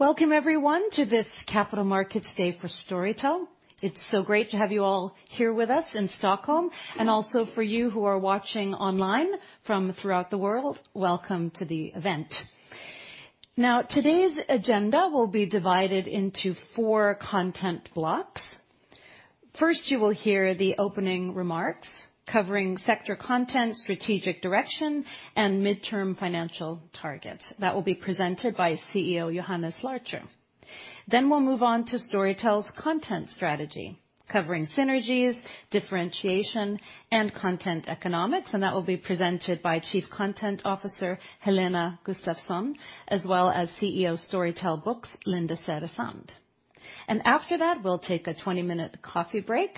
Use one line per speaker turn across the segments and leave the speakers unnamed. Welcome, everyone, to this Capital Markets Day for Storytel. It's so great to have you all here with us in Stockholm, and also for you who are watching online from throughout the world, welcome to the event. Today's agenda will be divided into four content blocks. First, you will hear the opening remarks, covering sector content, strategic direction, and midterm financial targets. That will be presented by CEO Johannes Larcher. We'll move on to Storytel's content strategy, covering synergies, differentiation, and content economics, and that will be presented by Chief Content Officer, Helena Gustafsson, as well as CEO of Storytel Books, Linda Säresand. After that, we'll take a 20-minute coffee break.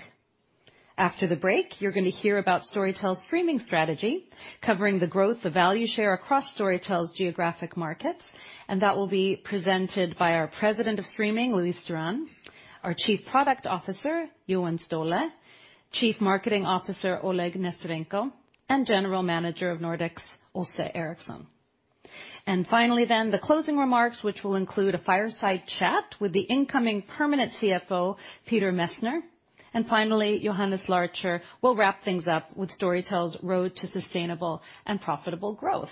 After the break, you're gonna hear about Storytel's streaming strategy, covering the growth of value share across Storytel's geographic markets, and that will be presented by our President of Streaming, Luis Duran, our Chief Product Officer, Johan Ståhle, Chief Marketing Officer, Oleg Nesterenko, and General Manager of Nordics, Åse Ericson. Finally, then, the closing remarks, which will include a fireside chat with the incoming permanent CFO, Peter Messner. Finally, Johannes Larcher will wrap things up with Storytel's road to sustainable and profitable growth.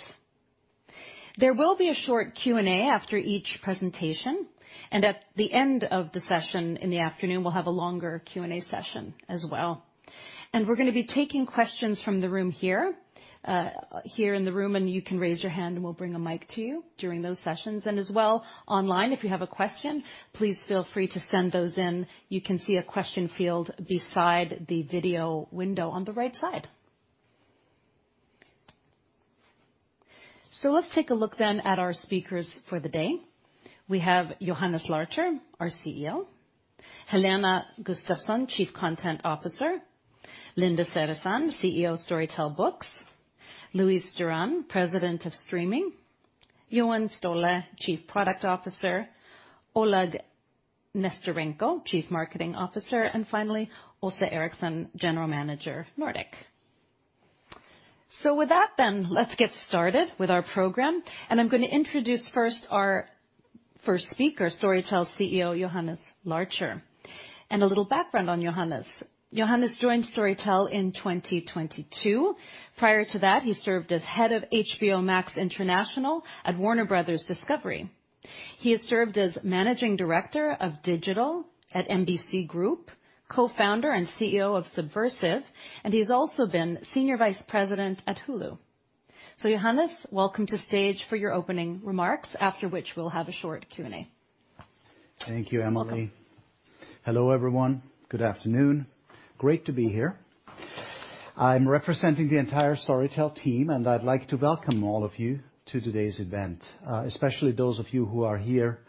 There will be a short Q&A after each presentation, and at the end of the session in the afternoon, we'll have a longer Q&A session as well. We're gonna be taking questions from the room here in the room, and you can raise your hand, and we'll bring a mic to you during those sessions. As well, online, if you have a question, please feel free to send those in. You can see a question field beside the video window on the right side. Let's take a look at our speakers for the day. We have Johannes Larcher, our CEO, Helena Gustafsson, Chief Content Officer, Linda Säresand, CEO of Storytel Books, Luis Duran, President of Streaming, Johan Ståhle, Chief Product Officer, Oleg Nesterenko, Chief Marketing Officer, and finally, Åse Ericson, General Manager, Nordic. With that, let's get started with our program, and I'm gonna introduce first our first speaker, Storytel CEO, Johannes Larcher. A little background on Johannes: Johannes joined Storytel in 2022. Prior to that, he served as head of HBO Max International at Warner Bros. Discovery. He has served as Managing Director of Digital at MBC Group, co-founder and CEO of SubVRsive, and he's also been Senior Vice President at Hulu. Johannes, welcome to stage for your opening remarks, after which we'll have a short Q&A.
Thank you, Emily. Hello, everyone. Good afternoon. Great to be here. I'm representing the entire Storytel team, and I'd like to welcome all of you to today's event, especially those of you who are here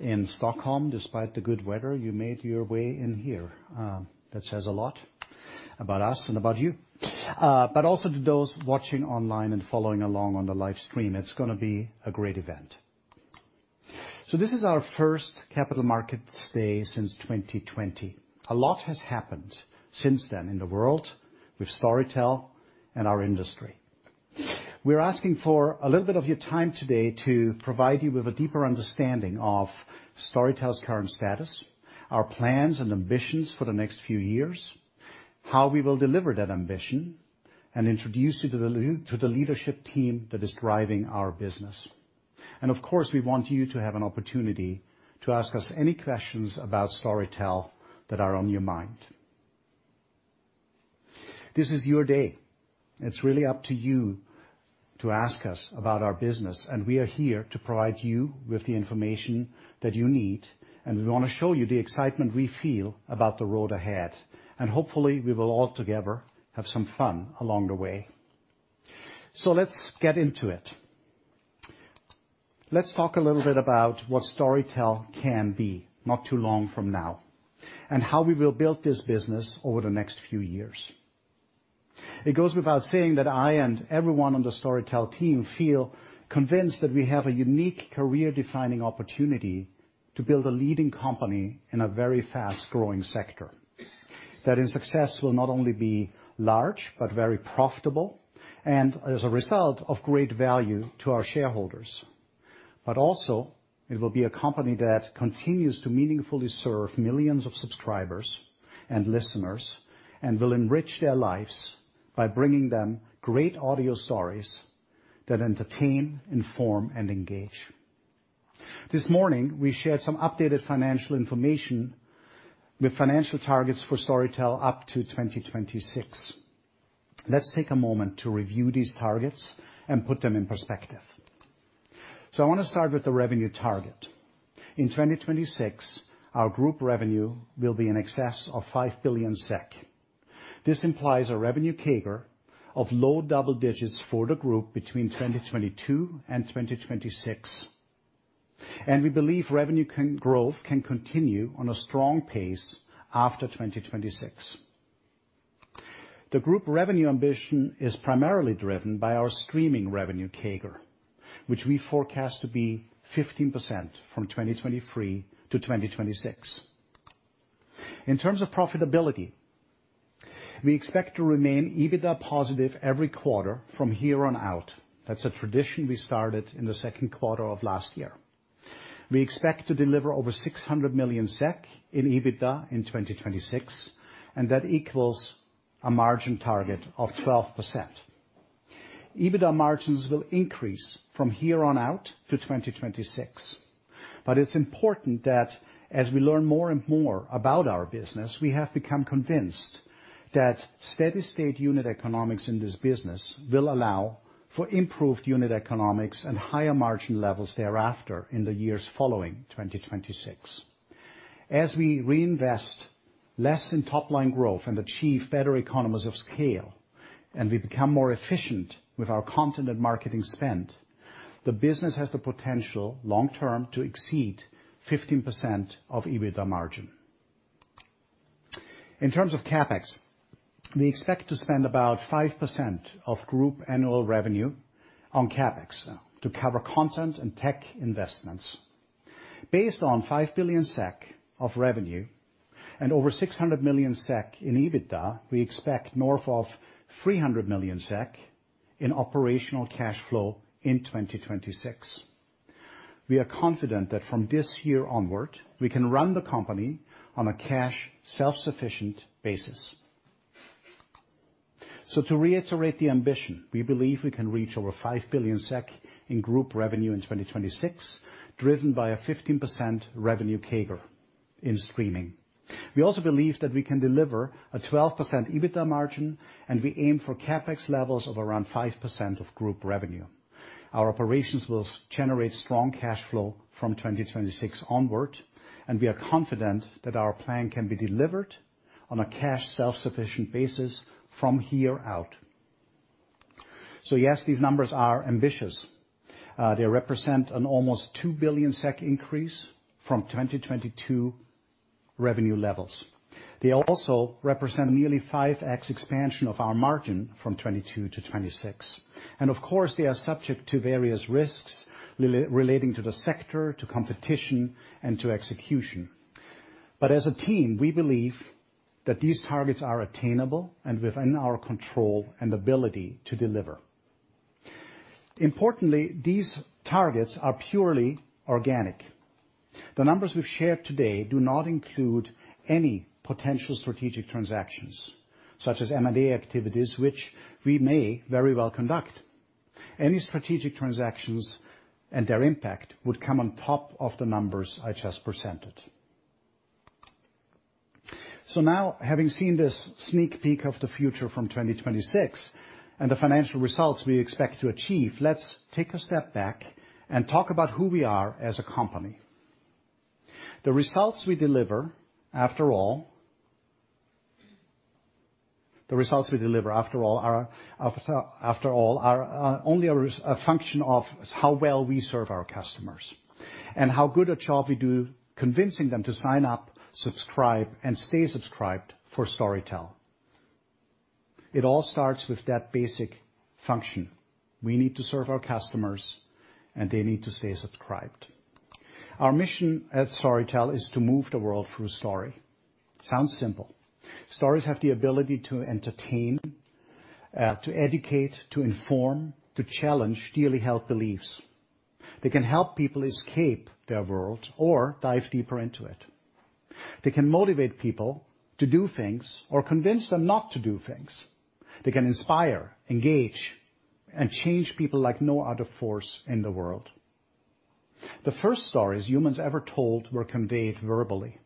in Stockholm. Despite the good weather, you made your way in here. That says a lot about us and about you. But also to those watching online and following along on the live stream, it's gonna be a great event. This is our first Capital Markets Day since 2020. A lot has happened since then in the world, with Storytel and our industry. We're asking for a little bit of your time today to provide you with a deeper understanding of Storytel's current status, our plans and ambitions for the next few years, how we will deliver that ambition, and introduce you to the leadership team that is driving our business. Of course, we want you to have an opportunity to ask us any questions about Storytel that are on your mind. This is your day. It's really up to you to ask us about our business, and we are here to provide you with the information that you need, and we wanna show you the excitement we feel about the road ahead. Hopefully, we will all together have some fun along the way. Let's get into it. Let's talk a little bit about what Storytel can be not too long from now, and how we will build this business over the next few years. It goes without saying that I and everyone on the Storytel team feel convinced that we have a unique, career-defining opportunity to build a leading company in a very fast-growing sector. That in success will not only be large, but very profitable, and as a result, of great value to our shareholders. Also, it will be a company that continues to meaningfully serve millions of subscribers and listeners and will enrich their lives by bringing them great audio stories that entertain, inform, and engage. This morning, we shared some updated financial information with financial targets for Storytel up to 2026. Let's take a moment to review these targets and put them in perspective. I wanna start with the revenue target. In 2026, our group revenue will be in excess of 5 billion SEK. This implies a revenue CAGR of low double digits for the group between 2022 and 2026. We believe revenue growth can continue on a strong pace after 2026. The group revenue ambition is primarily driven by our streaming revenue CAGR, which we forecast to be 15% from 2023 to 2026. In terms of profitability, we expect to remain EBITDA positive every quarter from here on out. That's a tradition we started in the second quarter of last year. We expect to deliver over 600 million SEK in EBITDA in 2026. That equals a margin target of 12%. EBITDA margins will increase from here on out to 2026. It's important that as we learn more and more about our business, we have become convinced that steady-state unit economics in this business will allow for improved unit economics and higher margin levels thereafter in the years following 2026. As we reinvest less in top-line growth and achieve better economies of scale, and we become more efficient with our content and marketing spend, the business has the potential, long term, to exceed 15% of EBITDA margin. In terms of CapEx, we expect to spend about 5% of group annual revenue on CapEx to cover content and tech investments. Based on 5 billion SEK of revenue and over 600 million SEK in EBITDA, we expect north of 300 million SEK in operational cash flow in 2026. We are confident that from this year onward, we can run the company on a cash self-sufficient basis. To reiterate the ambition, we believe we can reach over 5 billion SEK in group revenue in 2026, driven by a 15% revenue CAGR in streaming. We also believe that we can deliver a 12% EBITDA margin, and we aim for CapEx levels of around 5% of group revenue. Our operations will generate strong cash flow from 2026 onward, and we are confident that our plan can be delivered on a cash self-sufficient basis from here out. Yes, these numbers are ambitious. They represent an almost 2 billion SEK increase from 2022 revenue levels. They also represent a nearly 5x expansion of our margin from 2022 to 2026. Of course, they are subject to various risks relating to the sector, to competition, and to execution. As a team, we believe that these targets are attainable and within our control and ability to deliver. Importantly, these targets are purely organic. The numbers we've shared today do not include any potential strategic transactions, such as M&A activities, which we may very well conduct. Any strategic transactions and their impact would come on top of the numbers I just presented. Now, having seen this sneak peek of the future from 2026 and the financial results we expect to achieve, let's take a step back and talk about who we are as a company. The results we deliver, after all... The results we deliver, after all, are only a function of how well we serve our customers and how good a job we do convincing them to sign up, subscribe, and stay subscribed for Storytel. It all starts with that basic function. We need to serve our customers, and they need to stay subscribed. Our mission at Storytel is to move the world through story. Sounds simple. Stories have the ability to entertain, to educate, to inform, to challenge dearly held beliefs. They can help people escape their world or dive deeper into it. They can motivate people to do things or convince them not to do things. They can inspire, engage, and change people like no other force in the world. The first stories humans ever told were conveyed verbally.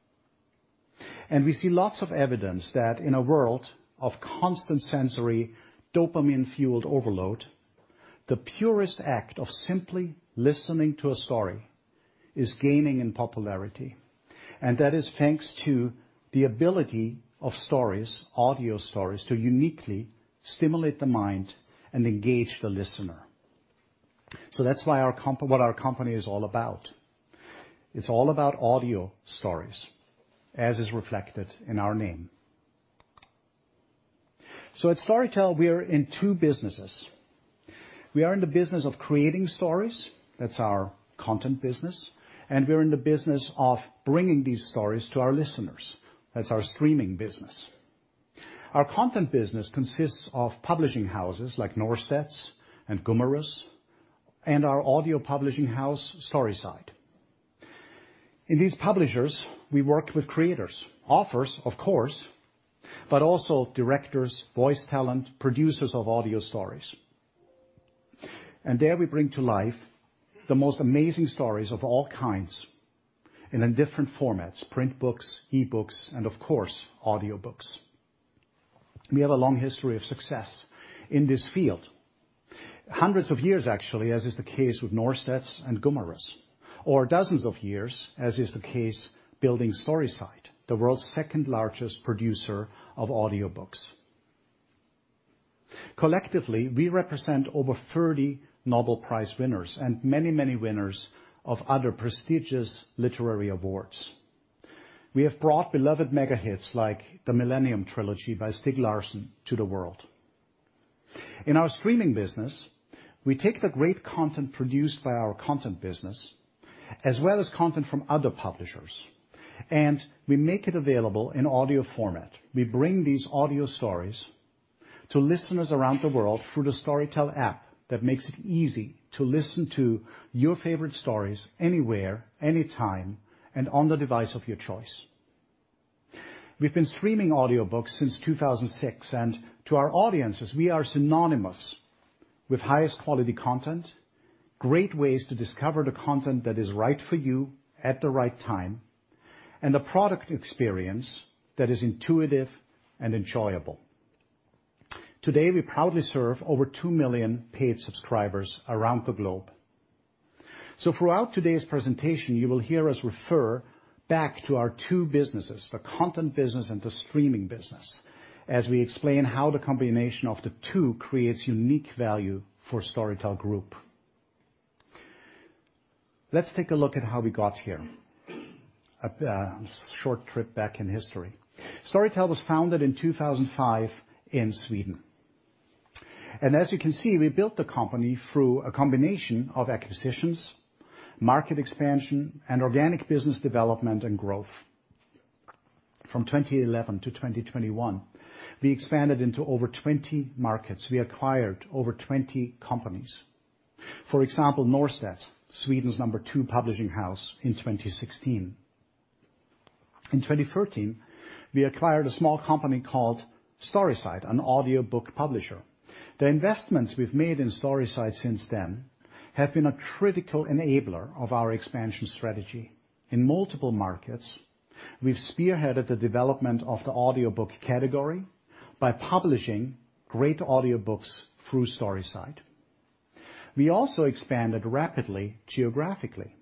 We see lots of evidence that in a world of constant sensory, dopamine-fueled overload, the purest act of simply listening to a story is gaining in popularity. That is thanks to the ability of stories, audio stories, to uniquely stimulate the mind and engage the listener. That's why what our company is all about. It's all about audio stories, as is reflected in our name. At Storytel, we are in two businesses. We are in the business of creating stories, that's our Content business. We are in the business of bringing these stories to our listeners, that's our Streaming business. Our Content business consists of publishing houses like Norstedts and Gummerus, and our audio publishing house, Storyside. In these publishers, we worked with creators, authors, of course, but also directors, voice talent, producers of audio stories. There we bring to life the most amazing stories of all kinds and in different formats: print books, e-books, and of course, audiobooks. We have a long history of success in this field. Hundreds of years, actually, as is the case with Norstedts and Gummerus, or dozens of years, as is the case building Storyside, the world's second-largest producer of audiobooks. Collectively, we represent over 30 Nobel Prize winners and many, many winners of other prestigious literary awards. We have brought beloved mega-hits, like the Millennium trilogy by Stieg Larsson, to the world. In our Streaming business, we take the great content produced by our Content business, as well as content from other publishers, and we make it available in audio format. We bring these audio stories to listeners around the world through the Storytel app that makes it easy to listen to your favorite stories anywhere, anytime, and on the device of your choice. We've been streaming audiobooks since 2006. To our audiences, we are synonymous with highest quality content, great ways to discover the content that is right for you at the right time, and a product experience that is intuitive and enjoyable. Today, we proudly serve over 2 million paid subscribers around the globe. Throughout today's presentation, you will hear us refer back to our two businesses, the Content business and the Streaming business, as we explain how the combination of the two creates unique value for Storytel Group. Let's take a look at how we got here, short trip back in history. Storytel was founded in 2005 in Sweden, as you can see, we built the company through a combination of acquisitions, market expansion, and organic business development and growth. From 2011 to 2021, we expanded into over 20 markets. We acquired over 20 companies. For example, Norstedts, Sweden's number two publishing house in 2016. In 2013, we acquired a small company called Storyside, an audiobook publisher. The investments we've made in Storyside since then have been a critical enabler of our expansion strategy. In multiple markets, we've spearheaded the development of the audiobook category by publishing great audiobooks through Storyside. We also expanded rapidly geographically.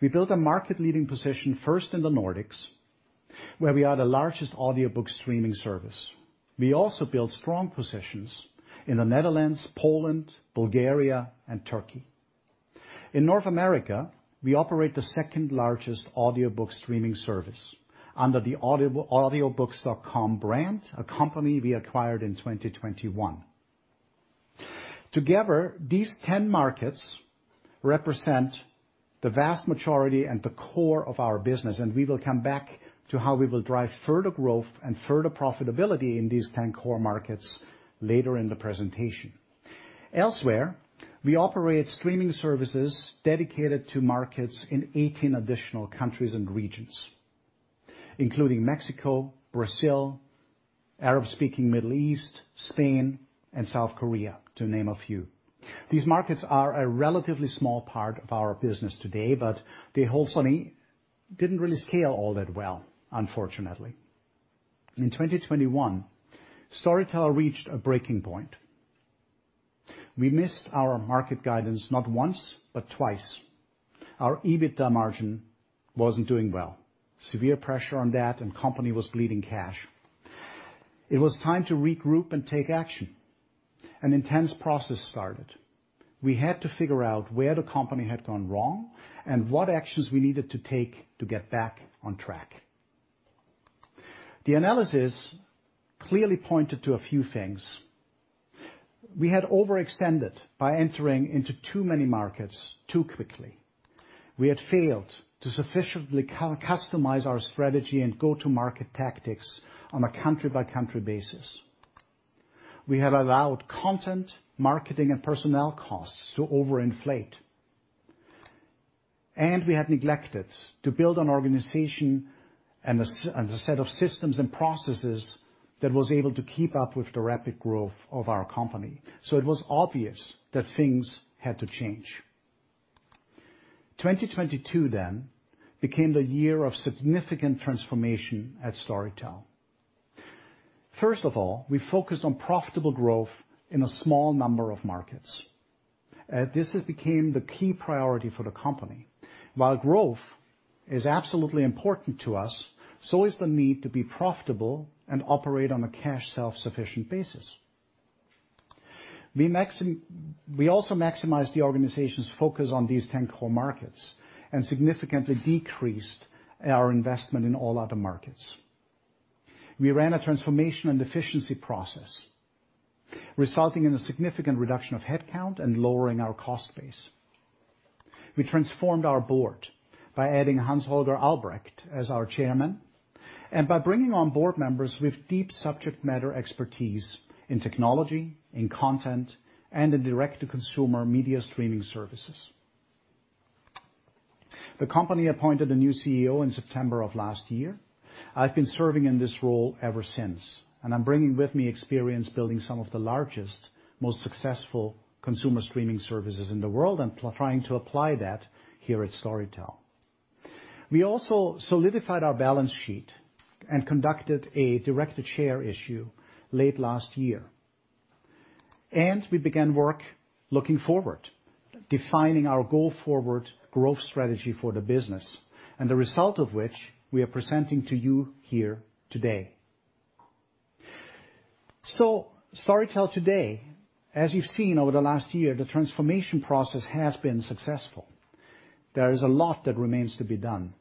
We built a market-leading position first in the Nordics, where we are the largest audiobook streaming service. We also built strong positions in the Netherlands, Poland, Bulgaria, and Turkey. In North America, we operate the second-largest audiobook streaming service under the Audiobooks.com brand, a company we acquired in 2021. Together, these 10 markets represent the vast majority and the core of our business, and we will come back to how we will drive further growth and further profitability in these 10 Core markets later in the presentation. Elsewhere, we operate streaming services dedicated to markets in 18 additional countries and regions, including Mexico, Brazil, Arab-speaking Middle East, Spain, and South Korea, to name a few. These markets are a relatively small part of our business today, but they [wholesome] didn't really scale all that well, unfortunately. In 2021, Storytel reached a breaking point. We missed our market guidance not once, but twice. Our EBITDA margin wasn't doing well. Severe pressure on that, and company was bleeding cash. It was time to regroup and take action. An intense process started. We had to figure out where the company had gone wrong and what actions we needed to take to get back on track. The analysis clearly pointed to a few things. We had overextended by entering into too many markets, too quickly. We had failed to sufficiently customize our strategy and go-to-market tactics on a country-by-country basis. We had allowed content, marketing, and personnel costs to overinflate, and we had neglected to build an organization and a set of systems and processes that was able to keep up with the rapid growth of our company. It was obvious that things had to change. 2022, then, became the year of significant transformation at Storytel. First of all, we focused on profitable growth in a small number of markets. This has became the key priority for the company. While growth is absolutely important to us, so is the need to be profitable and operate on a cash self-sufficient basis. We also maximized the organization's focus on these 10 Core markets and significantly decreased our investment in all other markets. We ran a transformation and efficiency process, resulting in a significant reduction of headcount and lowering our cost base. We transformed our board by adding Hans-Holger Albrecht as our Chairman, and by bringing on board members with deep subject matter expertise in technology, in content, and in direct-to-consumer media streaming services. The company appointed a new CEO in September of last year. I've been serving in this role ever since, and I'm bringing with me experience building some of the largest, most successful consumer streaming services in the world and trying to apply that here at Storytel. We also solidified our balance sheet and conducted a directed share issue late last year. We began work looking forward, defining our go-forward growth strategy for the business. The result of which we are presenting to you here today. Storytel today, as you've seen over the last year, the transformation process has been successful. There is a lot that remains to be done.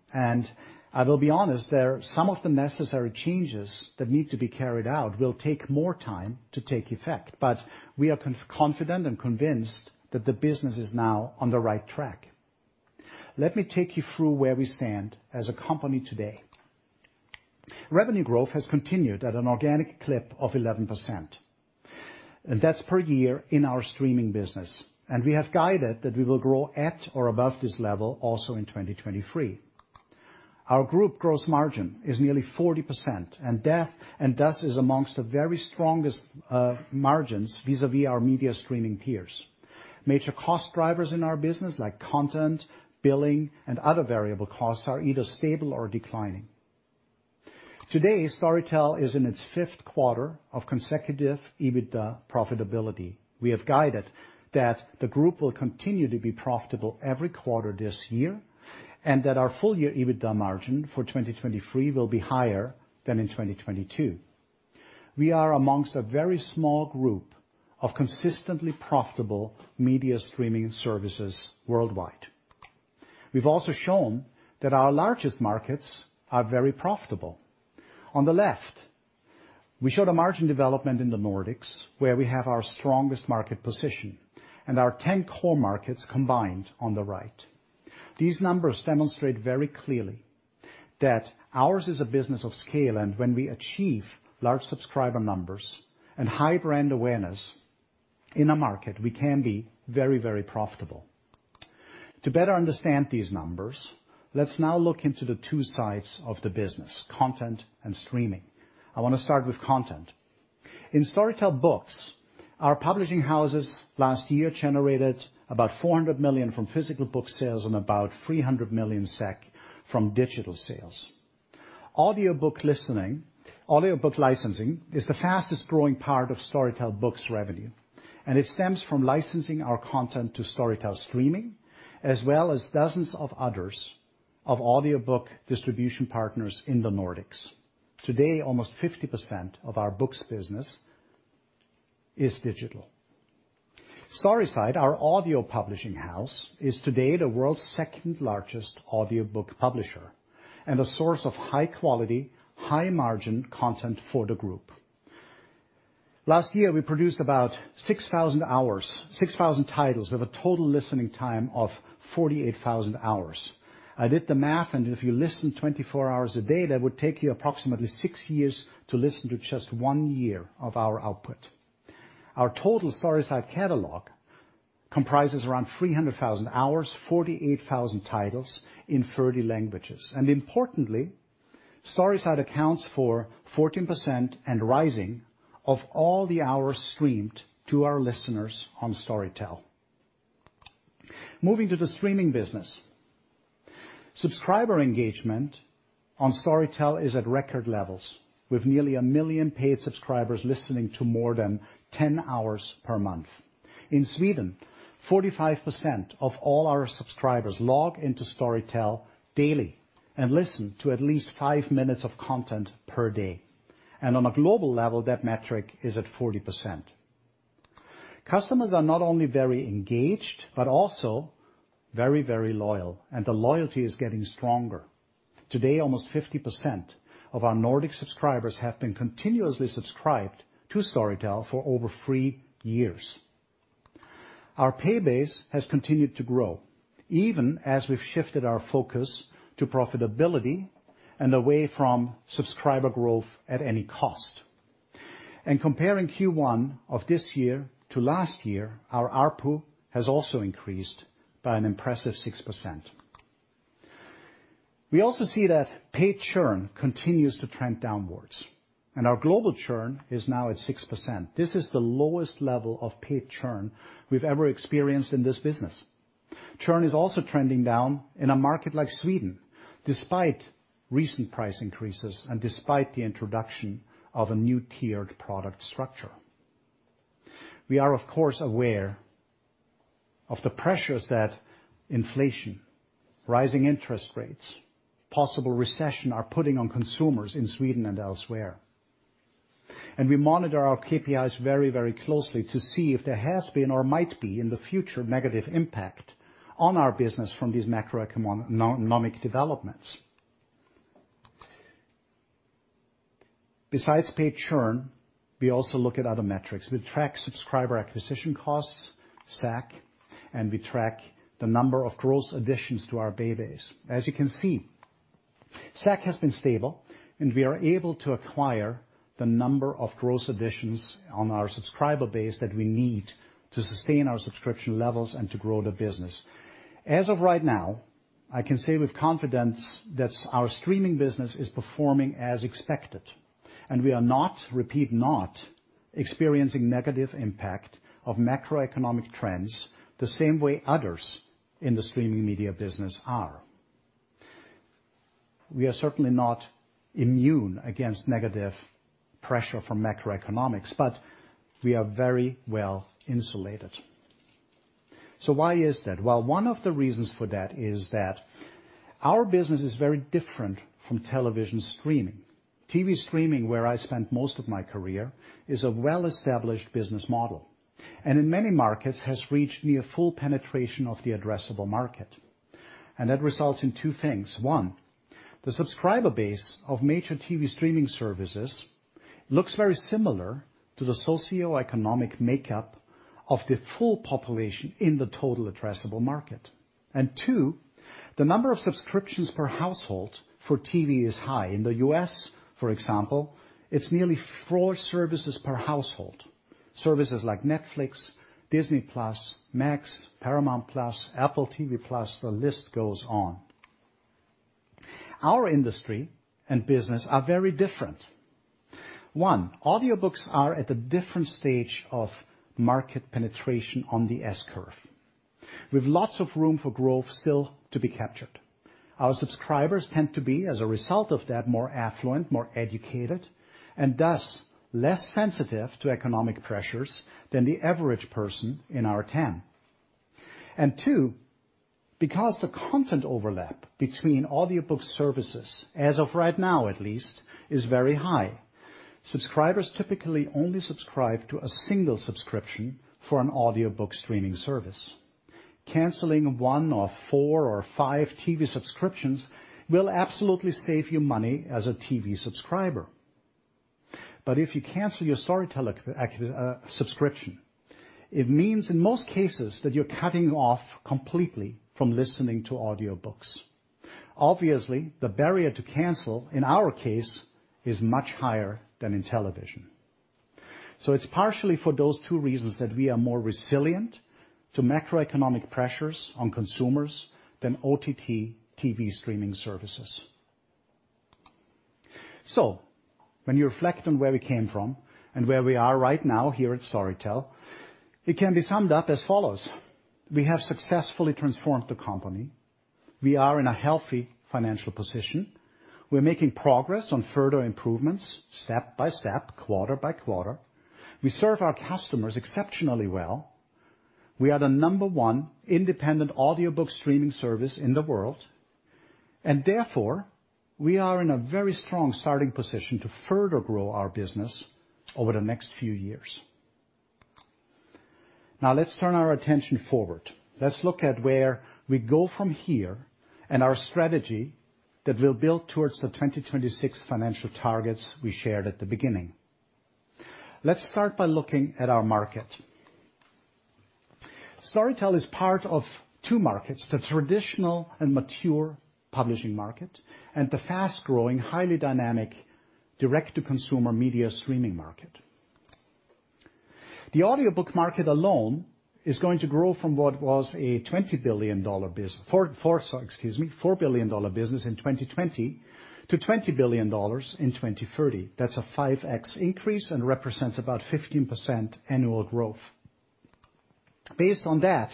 I will be honest, some of the necessary changes that need to be carried out will take more time to take effect, but we are confident and convinced that the business is now on the right track. Let me take you through where we stand as a company today. Revenue growth has continued at an organic clip of 11%, that's per year in our Streaming business. We have guided that we will grow at or above this level also in 2023. Our group gross margin is nearly 40%, and thus is amongst the very strongest margins vis-a-vis our media streaming peers. Major cost drivers in our business, like content, billing, and other variable costs, are either stable or declining. Today, Storytel is in its fifth quarter of consecutive EBITDA profitability. We have guided that the group will continue to be profitable every quarter this year, that our full-year EBITDA margin for 2023 will be higher than in 2022. We are amongst a very small group of consistently profitable media streaming services worldwide. We've also shown that our largest markets are very profitable. On the left, we showed a margin development in the Nordics, where we have our strongest market position, and our 10 Core markets combined on the right. These numbers demonstrate very clearly that ours is a business of scale, and when we achieve large subscriber numbers and high brand awareness in a market, we can be very, very profitable. To better understand these numbers, let's now look into the two sides of the business, content and streaming. I want to start with content. In Storytel Books, our publishing houses last year generated about 400 million from physical book sales and about 300 million SEK from digital sales. Audiobook licensing is the fastest-growing part of Storytel Books revenue, and it stems from licensing our content to Storytel Streaming, as well as dozens of others of audiobook distribution partners in the Nordics. Today, almost 50% of our books business is digital. Storyside, our audio publishing house, is today the world's second-largest audiobook publisher and a source of high-quality, high-margin content for the group. Last year, we produced about 6,000 hours, 6,000 titles, with a total listening time of 48,000 hours. I did the math, and if you listen 24 hours a day, that would take you approximately six years to listen to just one year of our output. Our total Storyside catalog comprises around 300,000 hours, 48,000 titles in 30 languages. Importantly, Storyside accounts for 14% and rising of all the hours streamed to our listeners on Storytel. Moving to the Streaming business, subscriber engagement on Storytel is at record levels, with nearly one million paid subscribers listening to more than 10 hours per month. In Sweden, 45% of all our subscribers log into Storytel daily and listen to at least five minutes of content per day, and on a global level, that metric is at 40%. Customers are not only very engaged, but also very, very loyal, and the loyalty is getting stronger. Today, almost 50% of our Nordic subscribers have been continuously subscribed to Storytel for over three years. Our pay base has continued to grow, even as we've shifted our focus to profitability and away from subscriber growth at any cost. Comparing Q1 of this year to last year, our ARPU has also increased by an impressive 6%. We also see that paid churn continues to trend downwards, and our global churn is now at 6%. This is the lowest level of paid churn we've ever experienced in this business. Churn is also trending down in a market like Sweden, despite recent price increases and despite the introduction of a new tiered product structure. We are, of course, aware of the pressures that inflation, rising interest rates, possible recession are putting on consumers in Sweden and elsewhere, and we monitor our KPIs very, very closely to see if there has been or might be, in the future, negative impact on our business from these macroeconomic developments. Besides paid churn, we also look at other metrics. We track subscriber acquisition costs, SAC, and we track the number of gross additions to our pay base. As you can see, SAC has been stable, and we are able to acquire the number of gross additions on our subscriber base that we need to sustain our subscription levels and to grow the business. As of right now, I can say with confidence that our Streaming business is performing as expected, and we are not, repeat, not experiencing negative impact of macroeconomic trends the same way others in the streaming media business are. We are certainly not immune against negative pressure from macroeconomics, but we are very well insulated. Why is that? Well, one of the reasons for that is that our business is very different from television streaming. TV streaming, where I spent most of my career, is a well-established business model, and in many markets has reached near full penetration of the addressable market. That results in two things. One, the subscriber base of major TV streaming services looks very similar to the socioeconomic makeup of the full population in the total addressable market. 2, the number of subscriptions per household for TV is high. In the U.S., for example, it's nearly four services per household, services like Netflix, Disney+, HBO Max, Paramount+, Apple TV+, the list goes on. Our industry and business are very different. One, audiobooks are at a different stage of market penetration on the S-curve, with lots of room for growth still to be captured. Our subscribers tend to be, as a result of that, more affluent, more educated, and thus, less sensitive to economic pressures than the average person in our TAM. Two, because the content overlap between audiobook services, as of right now, at least, is very high, subscribers typically only subscribe to a single subscription for an audiobook streaming service. Canceling one or four or five TV subscriptions will absolutely save you money as a TV subscriber. If you cancel your Storytel subscription, it means, in most cases, that you're cutting off completely from listening to audiobooks. Obviously, the barrier to cancel, in our case, is much higher than in television. It's partially for those two reasons that we are more resilient to macroeconomic pressures on consumers than OTT TV streaming services. When you reflect on where we came from and where we are right now here at Storytel, it can be summed up as follows: We have successfully transformed the company. We are in a healthy financial position. We're making progress on further improvements, step by step, quarter by quarter. We serve our customers exceptionally well. We are the number one independent audiobook streaming service in the world, and therefore, we are in a very strong starting position to further grow our business over the next few years. Now, let's turn our attention forward. Let's look at where we go from here and our strategy that will build towards the 2026 financial targets we shared at the beginning. Let's start by looking at our market. Storytel is part of two markets, the traditional and mature publishing market, and the fast-growing, highly dynamic, direct-to-consumer media streaming market. The audiobook market alone is going to grow from what was a, excuse me, $4 billion business in 2020 to $20 billion in 2030. That's a 5x increase and represents about 15% annual growth. Based on that,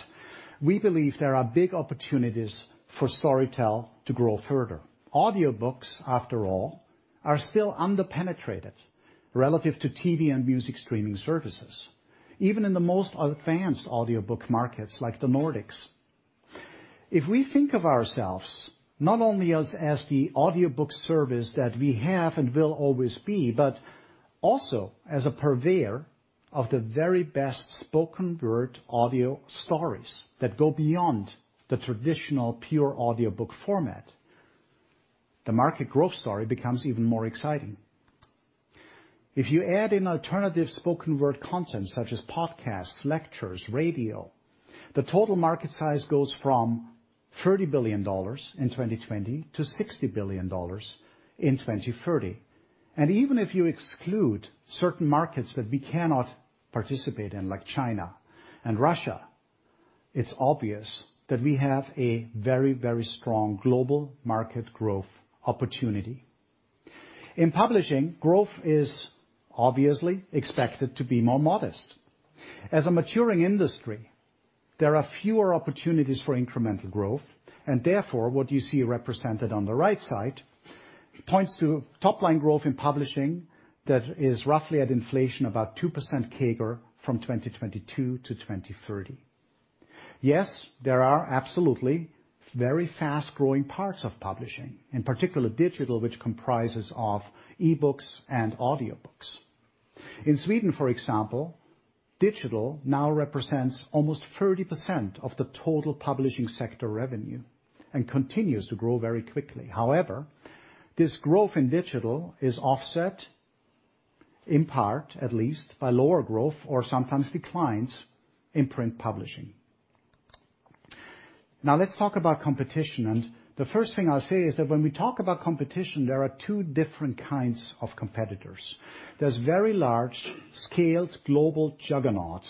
we believe there are big opportunities for Storytel to grow further. Audiobooks, after all, are still under-penetrated relative to TV and music streaming services, even in the most advanced audiobook markets, like the Nordics. If we think of ourselves not only as the audiobook service that we have and will always be, but also as a purveyor of the very best spoken word audio stories that go beyond the traditional pure audiobook format, the market growth story becomes even more exciting. If you add in alternative spoken word content, such as podcasts, lectures, radio, the total market size goes from $30 billion in 2020 to $60 billion in 2030. Even if you exclude certain markets that we cannot participate in, like China and Russia, it's obvious that we have a very strong global market growth opportunity. In publishing, growth is obviously expected to be more modest. As a maturing industry, there are fewer opportunities for incremental growth, and therefore, what you see represented on the right side points to top-line growth in publishing that is roughly at inflation, about 2% CAGR from 2022 to 2030. Yes, there are absolutely very fast-growing parts of publishing, in particular, digital, which comprises of e-books and audiobooks. In Sweden, for example, digital now represents almost 30% of the total publishing sector revenue and continues to grow very quickly. However, this growth in digital is offset, in part, at least, by lower growth or sometimes declines in print publishing. Now, let's talk about competition, and the first thing I'll say is that when we talk about competition, there are two different kinds of competitors. There's very large-scaled global juggernauts,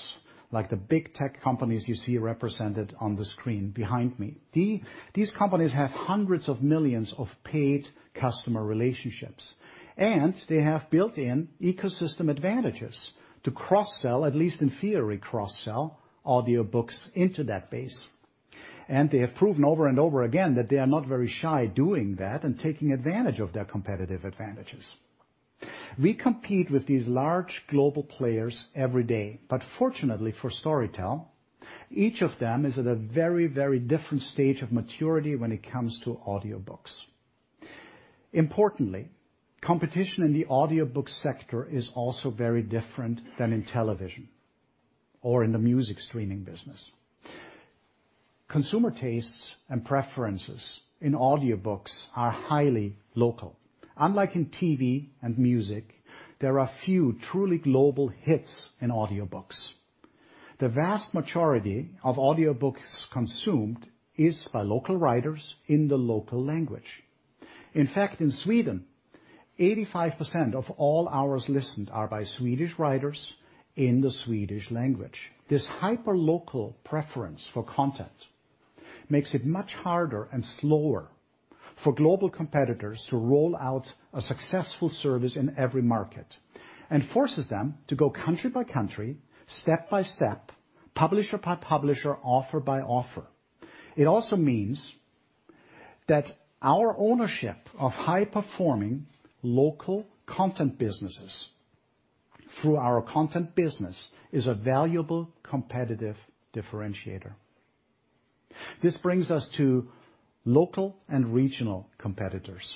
like the big tech companies you see represented on the screen behind me. These companies have hundreds of millions of paid customer relationships, and they have built-in ecosystem advantages to cross-sell, at least in theory, cross-sell audiobooks into that base. They have proven over and over again that they are not very shy doing that and taking advantage of their competitive advantages. We compete with these large global players every day. Fortunately, for Storytel, each of them is at a very, very different stage of maturity when it comes to audiobooks. Importantly, competition in the audiobook sector is also very different than in television or in the music streaming business. Consumer tastes and preferences in audiobooks are highly local. Unlike in TV and music, there are few truly global hits in audiobooks. The vast majority of audiobooks consumed is by local writers in the local language. In fact, in Sweden, 85% of all hours listened are by Swedish writers in the Swedish language. This hyperlocal preference for content makes it much harder and slower for global competitors to roll out a successful service in every market, and forces them to go country by country, step by step, publisher by publisher, offer by offer. It also means that our ownership of high-performing local content businesses through our Content business is a valuable competitive differentiator. This brings us to local and regional competitors.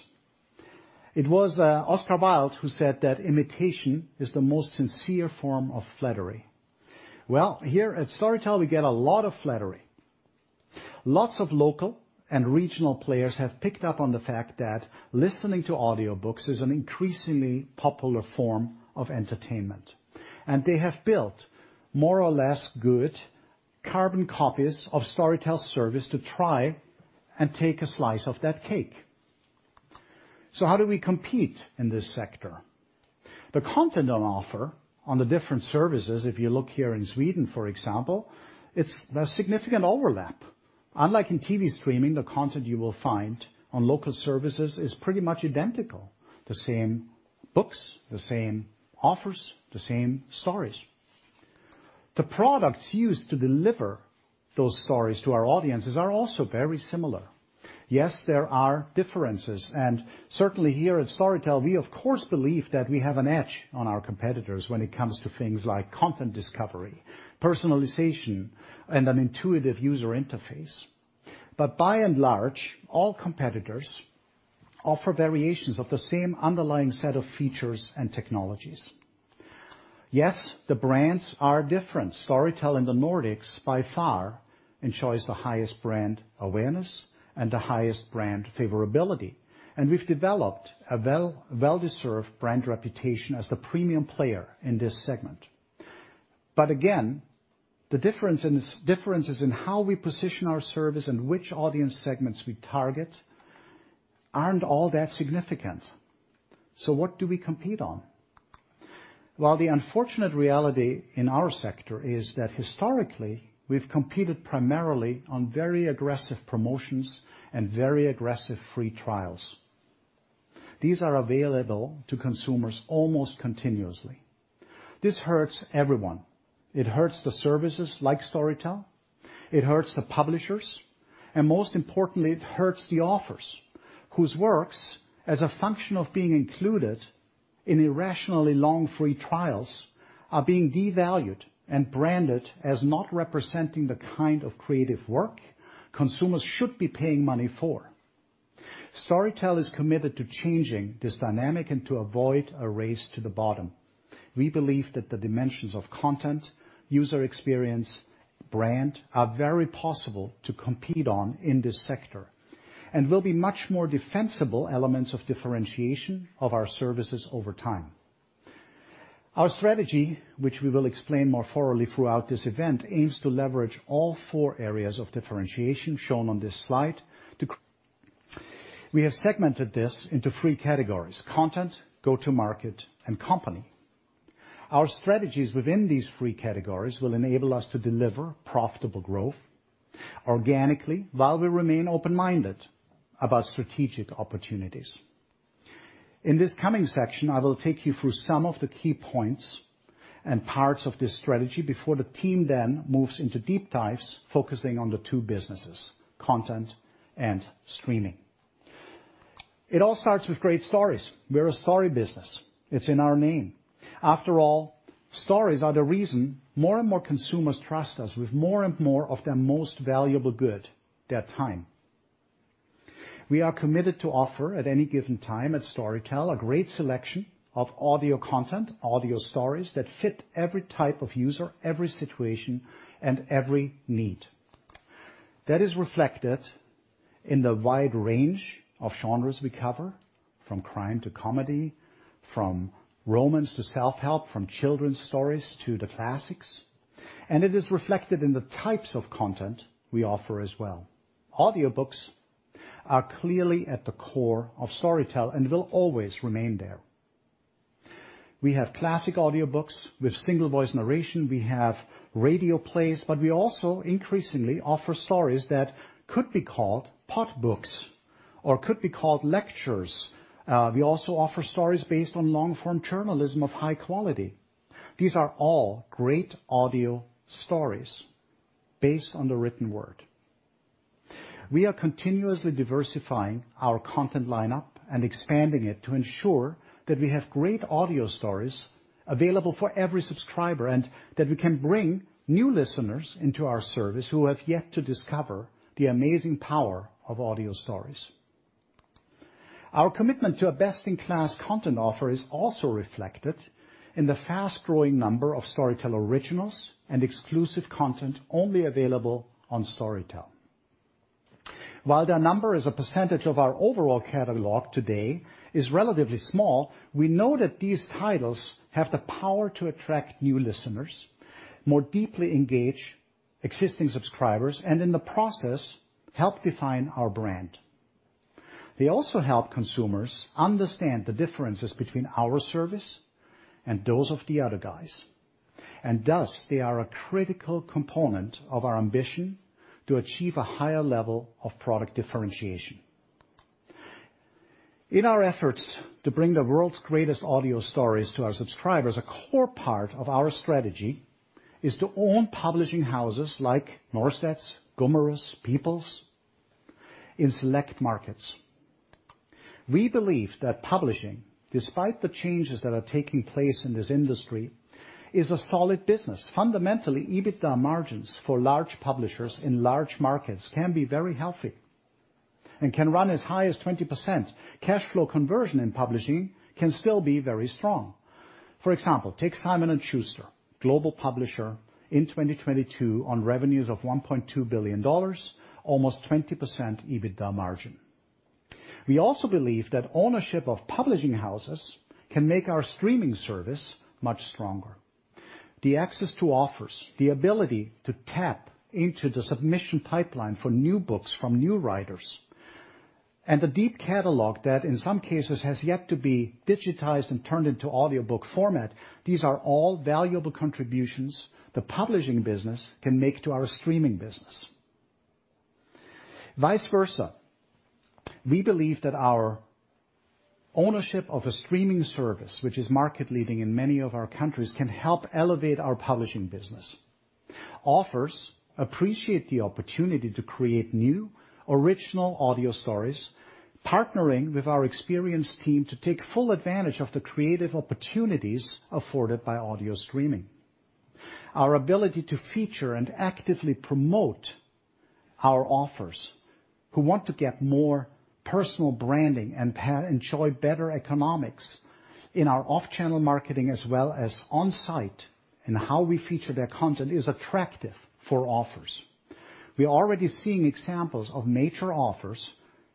It was Oscar Wilde who said that imitation is the most sincere form of flattery. Well, here at Storytel, we get a lot of flattery. Lots of local and regional players have picked up on the fact that listening to audiobooks is an increasingly popular form of entertainment, and they have built more or less good carbon copies of Storytel's service to try and take a slice of that cake. How do we compete in this sector? The content on offer on the different services, if you look here in Sweden, for example, it's a significant overlap. Unlike in TV streaming, the content you will find on local services is pretty much identical: the same books, the same offers, the same stories. The products used to deliver those stories to our audiences are also very similar. Yes, there are differences, and certainly here at Storytel, we of course, believe that we have an edge on our competitors when it comes to things like content discovery, personalization, and an intuitive user interface. By and large, all competitors offer variations of the same underlying set of features and technologies. Yes, the brands are different. Storytel in the Nordics, by far, enjoys the highest brand awareness and the highest brand favorability, and we've developed a well, well-deserved brand reputation as the premium player in this segment. Again, the differences in how we position our service and which audience segments we target aren't all that significant. What do we compete on? Well, the unfortunate reality in our sector is that historically, we've competed primarily on very aggressive promotions and very aggressive free trials. These are available to consumers almost continuously. This hurts everyone. It hurts the services like Storytel, it hurts the publishers, most importantly, it hurts the authors, whose works, as a function of being included in irrationally long free trials, are being devalued and branded as not representing the kind of creative work consumers should be paying money for. Storytel is committed to changing this dynamic and to avoid a race to the bottom. We believe that the dimensions of content, user experience, brand, are very possible to compete on in this sector, will be much more defensible elements of differentiation of our services over time. Our strategy, which we will explain more thoroughly throughout this event, aims to leverage all four areas of differentiation shown on this slide. We have segmented this into three categories: Content, Go-to-market, and Company. Our strategies within these three categories will enable us to deliver profitable growth organically, while we remain open-minded about strategic opportunities. This coming section, I will take you through some of the key points and parts of this strategy before the team moves into deep dives, focusing on the two businesses, Content and Streaming. It all starts with great stories. We're a story business. It's in our name. After all, stories are the reason more and more consumers trust us with more and more of their most valuable good, their time. We are committed to offer, at any given time at Storytel, a great selection of audio content, audio stories that fit every type of user, every situation, and every need. That is reflected in the wide range of genres we cover, from crime to comedy, from romance to self-help, from children's stories to the classics, and it is reflected in the types of content we offer as well. Audiobooks are clearly at the core of Storytel, and will always remain there. We have classic audiobooks with single-voice narration, we have radio plays, but we also increasingly offer stories that could be called podbooks or could be called lectures. We also offer stories based on long-form journalism of high quality. These are all great audio stories based on the written word. We are continuously diversifying our content lineup and expanding it to ensure that we have great audio stories available for every subscriber, and that we can bring new listeners into our service who have yet to discover the amazing power of audio stories. Our commitment to a best-in-class content offer is also reflected in the fast-growing number of Storytel Originals and exclusive content only available on Storytel. While their number as a percentage of our overall catalog today is relatively small, we know that these titles have the power to attract new listeners, more deeply engage existing subscribers, and in the process, help define our brand. They also help consumers understand the differences between our service and those of the other guys, and thus, they are a critical component of our ambition to achieve a higher level of product differentiation. In our efforts to bring the world's greatest audio stories to our subscribers, a core part of our strategy is to own publishing houses like Norstedts, Gummerus, People's, in select markets. We believe that publishing, despite the changes that are taking place in this industry, is a solid business. Fundamentally, EBITDA margins for large publishers in large markets can be very healthy and can run as high as 20%. Cash flow conversion in publishing can still be very strong. For example, take Simon & Schuster, global publisher in 2022 on revenues of $1.2 billion, almost 20% EBITDA margin. We also believe that ownership of publishing houses can make our streaming service much stronger. The access to authors, the ability to tap into the submission pipeline for new books from new writers, and the deep catalog that, in some cases, has yet to be digitized and turned into audiobook format, these are all valuable contributions the publishing business can make to our Streaming business. Vice versa, we believe that our ownership of a streaming service, which is market-leading in many of our countries, can help elevate our publishing business. Authors appreciate the opportunity to create new, original audio stories, partnering with our experienced team to take full advantage of the creative opportunities afforded by audio streaming. Our ability to feature and actively promote our authors who want to get more personal branding and enjoy better economics in our off-channel marketing, as well as on-site, and how we feature their content, is attractive for authors. We are already seeing examples of major authors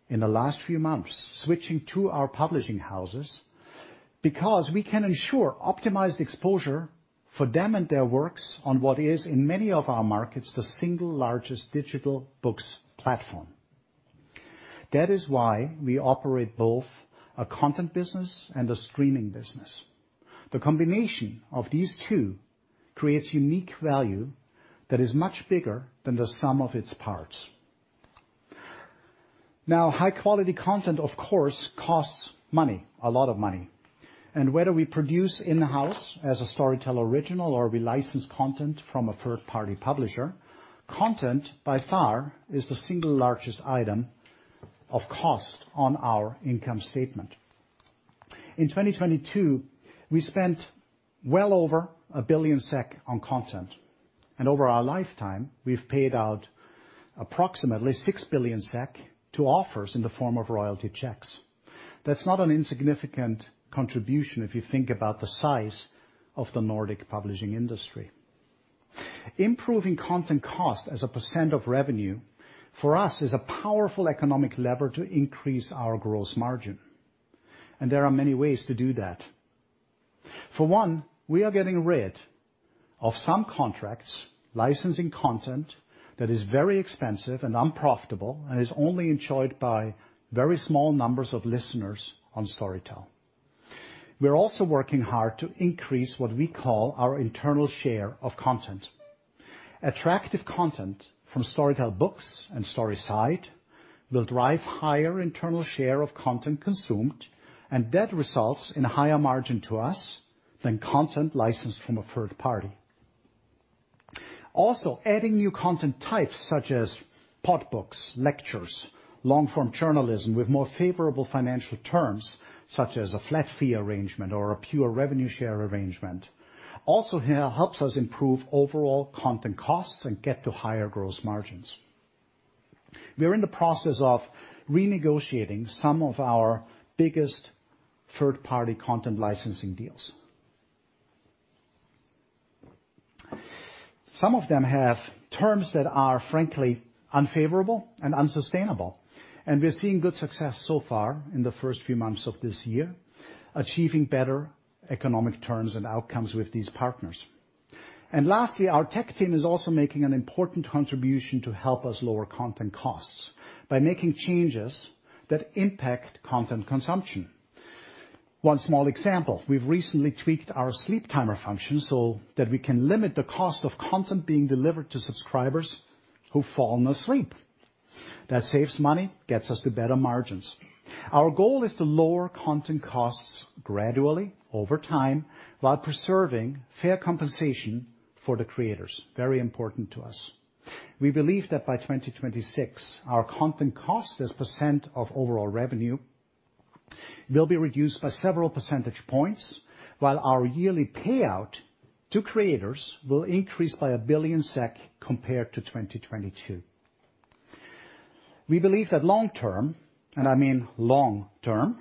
in the last few months switching to our publishing houses because we can ensure optimized exposure for them and their works on what is, in many of our markets, the single largest digital books platform. That is why we operate both a Content business and a Streaming business. The combination of these two creates unique value that is much bigger than the sum of its parts. High-quality content, of course, costs money, a lot of money, and whether we produce in-house as a Storytel Original or we license content from a third-party publisher, content, by far, is the single largest item of cost on our income statement. In 2022, we spent well over 1 billion SEK on content, and over our lifetime, we've paid out approximately 6 billion SEK to authors in the form of royalty checks. That's not an insignificant contribution if you think about the size of the Nordic publishing industry. Improving content cost as a percent of revenue, for us, is a powerful economic lever to increase our gross margin, and there are many ways to do that. For one, we are getting rid of some contracts, licensing content that is very expensive and unprofitable, and is only enjoyed by very small numbers of listeners on Storytel. We are also working hard to increase what we call our internal share of content. Attractive content from Storytel Books and Storyside will drive higher internal share of content consumed, and that results in a higher margin to us than content licensed from a third party. Adding new content types, such as Podbooks, lectures, long-form journalism with more favorable financial terms, such as a flat fee arrangement or a pure revenue share arrangement, also helps us improve overall content costs and get to higher gross margins. We are in the process of renegotiating some of our biggest third-party content licensing deals. Some of them have terms that are, frankly, unfavorable and unsustainable. We are seeing good success so far in the first few months of this year, achieving better economic terms and outcomes with these partners. Lastly, our tech team is also making an important contribution to help us lower content costs by making changes that impact content consumption. One small example, we've recently tweaked our sleep timer function so that we can limit the cost of content being delivered to subscribers who've fallen asleep. That saves money, gets us to better margins. Our goal is to lower content costs gradually over time, while preserving fair compensation for the creators. Very important to us. We believe that by 2026, our content cost as percent of overall revenue will be reduced by several percentage points, while our yearly payout to creators will increase by 1 billion SEK compared to 2022. We believe that long term, and I mean long term,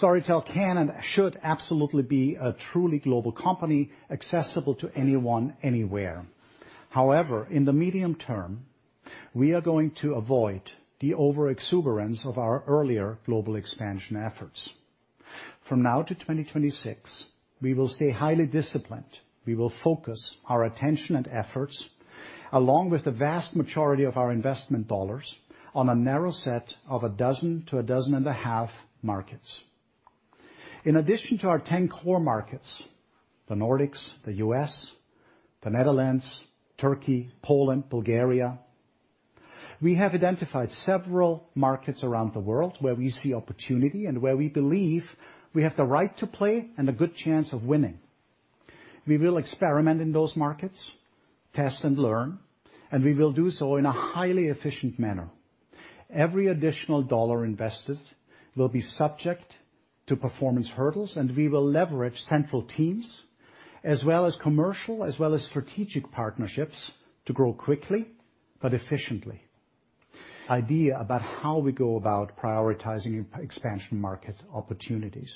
Storytel can and should absolutely be a truly global company, accessible to anyone, anywhere. In the medium term, we are going to avoid the overexuberance of our earlier global expansion efforts. From now to 2026, we will stay highly disciplined. We will focus our attention and efforts, along with the vast majority of our investment dollars, on a narrow set of 12 to 12 1/2 markets. In addition to our 10 Core markets, the Nordics, the U.S., the Netherlands, Turkey, Poland, Bulgaria, we have identified several markets around the world where we see opportunity and where we believe we have the right to play and a good chance of winning. We will experiment in those markets, test and learn, we will do so in a highly efficient manner. Every additional dollar invested will be subject to performance hurdles, and we will leverage central teams as well as commercial, as well as strategic partnerships, to grow quickly but efficiently. Idea about how we go about prioritizing Expansion market opportunities.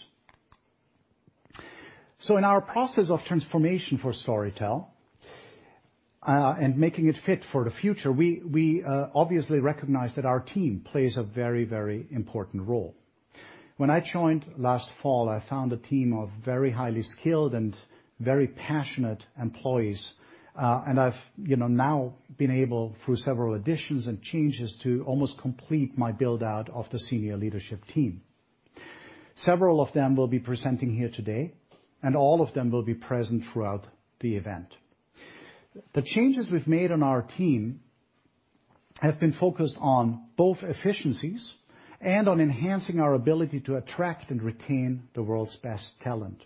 In our process of transformation for Storytel, and making it fit for the future, we obviously recognize that our team plays a very, very important role. When I joined last fall, I found a team of very highly skilled and very passionate employees, and I've, you know, now been able, through several additions and changes, to almost complete my build-out of the senior leadership team. Several of them will be presenting here today, and all of them will be present throughout the event. The changes we've made on our team have been focused on both efficiencies and on enhancing our ability to attract and retain the world's best talent.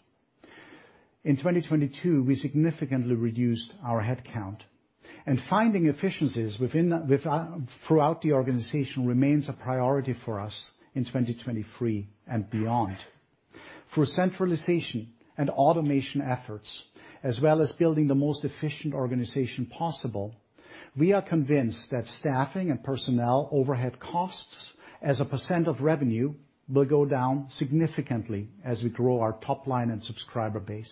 In 2022, we significantly reduced our headcount. Finding efficiencies throughout the organization remains a priority for us in 2023 and beyond. Through centralization and automation efforts, as well as building the most efficient organization possible, we are convinced that staffing and personnel overhead costs as a percent of revenue will go down significantly as we grow our top line and subscriber base.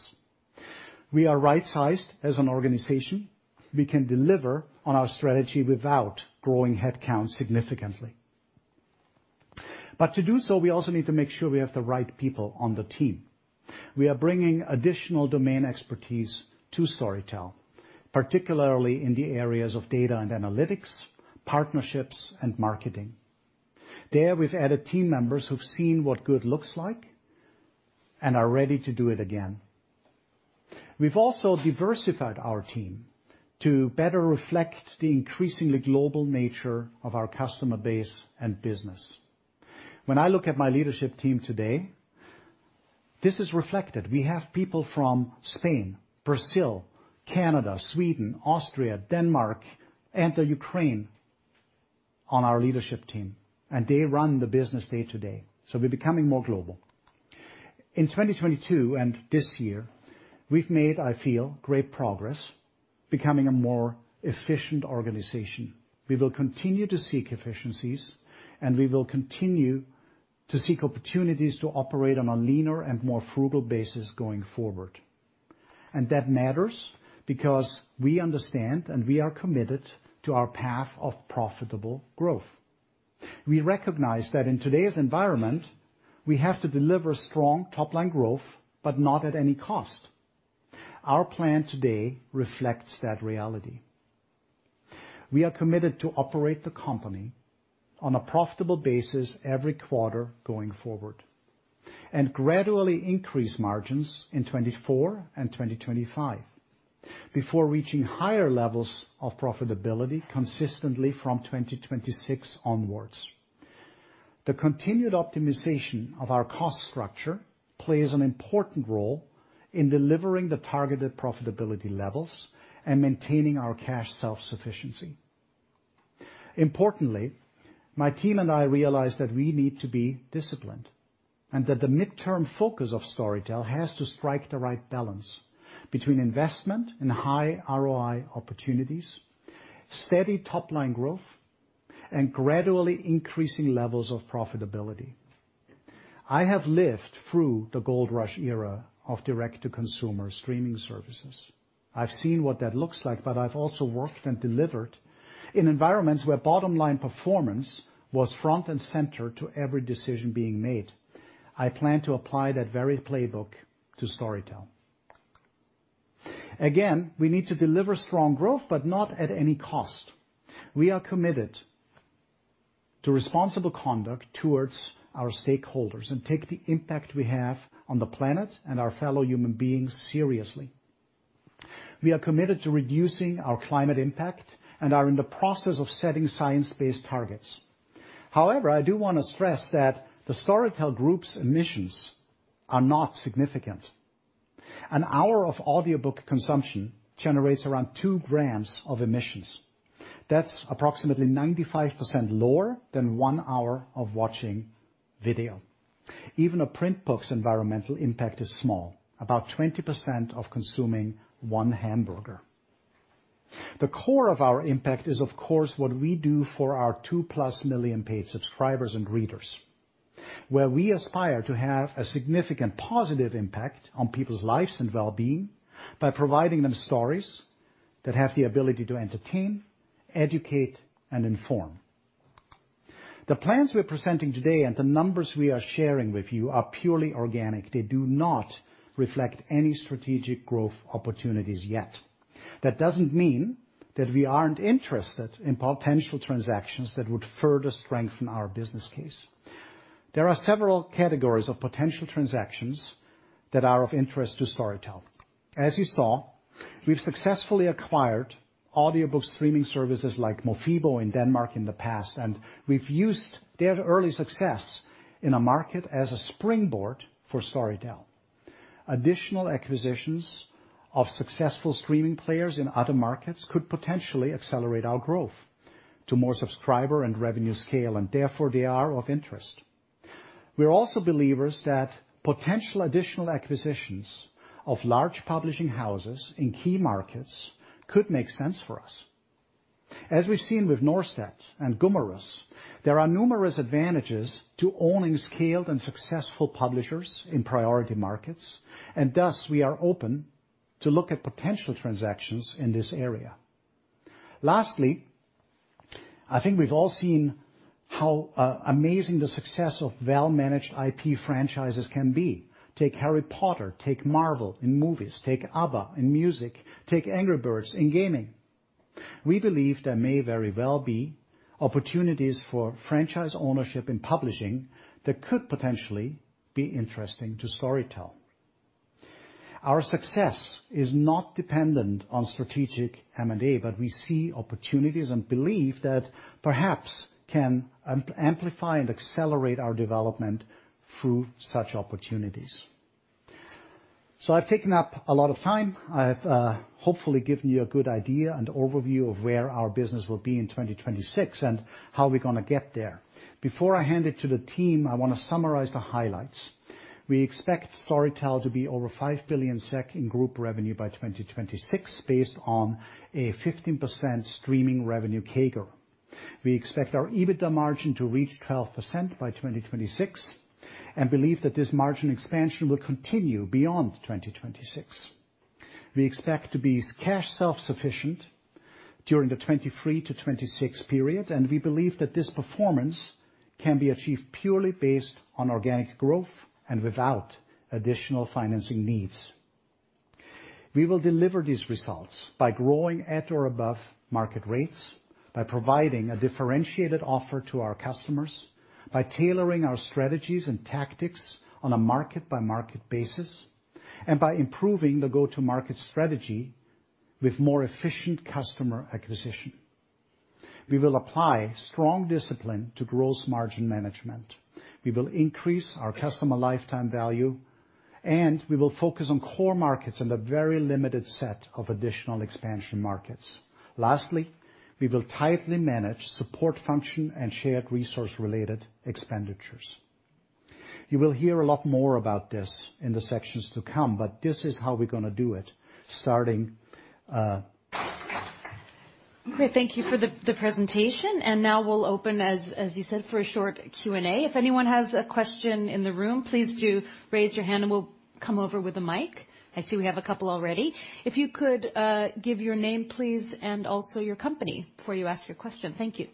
We are right-sized as an organization. We can deliver on our strategy without growing headcount significantly. To do so, we also need to make sure we have the right people on the team. We are bringing additional domain expertise to Storytel, particularly in the areas of data and analytics, partnerships, and marketing. There, we've added team members who've seen what good looks like and are ready to do it again. We've also diversified our team to better reflect the increasingly global nature of our customer base and business. When I look at my leadership team today, this is reflected. We have people from Spain, Brazil, Canada, Sweden, Austria, Denmark, and Ukraine on our leadership team. They run the business day to day. We're becoming more global. In 2022 and this year, we've made, I feel, great progress becoming a more efficient organization. We will continue to seek efficiencies. We will continue to seek opportunities to operate on a leaner and more frugal basis going forward. That matters because we understand and we are committed to our path of profitable growth. We recognize that in today's environment, we have to deliver strong top-line growth, but not at any cost. Our plan today reflects that reality. We are committed to operate the company on a profitable basis every quarter going forward, and gradually increase margins in 2024 and 2025 before reaching higher levels of profitability consistently from 2026 onwards. The continued optimization of our cost structure plays an important role in delivering the targeted profitability levels and maintaining our cash self-sufficiency. Importantly, my team and I realize that we need to be disciplined, and that the midterm focus of Storytel has to strike the right balance between investment and high ROI opportunities, steady top-line growth, and gradually increasing levels of profitability. I have lived through the gold rush era of direct-to-consumer streaming services. I've seen what that looks like, but I've also worked and delivered in environments where bottom-line performance was front and center to every decision being made. I plan to apply that very playbook to Storytel. Again, we need to deliver strong growth, but not at any cost. We are committed to responsible conduct towards our stakeholders and take the impact we have on the planet and our fellow human beings seriously. We are committed to reducing our climate impact and are in the process of setting science-based targets. However, I do want to stress that the Storytel Group's emissions are not significant. An hour of audiobook consumption generates around 2 g of emissions. That's approximately 95% lower than one hour of watching video. Even a print book's environmental impact is small, about 20% of consuming one hamburger. The core of our impact is, of course, what we do for our 2+ million paid subscribers and readers, where we aspire to have a significant positive impact on people's lives and well-being by providing them stories that have the ability to entertain, educate, and inform. The plans we're presenting today and the numbers we are sharing with you are purely organic. They do not reflect any strategic growth opportunities yet. That doesn't mean that we aren't interested in potential transactions that would further strengthen our business case. There are several categories of potential transactions that are of interest to Storytel. As you saw, we've successfully acquired audiobook streaming services like Mofibo in Denmark in the past, and we've used their early success in a market as a springboard for Storytel. Additional acquisitions of successful streaming players in other markets could potentially accelerate our growth to more subscriber and revenue scale. Therefore, they are of interest. We are also believers that potential additional acquisitions of large publishing houses in key markets could make sense for us. As we've seen with Norstedts and Gummerus, there are numerous advantages to owning scaled and successful publishers in priority markets. Thus, we are open to look at potential transactions in this area. Lastly, I think we've all seen how amazing the success of well-managed IP franchises can be. Take Harry Potter, take Marvel in movies, take ABBA in music, take Angry Birds in gaming. We believe there may very well be opportunities for franchise ownership in publishing that could potentially be interesting to Storytel. Our success is not dependent on strategic M&A, we see opportunities and believe that perhaps can amplify and accelerate our development through such opportunities. I've taken up a lot of time. I've hopefully given you a good idea and overview of where our business will be in 2026 and how we're gonna get there. Before I hand it to the team, I want to summarize the highlights. We expect Storytel to be over 5 billion SEK in group revenue by 2026, based on a 15% streaming revenue CAGR. We expect our EBITDA margin to reach 12% by 2026 and believe that this margin expansion will continue beyond 2026. We expect to be cash self-sufficient during the 2023-2026 period, and we believe that this performance can be achieved purely based on organic growth and without additional financing needs. We will deliver these results by growing at or above market rates, by providing a differentiated offer to our customers, by tailoring our strategies and tactics on a market-by-market basis, and by improving the go-to-market strategy with more efficient customer acquisition. We will apply strong discipline to gross margin management. We will increase our customer lifetime value, and we will focus on Core markets and a very limited set of additional Expansion markets. Lastly, we will tightly manage support function and shared resource-related expenditures. You will hear a lot more about this in the sections to come, but this is how we're gonna do it, starting.
Great, thank you for the presentation. Now we'll open as you said, for a short Q&A. If anyone has a question in the room, please do raise your hand, and we'll come over with a mic. I see we have a couple already. If you could give your name, please, and also your company before you ask your question. Thank you.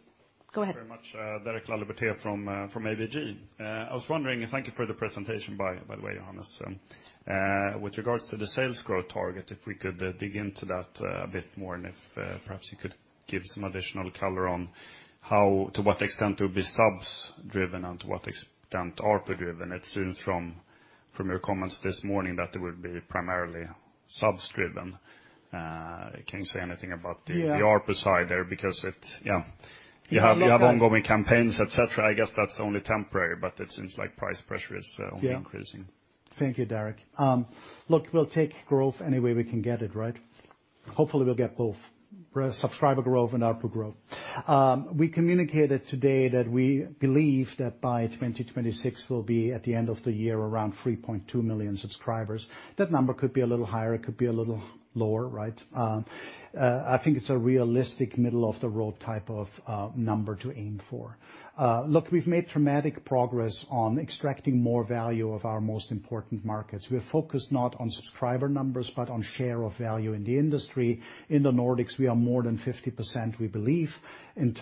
Go ahead.
Very much, Derek Laliberté from ABG. I was wondering. Thank you for the presentation, by the way, Johannes. With regards to the sales growth target, if we could dig into that a bit more, and if perhaps you could give some additional color on to what extent it will be subs driven and to what extent ARPU driven. It seems from your comments this morning that it would be primarily subs driven. Can you say anything about the.
Yeah...
the ARPU side there? Because it, yeah.
Look.
You have ongoing campaigns, et cetera. I guess that's only temporary, but it seems like price pressure is only increasing.
Yeah. Thank you, Derek. Look, we'll take growth any way we can get it, right? Hopefully, we'll get both subscriber growth and ARPU growth. We communicated today that we believe that by 2026, we'll be, at the end of the year, around 3.2 million subscribers. That number could be a little higher, it could be a little lower, right? I think it's a realistic middle-of-the-road type of number to aim for. Look, we've made dramatic progress on extracting more value of our most important markets. We are focused not on subscriber numbers, but on share of value in the industry. In the Nordics, we are more than 50%, we believe, in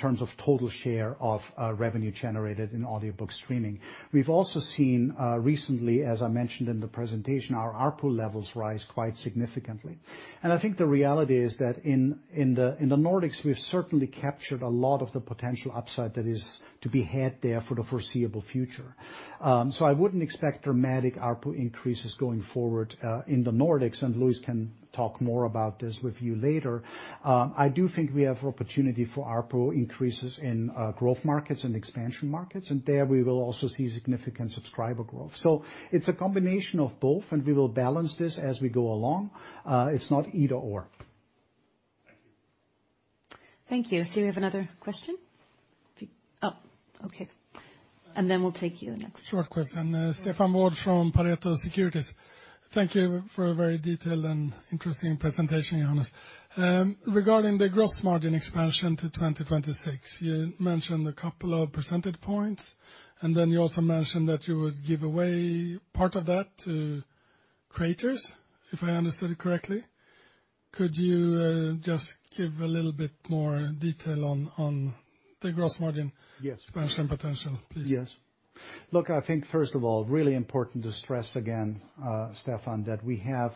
terms of total share of revenue generated in audiobook streaming. We've also seen recently, as I mentioned in the presentation, our ARPU levels rise quite significantly. I think the reality is that in the, in the Nordics, we've certainly captured a lot of the potential upside that is to be had there for the foreseeable future. So I wouldn't expect dramatic ARPU increases going forward in the Nordics, and Luis can talk more about this with you later. I do think we have opportunity for ARPU increases in Growth markets and Expansion markets, and there we will also see significant subscriber growth. It's a combination of both, and we will balance this as we go along. It's not either/or.
Thank you. Do we have another question? Oh, okay. Then we'll take you next.
Short question. Stefan Wård from Pareto Securities. Thank you for a very detailed and interesting presentation, Johannes. Regarding the gross margin expansion to 2026, you mentioned a couple of percentage points, and then you also mentioned that you would give away part of that to creators, if I understood it correctly. Could you just give a little bit more detail on the gross margin.
Yes.
Expansion potential, please?
Yes. Look, I think, first of all, really important to stress again, Stefan, that we have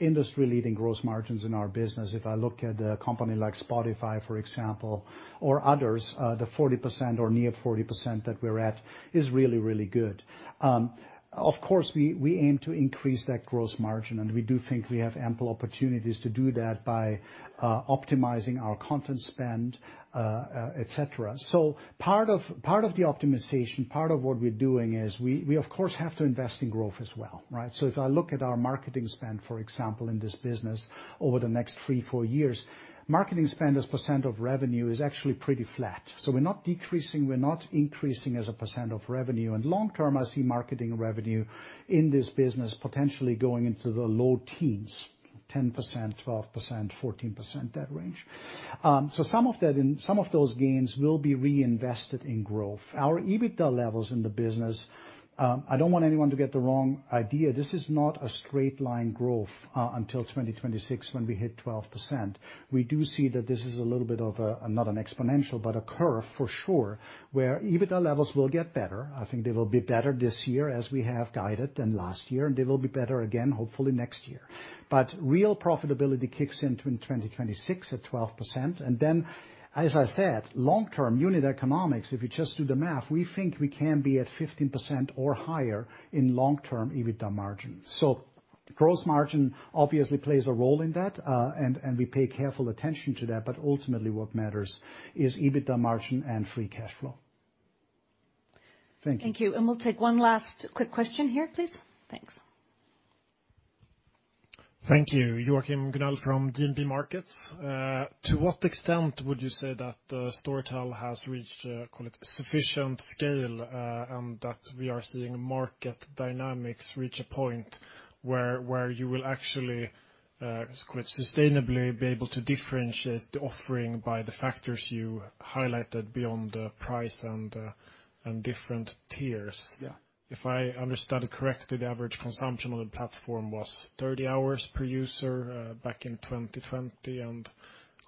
industry-leading gross margins in our business. If I look at a company like Spotify, for example, or others, the 40% or near 40% that we're at is really, really good. Of course, we aim to increase that gross margin, and we do think we have ample opportunities to do that by optimizing our content spend, et cetera. Part of the optimization, part of what we're doing is we, of course, have to invest in growth as well, right? If I look at our marketing spend, for example, in this business, over the next three, four years, marketing spend as % of revenue is actually pretty flat. We're not decreasing, we're not increasing as a percent of revenue. Long term, I see marketing revenue in this business potentially going into the low teens, 10%, 12%, 14%, that range. Some of that some of those gains will be reinvested in growth. Our EBITDA levels in the business, I don't want anyone to get the wrong idea. This is not a straight line growth until 2026, when we hit 12%. We do see that this is a little bit of a, not an exponential, but a curve for sure, where EBITDA levels will get better. I think they will be better this year as we have guided than last year, and they will be better again, hopefully next year. Real profitability kicks in to 2026 at 12%. As I said, long-term unit economics, if you just do the math, we think we can be at 15% or higher in long-term EBITDA margins. Gross margin obviously plays a role in that, and we pay careful attention to that, but ultimately, what matters is EBITDA margin and free cash flow. Thank you.
Thank you. We'll take one last quick question here, please. Thanks.
Thank you. Joachim Gunell from DNB Markets. To what extent would you say that Storytel has reached, call it, sufficient scale, and that we are seeing market dynamics reach a point where you will actually, quite sustainably be able to differentiate the offering by the factors you highlighted beyond the price and different tiers?
Yeah.
If I understood it correctly, the average consumption on the platform was 30 hours per user back in 2020.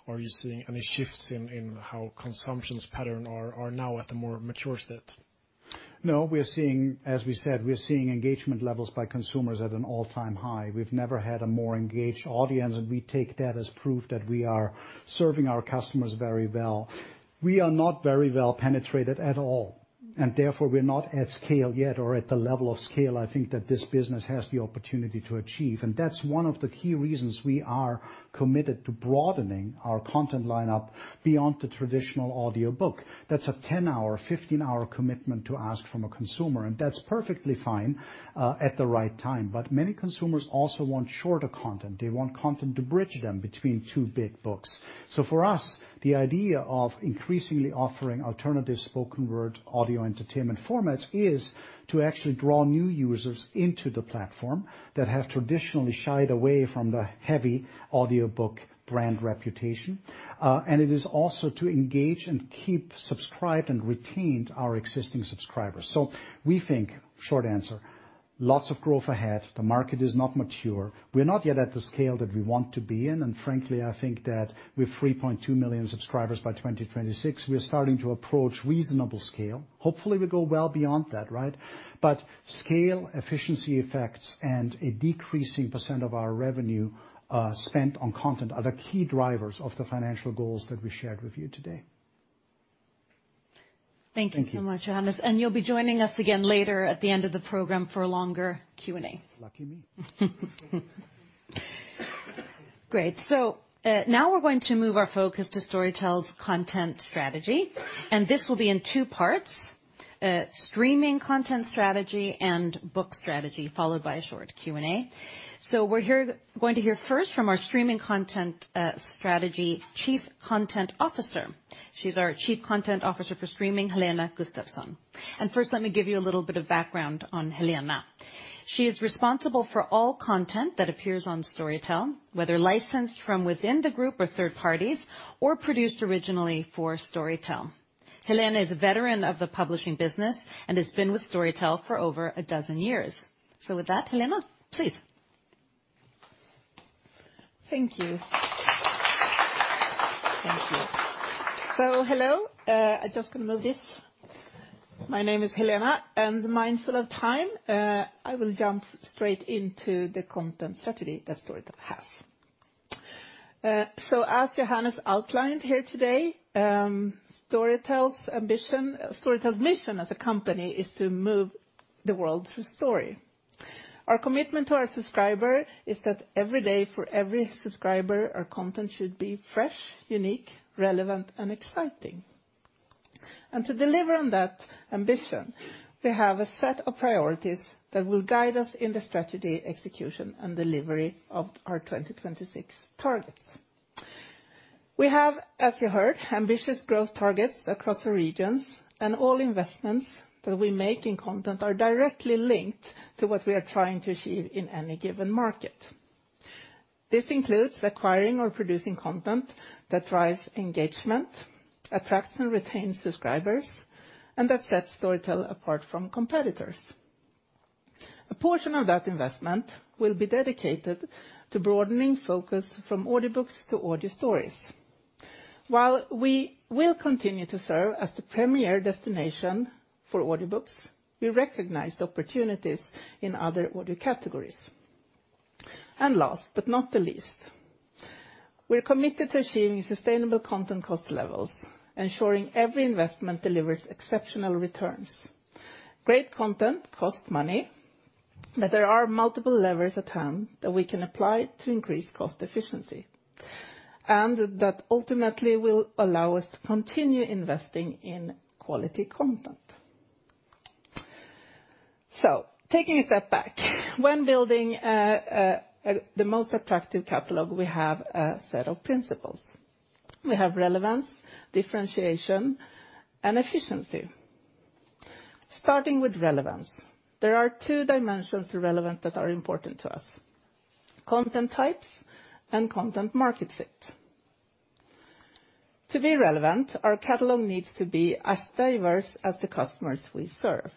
Are you seeing any shifts in how consumptions pattern are now at a more mature state?
No, we are seeing. As we said, we are seeing engagement levels by consumers at an all-time high. We've never had a more engaged audience. We take that as proof that we are serving our customers very well. We are not very well penetrated at all. Therefore, we're not at scale yet or at the level of scale I think that this business has the opportunity to achieve. That's one of the key reasons we are committed to broadening our content lineup beyond the traditional audiobook. That's a 10-hour, 15-hour commitment to ask from a consumer, and that's perfectly fine, at the right time. Many consumers also want shorter content. They want content to bridge them between two big books. For us, the idea of increasingly offering alternative spoken word audio entertainment formats is to actually draw new users into the platform that have traditionally shied away from the heavy audiobook brand reputation. It is also to engage and keep subscribed and retained our existing subscribers. We think, short answer, lots of growth ahead. The market is not mature. We're not yet at the scale that we want to be in, and frankly, I think that with 3.2 million subscribers by 2026, we are starting to approach reasonable scale. Hopefully, we go well beyond that, right? Scale, efficiency effects, and a decreasing percent of our revenue spent on content are the key drivers of the financial goals that we shared with you today.
Thank you so much, Johannes.
Thank you.
You'll be joining us again later at the end of the program for a longer Q&A.
Lucky me.
Great. Now we're going to move our focus to Storytel's content strategy, and this will be in two parts: Streaming Content strategy and Book strategy, followed by a short Q&A. We're going to hear first from our Streaming Content strategy Chief Content Officer. She's our Chief Content Officer for streaming, Helena Gustafsson. First, let me give you a little bit of background on Helena. She is responsible for all content that appears on Storytel, whether licensed from within the group or third parties or produced originally for Storytel. Helena is a veteran of the publishing business and has been with Storytel for over a dozen years. With that, Helena, please.
Thank you. Thank you. Hello. I'm just gonna move this. My name is Helena, and mindful of time, I will jump straight into the content strategy that Storytel has. As Johannes outlined here today, Storytel's mission as a company is to move the world through story. Our commitment to our subscriber is that every day, for every subscriber, our content should be fresh, unique, relevant, and exciting.... To deliver on that ambition, we have a set of priorities that will guide us in the strategy, execution, and delivery of our 2026 targets. We have, as you heard, ambitious growth targets across the regions, and all investments that we make in content are directly linked to what we are trying to achieve in any given market. This includes acquiring or producing content that drives engagement, attracts and retains subscribers, and that sets Storytel apart from competitors. A portion of that investment will be dedicated to broadening focus from audiobooks to audio stories. While we will continue to serve as the premier destination for audiobooks, we recognize the opportunities in other audio categories. Last, but not the least, we're committed to achieving sustainable content cost levels, ensuring every investment delivers exceptional returns. Great content costs money, there are multiple levers at hand that we can apply to increase cost efficiency, and that ultimately will allow us to continue investing in quality content. Taking a step back, when building the most attractive catalog, we have a set of principles. We have relevance, differentiation, and efficiency. Starting with relevance, there are two dimensions to relevance that are important to us: content types and content market fit. To be relevant, our catalog needs to be as diverse as the customers we serve.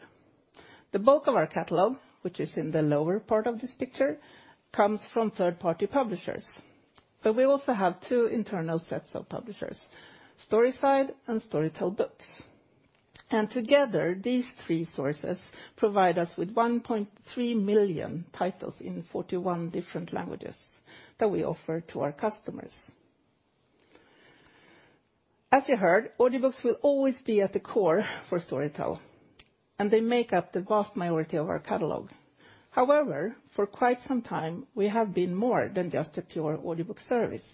The bulk of our catalog, which is in the lower part of this picture, comes from third-party publishers, but we also have two internal sets of publishers, Storyside and Storytel Books. Together, these three sources provide us with 1.3 million titles in 41 different languages that we offer to our customers. As you heard, audiobooks will always be at the core for Storytel, and they make up the vast majority of our catalog. However, for quite some time, we have been more than just a pure audiobook service.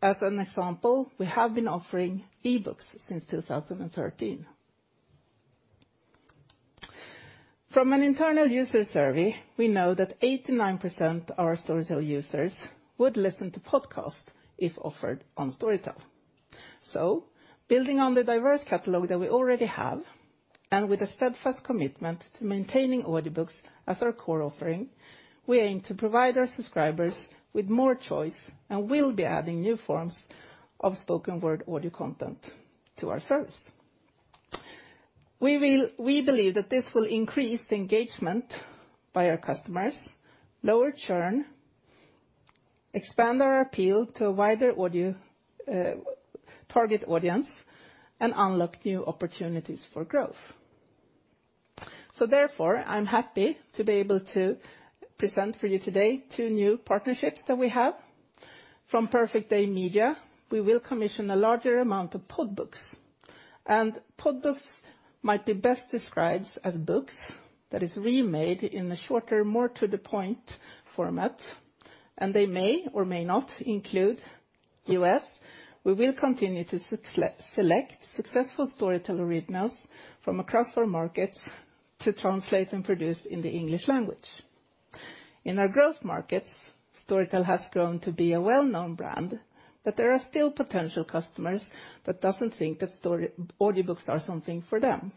As an example, we have been offering e-books since 2013. From an internal user survey, we know that 89% of our Storytel users would listen to podcast if offered on Storytel. Building on the diverse catalog that we already have, and with a steadfast commitment to maintaining audiobooks as our core offering, we aim to provide our subscribers with more choice and will be adding new forms of spoken word audio content to our service. We believe that this will increase the engagement by our customers, lower churn, expand our appeal to a wider audio target audience, and unlock new opportunities for growth. Therefore, I'm happy to be able to present for you today two new partnerships that we have. From Perfect Day Media, we will commission a larger amount of podbooks. Podbooks might be best described as books that is remade in a shorter, more to-the-point format, and they may or may not include U.S.. We will continue to select successful Storytel Originals from across our markets to translate and produce in the English language. In our Growth markets, Storytel has grown to be a well-known brand, but there are still potential customers that doesn't think that audiobooks are something for them.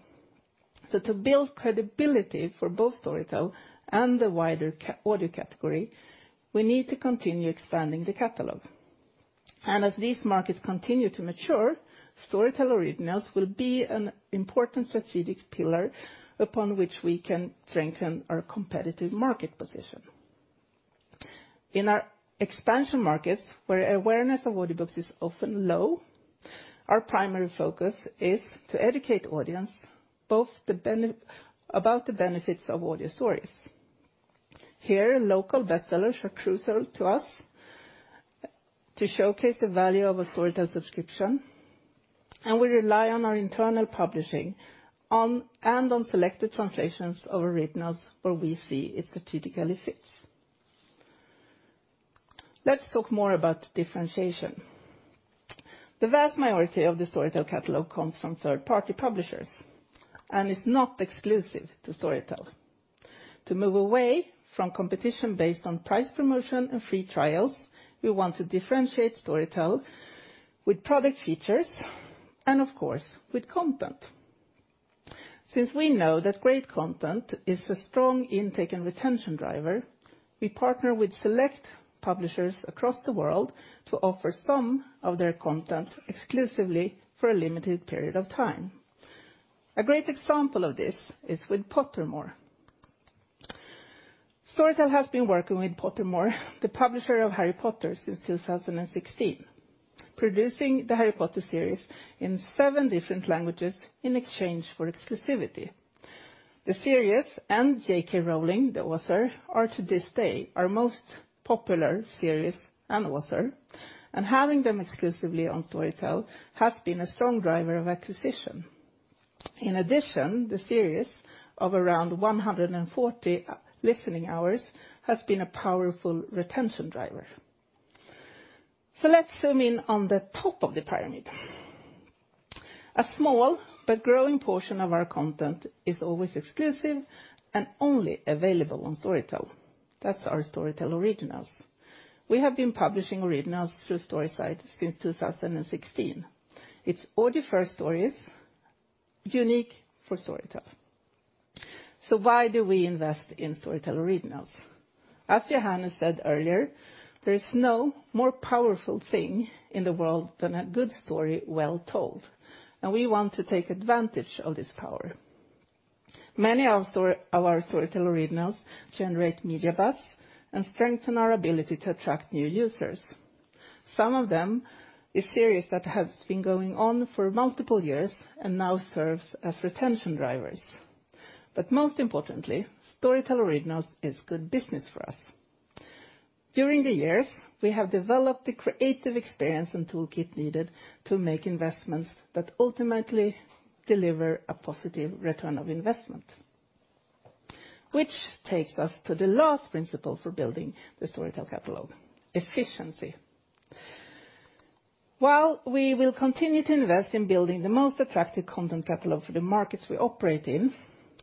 To build credibility for both Storytel and the wider Audio category, we need to continue expanding the catalog. As these markets continue to mature, Storytel Originals will be an important strategic pillar upon which we can strengthen our competitive market position. In our Expansion markets, where awareness of audiobooks is often low, our primary focus is to educate audience, about the benefits of audio stories. Here, local bestsellers are crucial to us to showcase the value of a Storytel subscription, and we rely on our internal publishing, and on selected translations of originals where we see it strategically fits. Let's talk more about differentiation. The vast majority of the Storytel catalog comes from third-party publishers, and it's not exclusive to Storytel. To move away from competition based on price promotion and free trials, we want to differentiate Storytel with product features and, of course, with content. Since we know that great content is a strong intake and retention driver, we partner with select publishers across the world to offer some of their content exclusively for a limited period of time. A great example of this is with Pottermore. Storytel has been working with Pottermore, the publisher of Harry Potter, since 2016, producing the Harry Potter series in seven different languages in exchange for exclusivity. The series and J.K. Rowling, the author, are to this day, our most popular series and author, and having them exclusively on Storytel has been a strong driver of acquisition. In addition, the series of around 140 listening hours has been a powerful retention driver. Let's zoom in on the top of the pyramid. A small but growing portion of our content is always exclusive and only available on Storytel. That's our Storytel Originals. We have been publishing Originals through Storyside since 2016. It's audio-first stories, unique for Storytel. Why do we invest in Storytel Originals? As Johannes said earlier, there is no more powerful thing in the world than a good story well told. We want to take advantage of this power. Many of our Storytel Originals generate media buzz and strengthen our ability to attract new users. Some of them is series that has been going on for multiple years and now serves as retention drivers. Most importantly, Storytel Originals is good business for us. During the years, we have developed the creative experience and toolkit needed to make investments that ultimately deliver a positive return of investment, which takes us to the last principle for building the Storytel catalog: efficiency. While we will continue to invest in building the most attractive content catalog for the markets we operate in,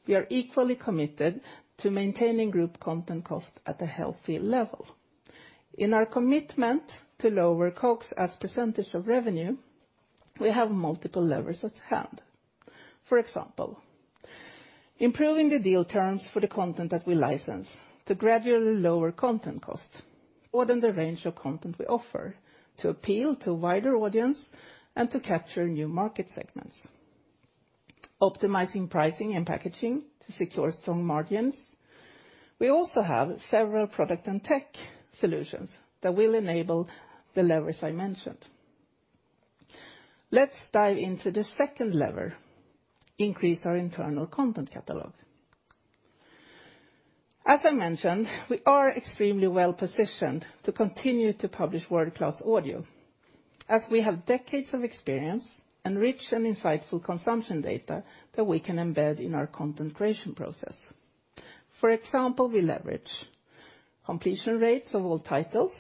we are equally committed to maintaining group content cost at a healthy level. In our commitment to lower COGS as percentage of revenue, we have multiple levers at hand. For example, improving the deal terms for the content that we license to gradually lower content costs, broaden the range of content we offer to appeal to a wider audience and to capture new market segments, optimizing pricing and packaging to secure strong margins. We also have several product and tech solutions that will enable the levers I mentioned. Let's dive into the second lever: increase our internal content catalog. As I mentioned, we are extremely well positioned to continue to publish world-class audio, as we have decades of experience and rich and insightful consumption data that we can embed in our content creation process. For example, we leverage completion rates of all titles,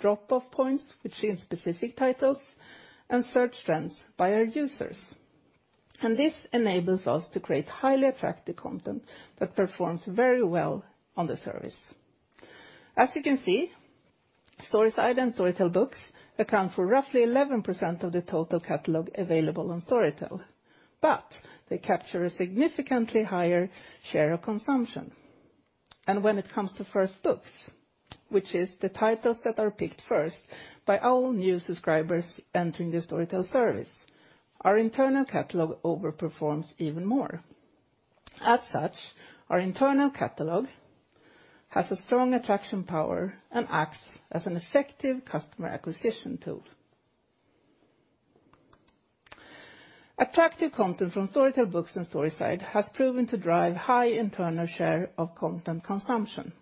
drop-off points between specific titles, search trends by our users, and this enables us to create highly attractive content that performs very well on the service. As you can see, Storyside and Storytel Books account for roughly 11% of the total catalog available on Storytel, but they capture a significantly higher share of consumption. When it comes to first books, which is the titles that are picked first by all new subscribers entering the Storytel service, our internal catalog overperforms even more. As such, our internal catalog has a strong attraction power and acts as an effective customer acquisition tool. Attractive content from Storytel Books and Storyside has proven to drive high internal share of content consumption,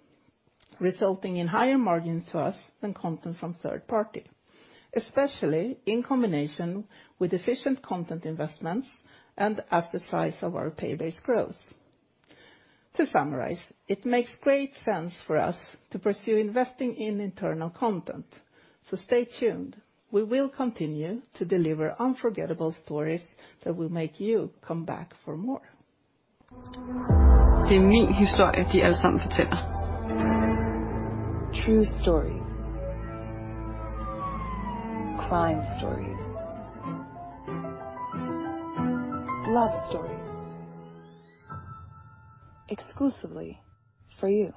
resulting in higher margins to us than content from third party, especially in combination with efficient content investments and as the size of our pay-based grows. To summarize, it makes great sense for us to pursue investing in internal content. Stay tuned. We will continue to deliver unforgettable stories that will make you come back for more.
True stories. Crime stories. Love stories. Exclusively for you.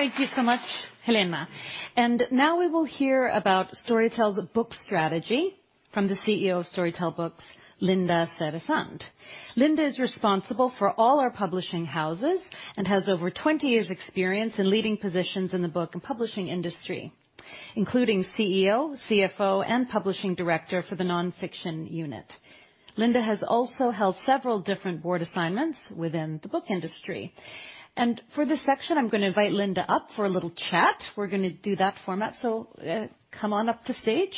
Thank you so much, Helena. Now we will hear about Storytel's book strategy from the CEO of Storytel Books, Linda Säresand. Linda is responsible for all our publishing houses and has over 20 years' experience in leading positions in the book and publishing industry, including CEO, CFO, and publishing director for the nonfiction unit. Linda has also held several different board assignments within the book industry. For this section, I'm going to invite Linda up for a little chat. We're going to do that format, come on up to stage.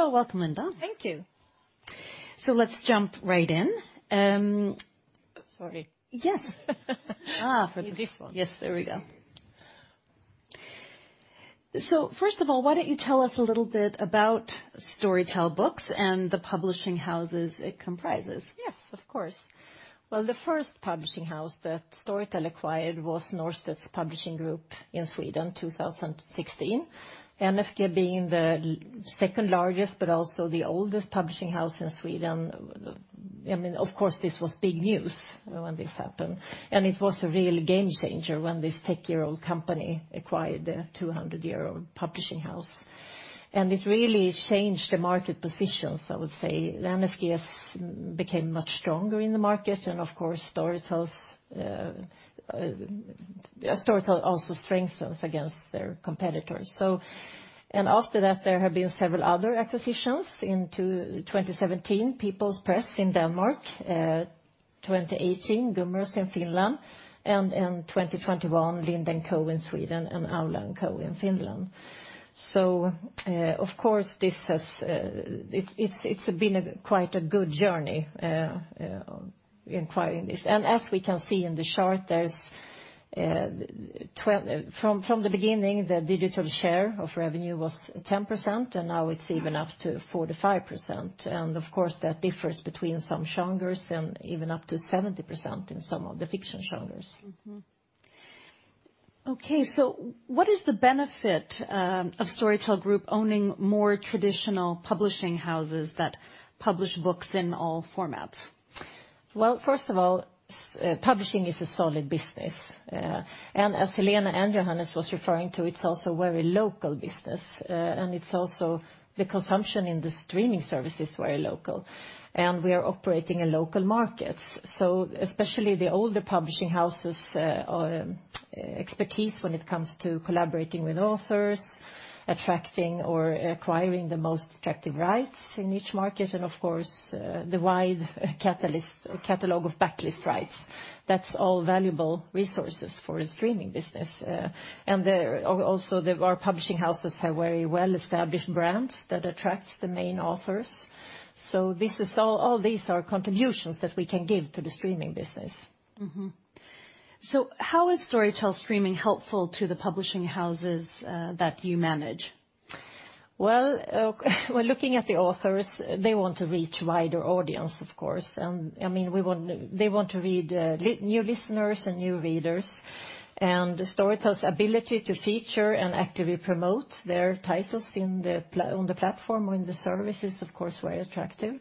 Welcome, Linda.
Thank you.
Let's jump right in.
Sorry.
Yes. For this one.
This one.
Yes, there we go. First of all, why don't you tell us a little bit about Storytel Books and the publishing houses it comprises?
Yes, of course. Well, the first publishing house that Storytel acquired was Norstedts Publishing Group in Sweden, 2016. Of course, being the second largest but also the oldest publishing house in Sweden, I mean, of course, this was big news when this happened, and it was a real game changer when this tech year-old company acquired the 200-year-old publishing house. This really changed the market positions, I would say. Norstedts became much stronger in the market, and of course, Storytel also strengthens against their competitors. After that, there have been several other acquisitions. In 2017, People's Press in Denmark.... 2018, Gummerus in Finland, and in 2021, Lind & Co in Sweden, and Aula & Co in Finland. of course, this has, it's been a quite a good journey acquiring this. as we can see in the chart, there's from the beginning, the digital share of revenue was 10%, and now it's even up to 45%. of course, that differs between some genres and even up to 70% in some of the fiction genres.
Okay, what is the benefit of Storytel Group owning more traditional publishing houses that publish books in all formats?
First of all, publishing is a solid business. As Helena and Johannes was referring to, it's also very local business. It's also the consumption in the streaming service is very local, and we are operating in local markets. Especially the older publishing houses, expertise when it comes to collaborating with authors, attracting or acquiring the most attractive rights in each market, and of course, the wide catalog of backlist rights. That's all valuable resources for a Streaming business. Also, our publishing houses have very well-established brands that attract the main authors. This is all these are contributions that we can give to the Streaming business.
How is Storytel Streaming helpful to the publishing houses that you manage?
When looking at the authors, they want to reach wider audience, of course, I mean, they want to read new listeners and new readers. Storytel's ability to feature and actively promote their titles on the platform, in the service, is, of course, very attractive.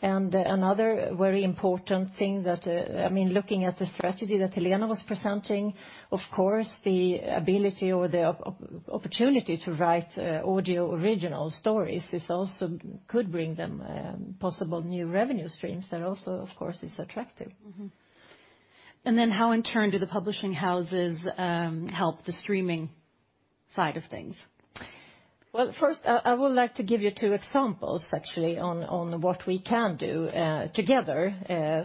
Another very important thing that I mean, looking at the strategy that Helena was presenting, of course, the ability or the opportunity to write audio original stories, this also could bring them possible new revenue streams that also, of course, is attractive.
Mm-hmm. Then how, in turn, do the publishing houses help the streaming side of things?
First, I would like to give you two examples, actually, on what we can do together.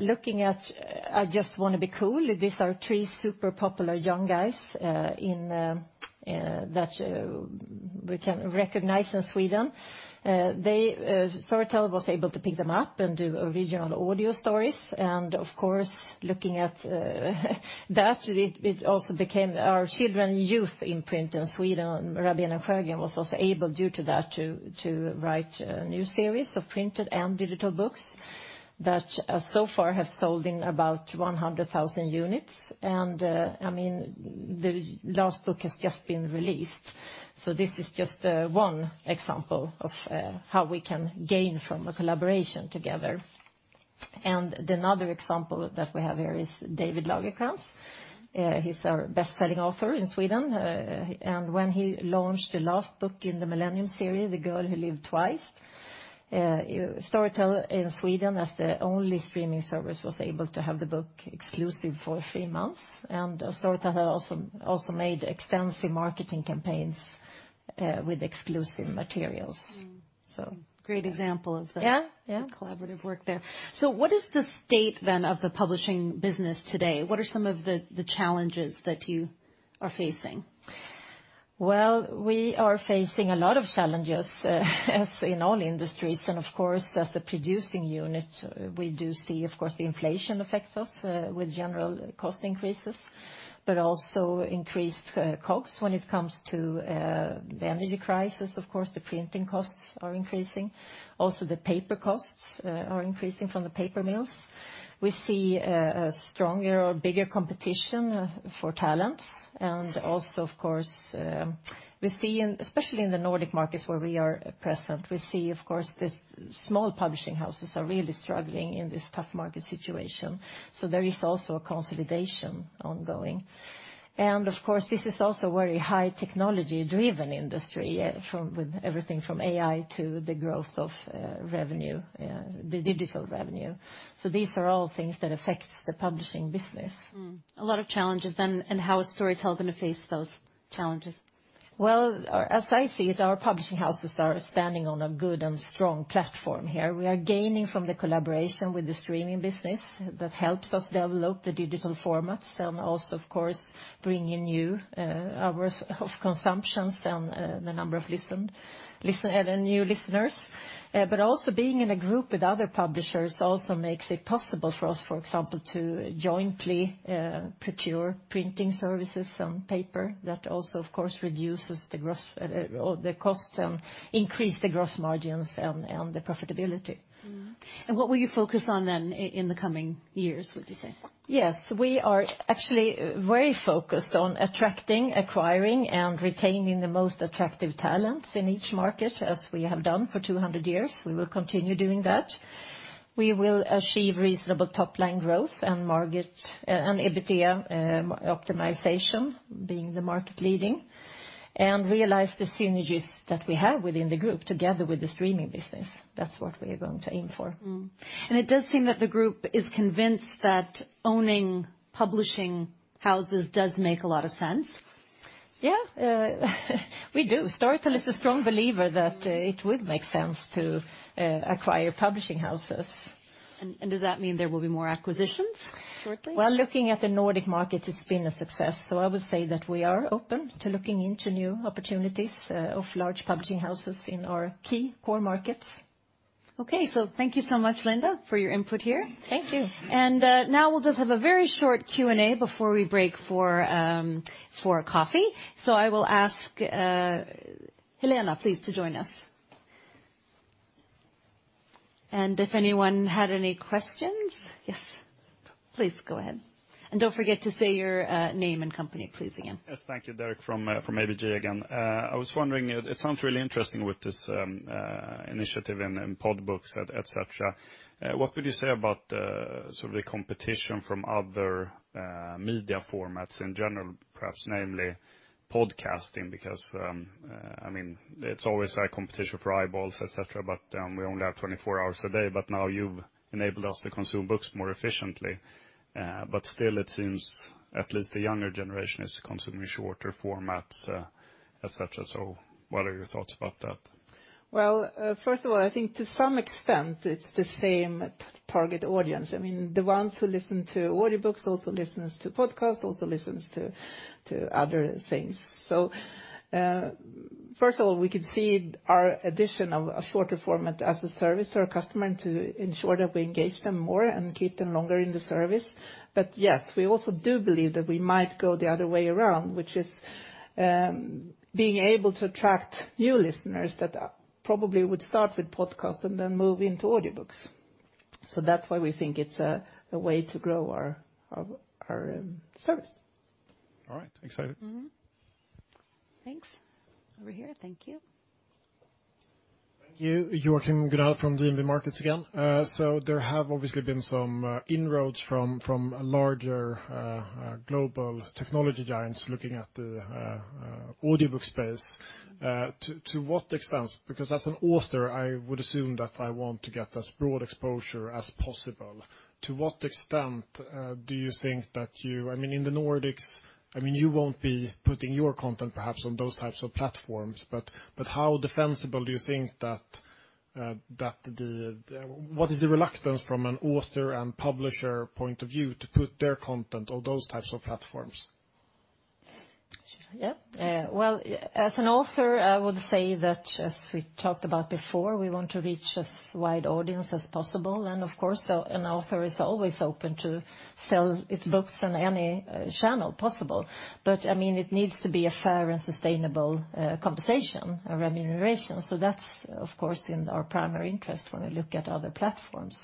Looking at IJustWantToBeCool, these are three super popular young guys in that we can recognize in Sweden. They Storytel was able to pick them up and do original audio stories. Of course, looking at that, it also became our children youth imprint in Sweden. Rabén & Sjögren was also able, due to that, to write a new series of printed and digital books that so far have sold in about 100,000 units. I mean, the last book has just been released, so this is just one example of how we can gain from a collaboration together. Another example that we have here is David Lagercrantz. He's our best-selling author in Sweden, and when he launched the last book in the Millennium series, The Girl Who Lived Twice, Storytel in Sweden, as the only streaming service, was able to have the book exclusive for three months. Storytel also made extensive marketing campaigns, with exclusive materials, so.
Great example of.
Yeah, yeah.
collaborative work there. What is the state, then, of the publishing business today? What are some of the challenges that you are facing?
We are facing a lot of challenges, as in all industries. Of course, as the producing unit, we do see, of course, the inflation affects us with general cost increases, but also increased costs when it comes to the energy crisis. Of course, the printing costs are increasing. The paper costs are increasing from the paper mills. We see a stronger or bigger competition for talent. Of course, we see in, especially in the Nordic markets where we are present, we see, of course, the small publishing houses are really struggling in this tough market situation, so there is also a consolidation ongoing. Of course, this is also very high technology-driven industry from, with everything from AI to the growth of revenue, the digital revenue. These are all things that affect the publishing business.
A lot of challenges then, and how is Storytel going to face those challenges?
Well, as I see it, our publishing houses are standing on a good and strong platform here. We are gaining from the collaboration with the Streaming business. That helps us develop the digital formats and also, of course, bring in new hours of consumptions and the number of new listeners. Also, being in a group with other publishers also makes it possible for us, for example, to jointly procure printing services and paper. That also, of course, reduces the gross or the cost and increase the gross margins and the profitability.
Mm-hmm. What will you focus on, then, in the coming years, would you say?
Yes. We are actually very focused on attracting, acquiring, and retaining the most attractive talents in each market, as we have done for 200 years. We will continue doing that. We will achieve reasonable top-line growth and market and EBITDA optimization, being the market leading, and realize the synergies that we have within the group, together with the Streaming business. That's what we're going to aim for.
It does seem that the Group is convinced that owning publishing houses does make a lot of sense?
Yeah, we do. Storytel is a strong believer that it would make sense to acquire publishing houses.
Does that mean there will be more acquisitions shortly?
Looking at the Nordic market, it's been a success, so I would say that we are open to looking into new opportunities of large publishing houses in our key Core markets.
Okay. Thank you so much, Linda, for your input here.
Thank you.
Now we'll just have a very short Q&A before we break for coffee. I will ask Helena, please, to join us. If anyone had any questions... Yes, please go ahead. Don't forget to say your name and company, please, again.
Yes, thank you. Derek, from ABG again. I was wondering, it sounds really interesting with this initiative in Podbook, et cetera. What would you say about sort of the competition from other media formats in general, perhaps namely podcasting? I mean, it's always a competition for eyeballs, et cetera, we only have 24 hours a day, now you've enabled us to consume books more efficiently. Still, it seems at least the younger generation is consuming shorter formats, et cetera. What are your thoughts about that?
First of all, I think to some extent, it's the same target audience. I mean, the ones who listen to audiobooks also listens to podcasts, also listens to other things. First of all, we could see our addition of a shorter format as a service to our customer and to ensure that we engage them more and keep them longer in the service. Yes, we also do believe that we might go the other way around, which is being able to attract new listeners that probably would start with podcast and then move into audiobooks. That's why we think it's a way to grow our service.
All right. Exciting.
Mm-hmm. Thanks. Over here. Thank you.
Thank you. Joachim Gunell from DNB Markets again. There have obviously been some inroads from larger global technology giants looking at the audiobook space. To what extent? Because as an author, I would assume that I want to get as broad exposure as possible. To what extent do you think that you, I mean, in the Nordics, I mean, you won't be putting your content perhaps on those types of platforms, but how defensible do you think that the, what is the reluctance from an author and publisher point of view to put their content on those types of platforms?
Well, as an author, I would say that, as we talked about before, we want to reach as wide audience as possible, and of course, an author is always open to sell its books on any channel possible. I mean, it needs to be a fair and sustainable conversation, a remuneration. That's, of course, in our primary interest when we look at other platforms.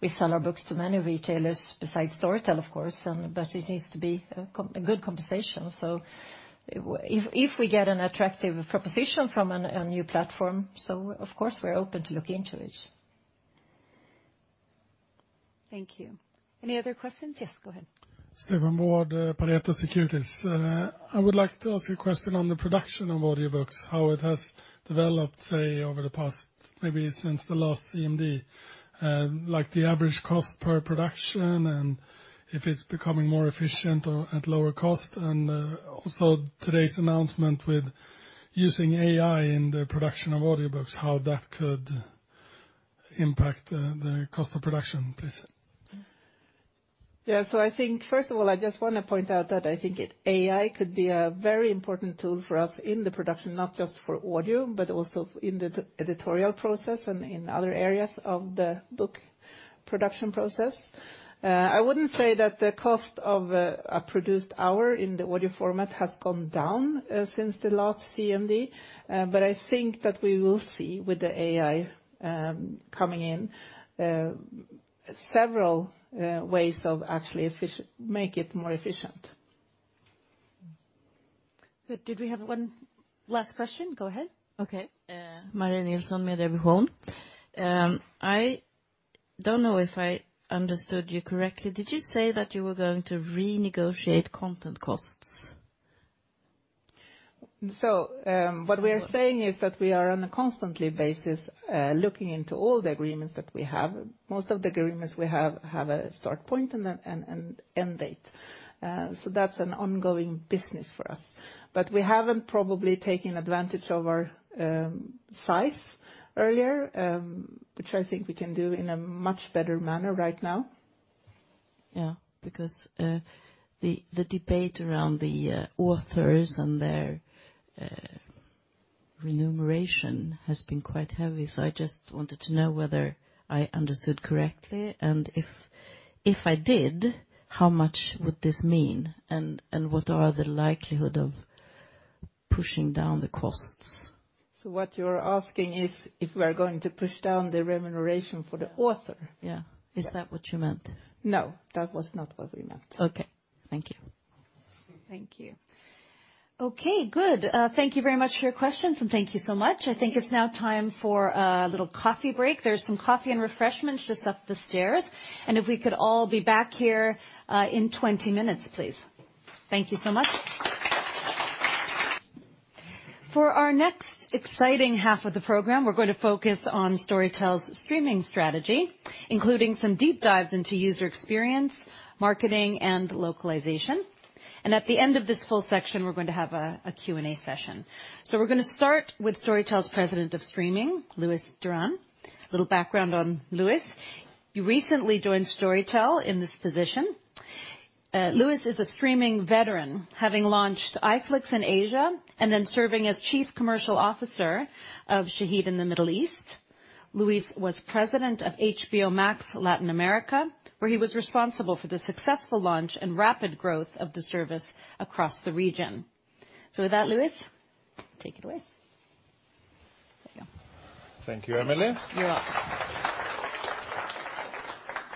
We sell our books to many retailers besides Storytel, of course, but it needs to be a good conversation. If we get an attractive proposition from a new platform, of course, we're open to looking into it.
Thank you. Any other questions? Yes, go ahead.
Stefan Wård, Pareto Securities. I would like to ask you a question on the production of audiobooks, how it has developed, say, over the past, maybe since the last CMD. Like the average cost per production, and if it's becoming more efficient or at lower cost, and also today's announcement with using AI in the production of audiobooks, how that could impact the cost of production, please?
I think, first of all, I just want to point out that I think AI could be a very important tool for us in the production, not just for audio, but also in the editorial process and in other areas of the book production process. I wouldn't say that the cost of a produced hour in the audio format has gone down since the last CMD, but I think that we will see with the AI coming in several ways of actually make it more efficient.
Good. Did we have one last question? Go ahead.
Okay. My name is [Hanna Debus]. I don't know if I understood you correctly. Did you say that you were going to renegotiate content costs?
What we are saying is that we are on a constantly basis, looking into all the agreements that we have. Most of the agreements we have a start point and an end date. That's an ongoing business for us. We haven't probably taken advantage of our size earlier, which I think we can do in a much better manner right now.
Yeah, because the debate around the authors and their remuneration has been quite heavy. I just wanted to know whether I understood correctly, and if I did, how much would this mean, and what are the likelihood of pushing down the costs?
What you're asking is, if we are going to push down the remuneration for the author?
Yeah.
Yeah.
Is that what you meant?
No, that was not what we meant.
Okay. Thank you.
Thank you. Okay, good. Thank you very much for your questions, and thank you so much. I think it's now time for a little coffee break. There's some coffee and refreshments just up the stairs, and if we could all be back here, in 20 minutes, please. Thank you so much. For our next exciting half of the program, we're going to focus on Storytel's streaming strategy, including some deep dives into user experience, marketing, and localization. At the end of this whole section, we're going to have a Q&A session. We're gonna start with Storytel's President of Streaming, Luis Duran. A little background on Luis. He recently joined Storytel in this position. Luis is a streaming veteran, having launched iflix in Asia, and then serving as Chief Commercial Officer of Shahid in the Middle East. Luis was president of HBO Max Latin America, where he was responsible for the successful launch and rapid growth of the service across the region. With that, Luis, take it away. There you go.
Thank you, Emily.
You're welcome.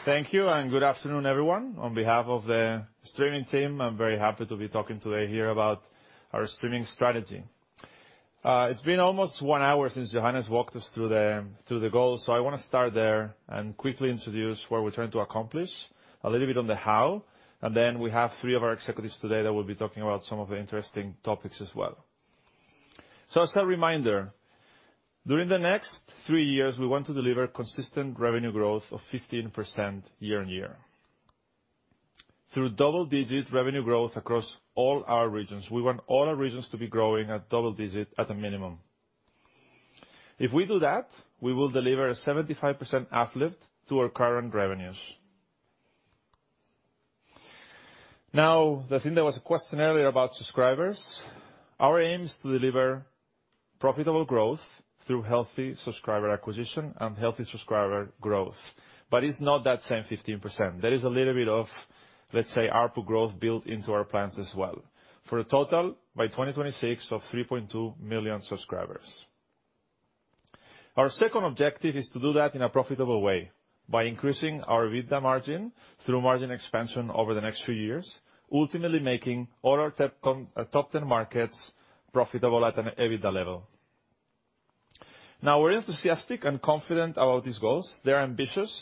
Thank you. Good afternoon, everyone. On behalf of the streaming team, I'm very happy to be talking today here about our streaming strategy. It's been almost one hour since Johannes walked us through the goals. I wanna start there and quickly introduce what we're trying to accomplish, a little bit on the how, then we have three of our executives today that will be talking about some of the interesting topics as well. As a reminder, during the next three years, we want to deliver consistent revenue growth of 15% year-on-year. Through double-digit revenue growth across all our regions, we want all our regions to be growing at double digit at a minimum. If we do that, we will deliver a 75% uplift to our current revenues. I think there was a question earlier about subscribers. Our aim is to deliver profitable growth through healthy subscriber acquisition and healthy subscriber growth, it's not that same 15%. There is a little bit of, let's say, ARPU growth built into our plans as well, for a total, by 2026, of 3.2 million subscribers. Our second objective is to do that in a profitable way by increasing our EBITDA margin through margin expansion over the next few years, ultimately making all our top 10 markets profitable at an EBITDA level. We're enthusiastic and confident about these goals. They're ambitious,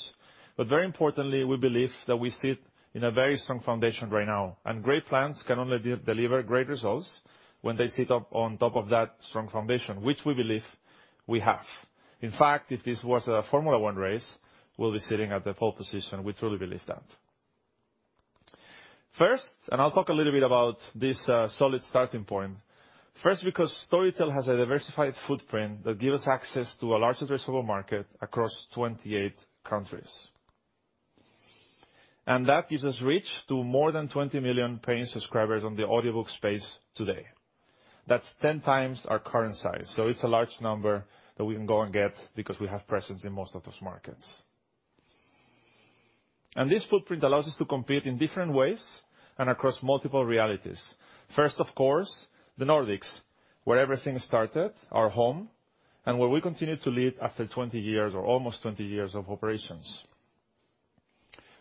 but very importantly, we believe that we sit in a very strong foundation right now, and great plans can only deliver great results when they sit up on top of that strong foundation, which we believe we have. In fact, if this was a Formula One race, we'll be sitting at the pole position. We truly believe that. First, I'll talk a little bit about this solid starting point. First, because Storytel has a diversified footprint that gives us access to a large addressable market across 28 countries. That gives us reach to more than 20 million paying subscribers on the audiobook space today. That's 10x our current size, so it's a large number that we can go and get because we have presence in most of those markets. This footprint allows us to compete in different ways and across multiple realities. First, of course, the Nordics, where everything started, our home, and where we continue to lead after 20 years or almost 20 years of operations.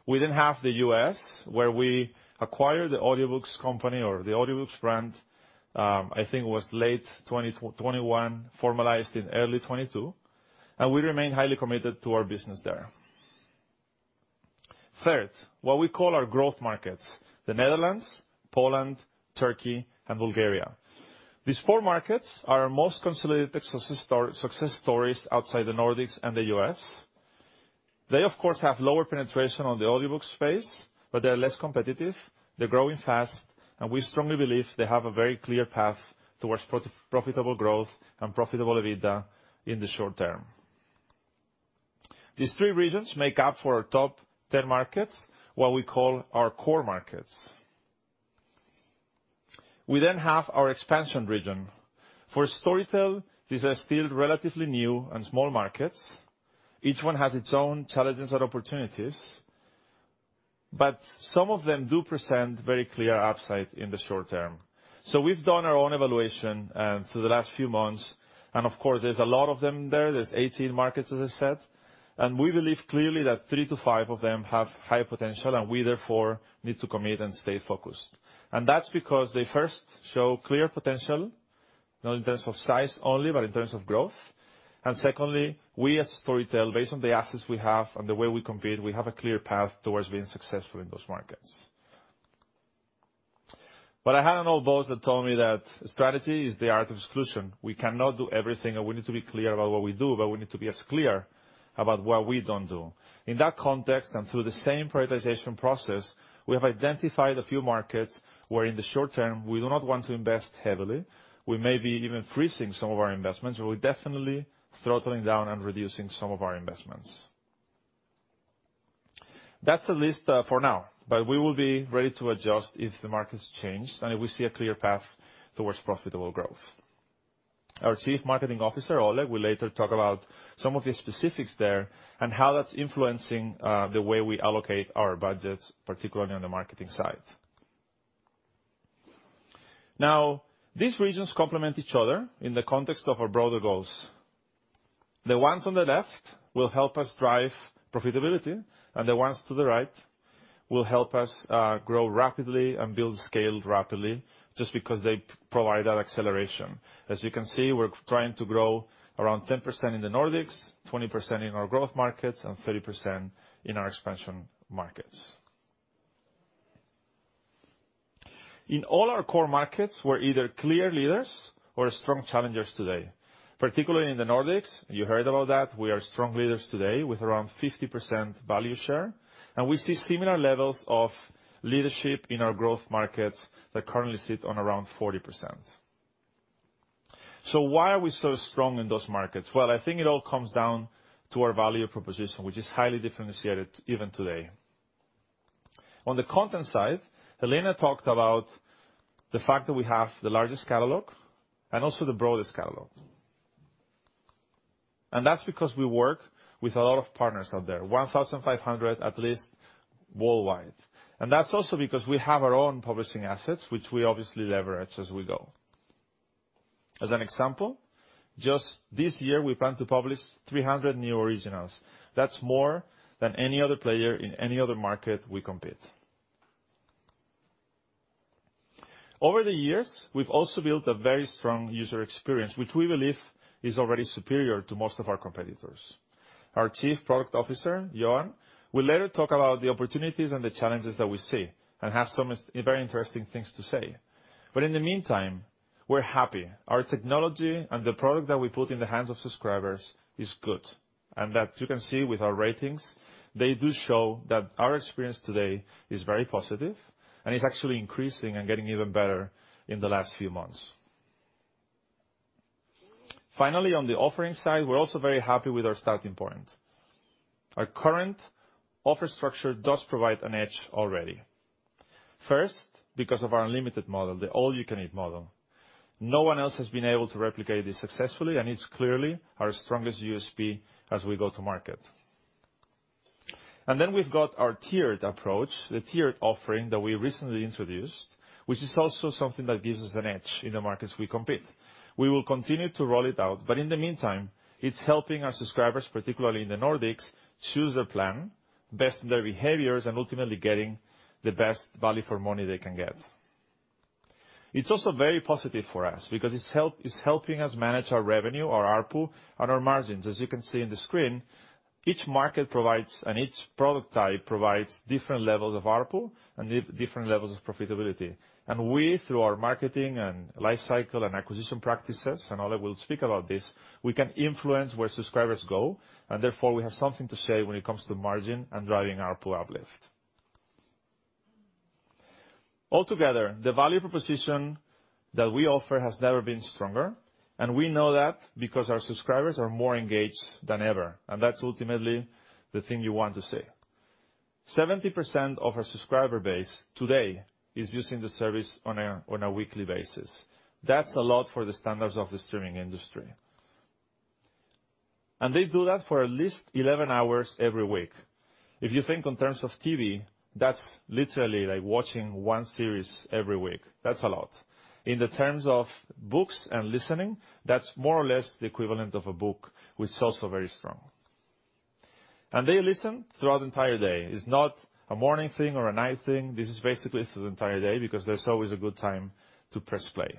We have the U.S., where we acquired the Audiobooks company or the Audiobooks brand, I think it was late 2021, formalized in early 2022, and we remain highly committed to our business there. Third, what we call our Growth markets: the Netherlands, Poland, Turkey, and Bulgaria. These four markets are our most consolidated success stories outside the Nordics and the U.S. They, of course, have lower penetration on the audiobook space, but they're less competitive, they're growing fast, and we strongly believe they have a very clear path towards profitable growth and profitable EBITDA in the short term. These three regions make up for our top 10 markets, what we call our Core markets. We have our expansion region. For Storytel, these are still relatively new and small markets. Each one has its own challenges and opportunities, but some of them do present very clear upside in the short term. We've done our own evaluation through the last few months, and of course, there's a lot of them there. There's 18 markets, as I said. We believe clearly that 3-5 of them have high potential, and we, therefore, need to commit and stay focused. That's because they first show clear potential, not in terms of size only, but in terms of growth. Secondly, we as Storytel, based on the assets we have and the way we compete, we have a clear path towards being successful in those markets. I had an old boss that told me that strategy is the art of exclusion. We cannot do everything, and we need to be clear about what we do, but we need to be as clear about what we don't do. In that context, and through the same prioritization process, we have identified a few markets where, in the short term, we do not want to invest heavily. We may be even freezing some of our investments, or we're definitely throttling down and reducing some of our investments. That's the list for now, but we will be ready to adjust if the markets change and if we see a clear path towards profitable growth. Our Chief Marketing Officer, Oleg, will later talk about some of the specifics there and how that's influencing the way we allocate our budgets, particularly on the marketing side. These regions complement each other in the context of our broader goals. The ones on the left will help us drive profitability, and the ones to the right will help us grow rapidly and build scale rapidly just because they provide that acceleration. As you can see, we're trying to grow around 10% in the Nordics, 20% in our Growth markets, and 30% in our Expansion markets. In all our Core markets, we're either clear leaders or strong challengers today, particularly in the Nordics. You heard about that. We are strong leaders today with around 50% value share, and we see similar levels of leadership in our Growth markets that currently sit on around 40%. Why are we so strong in those markets? Well, I think it all comes down to our value proposition, which is highly differentiated even today. On the content side, Helena talked about the fact that we have the larges t catalog and also the broadest catalog. That's because we work with a lot of partners out there, 1,500, at least, worldwide. That's also because we have our own publishing assets, which we obviously leverage as we go. As an example, just this year, we plan to publish 300 new Originals. That's more than any other player in any other market we compete. Over the years, we've also built a very strong user experience, which we believe is already superior to most of our competitors. Our Chief Product Officer, Johan, will later talk about the opportunities and the challenges that we see, and has some very interesting things to say. In the meantime, we're happy. Our technology and the product that we put in the hands of subscribers is good, and that you can see with our ratings. They do show that our experience today is very positive and is actually increasing and getting even better in the last few months. Finally, on the offering side, we're also very happy with our starting point. Our current offer structure does provide an edge already. First, because of our unlimited model, the all-you-can-eat model. No one else has been able to replicate this successfully, and it's clearly our strongest USP as we go to market. We've got our tiered approach, the tiered offering that we recently introduced, which is also something that gives us an edge in the markets we compete. We will continue to roll it out, but in the meantime, it's helping our subscribers, particularly in the Nordics, choose a plan based on their behaviors and ultimately getting the best value for money they can get. It's also very positive for us because it's helping us manage our revenue, our ARPU, and our margins. As you can see on the screen, each market provides, and each product type provides different levels of ARPU and different levels of profitability. We, through our marketing and life cycle and acquisition practices, and Oleg will speak about this, we can influence where subscribers go, and therefore, we have something to say when it comes to margin and driving ARPU uplift. Altogether, the value proposition that we offer has never been stronger, and we know that because our subscribers are more engaged than ever, and that's ultimately the thing you want to see. 70% of our subscriber base today is using the service on a weekly basis. That's a lot for the standards of the streaming industry. They do that for at least 11 hours every week. If you think in terms of TV, that's literally like watching one series every week. That's a lot. In the terms of books and listening, that's more or less the equivalent of a book, which is also very strong. They listen throughout the entire day. It's not a morning thing or a night thing. This is basically the entire day because there's always a good time to press play.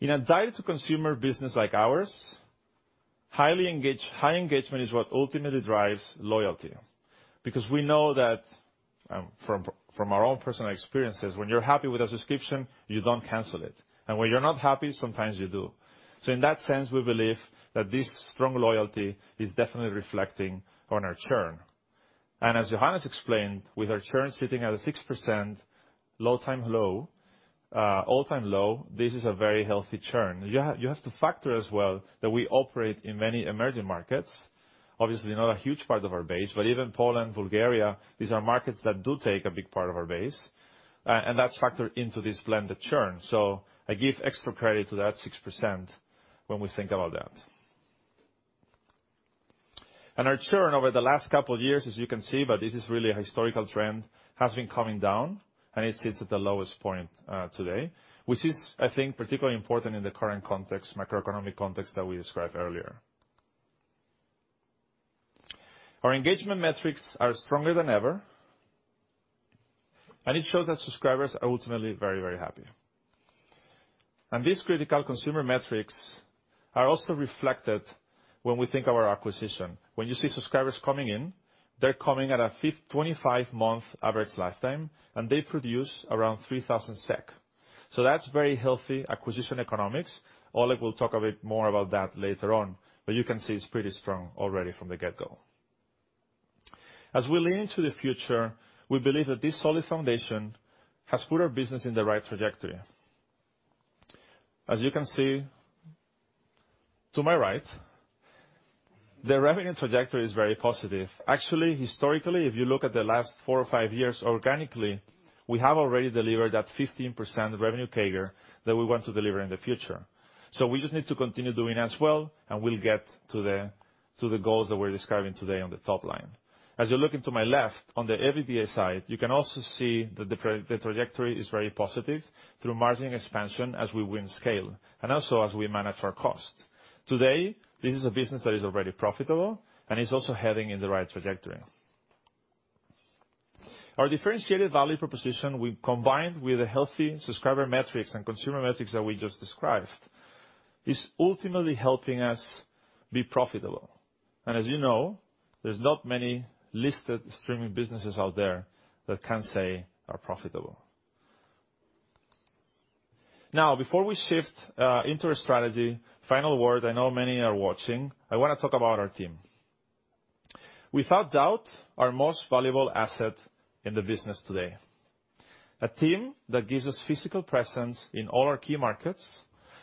In a direct-to-consumer business like ours, high engagement is what ultimately drives loyalty. We know that, from our own personal experiences, when you're happy with a subscription, you don't cancel it, and when you're not happy, sometimes you do. In that sense, we believe that this strong loyalty is definitely reflecting on our churn. As Johannes explained, with our churn sitting at a 6% all-time low, this is a very healthy churn. You have to factor as well that we operate in many emerging markets, obviously not a huge part of our base, but even Poland, Bulgaria, these are markets that do take a big part of our base, and that's factored into this blended churn. I give extra credit to that 6% when we think about that. Our churn over the last couple of years, as you can see, but this is really a historical trend, has been coming down, and it sits at the lowest point today, which is, I think, particularly important in the current context, macroeconomic context that we described earlier. Our engagement metrics are stronger than ever. It shows that subscribers are ultimately very happy. These critical consumer metrics are also reflected when we think of our acquisition. When you see subscribers coming in, they're coming at a 25-month average lifetime, and they produce around 3,000 SEK. That's very healthy acquisition economics. Oleg will talk a bit more about that later on, but you can see it's pretty strong already from the get-go. As we lean into the future, we believe that this solid foundation has put our business in the right trajectory. As you can see to my right, the revenue trajectory is very positive. Actually, historically, if you look at the last four or five years, organically, we have already delivered that 15% revenue CAGR that we want to deliver in the future. We just need to continue doing as well, and we'll get to the goals that we're describing today on the top line. As you're looking to my left, on the EBITDA side, you can also see that the trajectory is very positive through margin expansion as we win scale and also as we manage our cost. Today, this is a business that is already profitable and is also heading in the right trajectory. Our differentiated value proposition, we combined with a healthy subscriber metrics and consumer metrics that we just described. is ultimately helping us be profitable. As you know, there's not many listed Streaming businesses out there that can say are profitable. Before we shift into our strategy, final word, I know many are watching, I want to talk about our team. Without doubt, our most valuable asset in the business today. A team that gives us physical presence in all our key markets,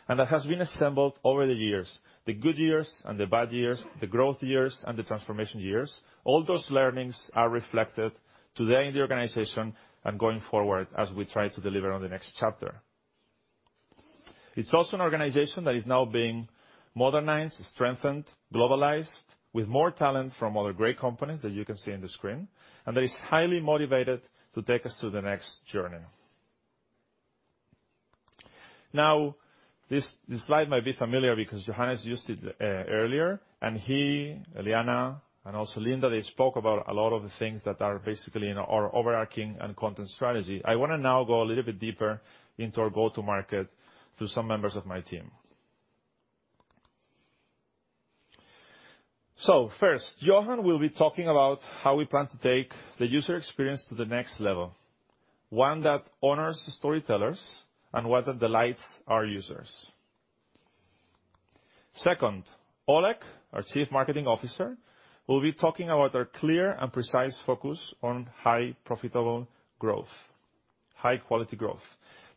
and that has been assembled over the years, the good years and the bad years, the growth years, and the transformation years. All those learnings are reflected today in the organization and going forward as we try to deliver on the next chapter. It's also an organization that is now being modernized, strengthened, globalized, with more talent from other great companies that you can see on the screen, and that is highly motivated to take us to the next journey. This slide might be familiar because Johannes used it earlier, and he, Helena, and also Linda, they spoke about a lot of the things that are basically in our overarching and content strategy. I wanna now go a little bit deeper into our go-to market through some members of my team. First, Johan will be talking about how we plan to take the user experience to the next level, one that honors storytellers, and one that delights our users. Second, Oleg, our Chief Marketing Officer, will be talking about our clear and precise focus on high profitable growth, high quality growth,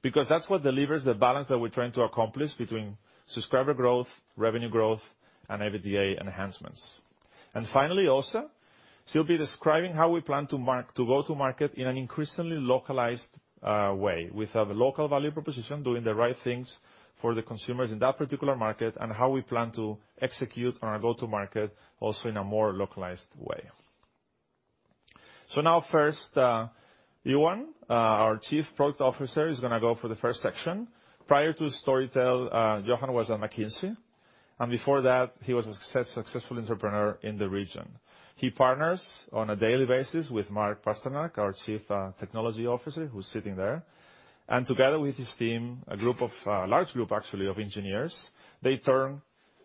because that's what delivers the balance that we're trying to accomplish between subscriber growth, revenue growth, and EBITDA enhancements. Finally, Åse, she'll be describing how we plan to go to market in an increasingly localized way, with a local value proposition, doing the right things for the consumers in that particular market, and how we plan to execute on our go-to market also in a more localized way. Now, first, Johan, our Chief Product Officer, is gonna go for the first section. Prior to Storytel, Johan was at McKinsey, and before that, he was a successful entrepreneur in the region. He partners on a daily basis with Mark Pasternak, our Chief Technology Officer, who's sitting there. Together with his team, a large group, actually, of engineers, they turn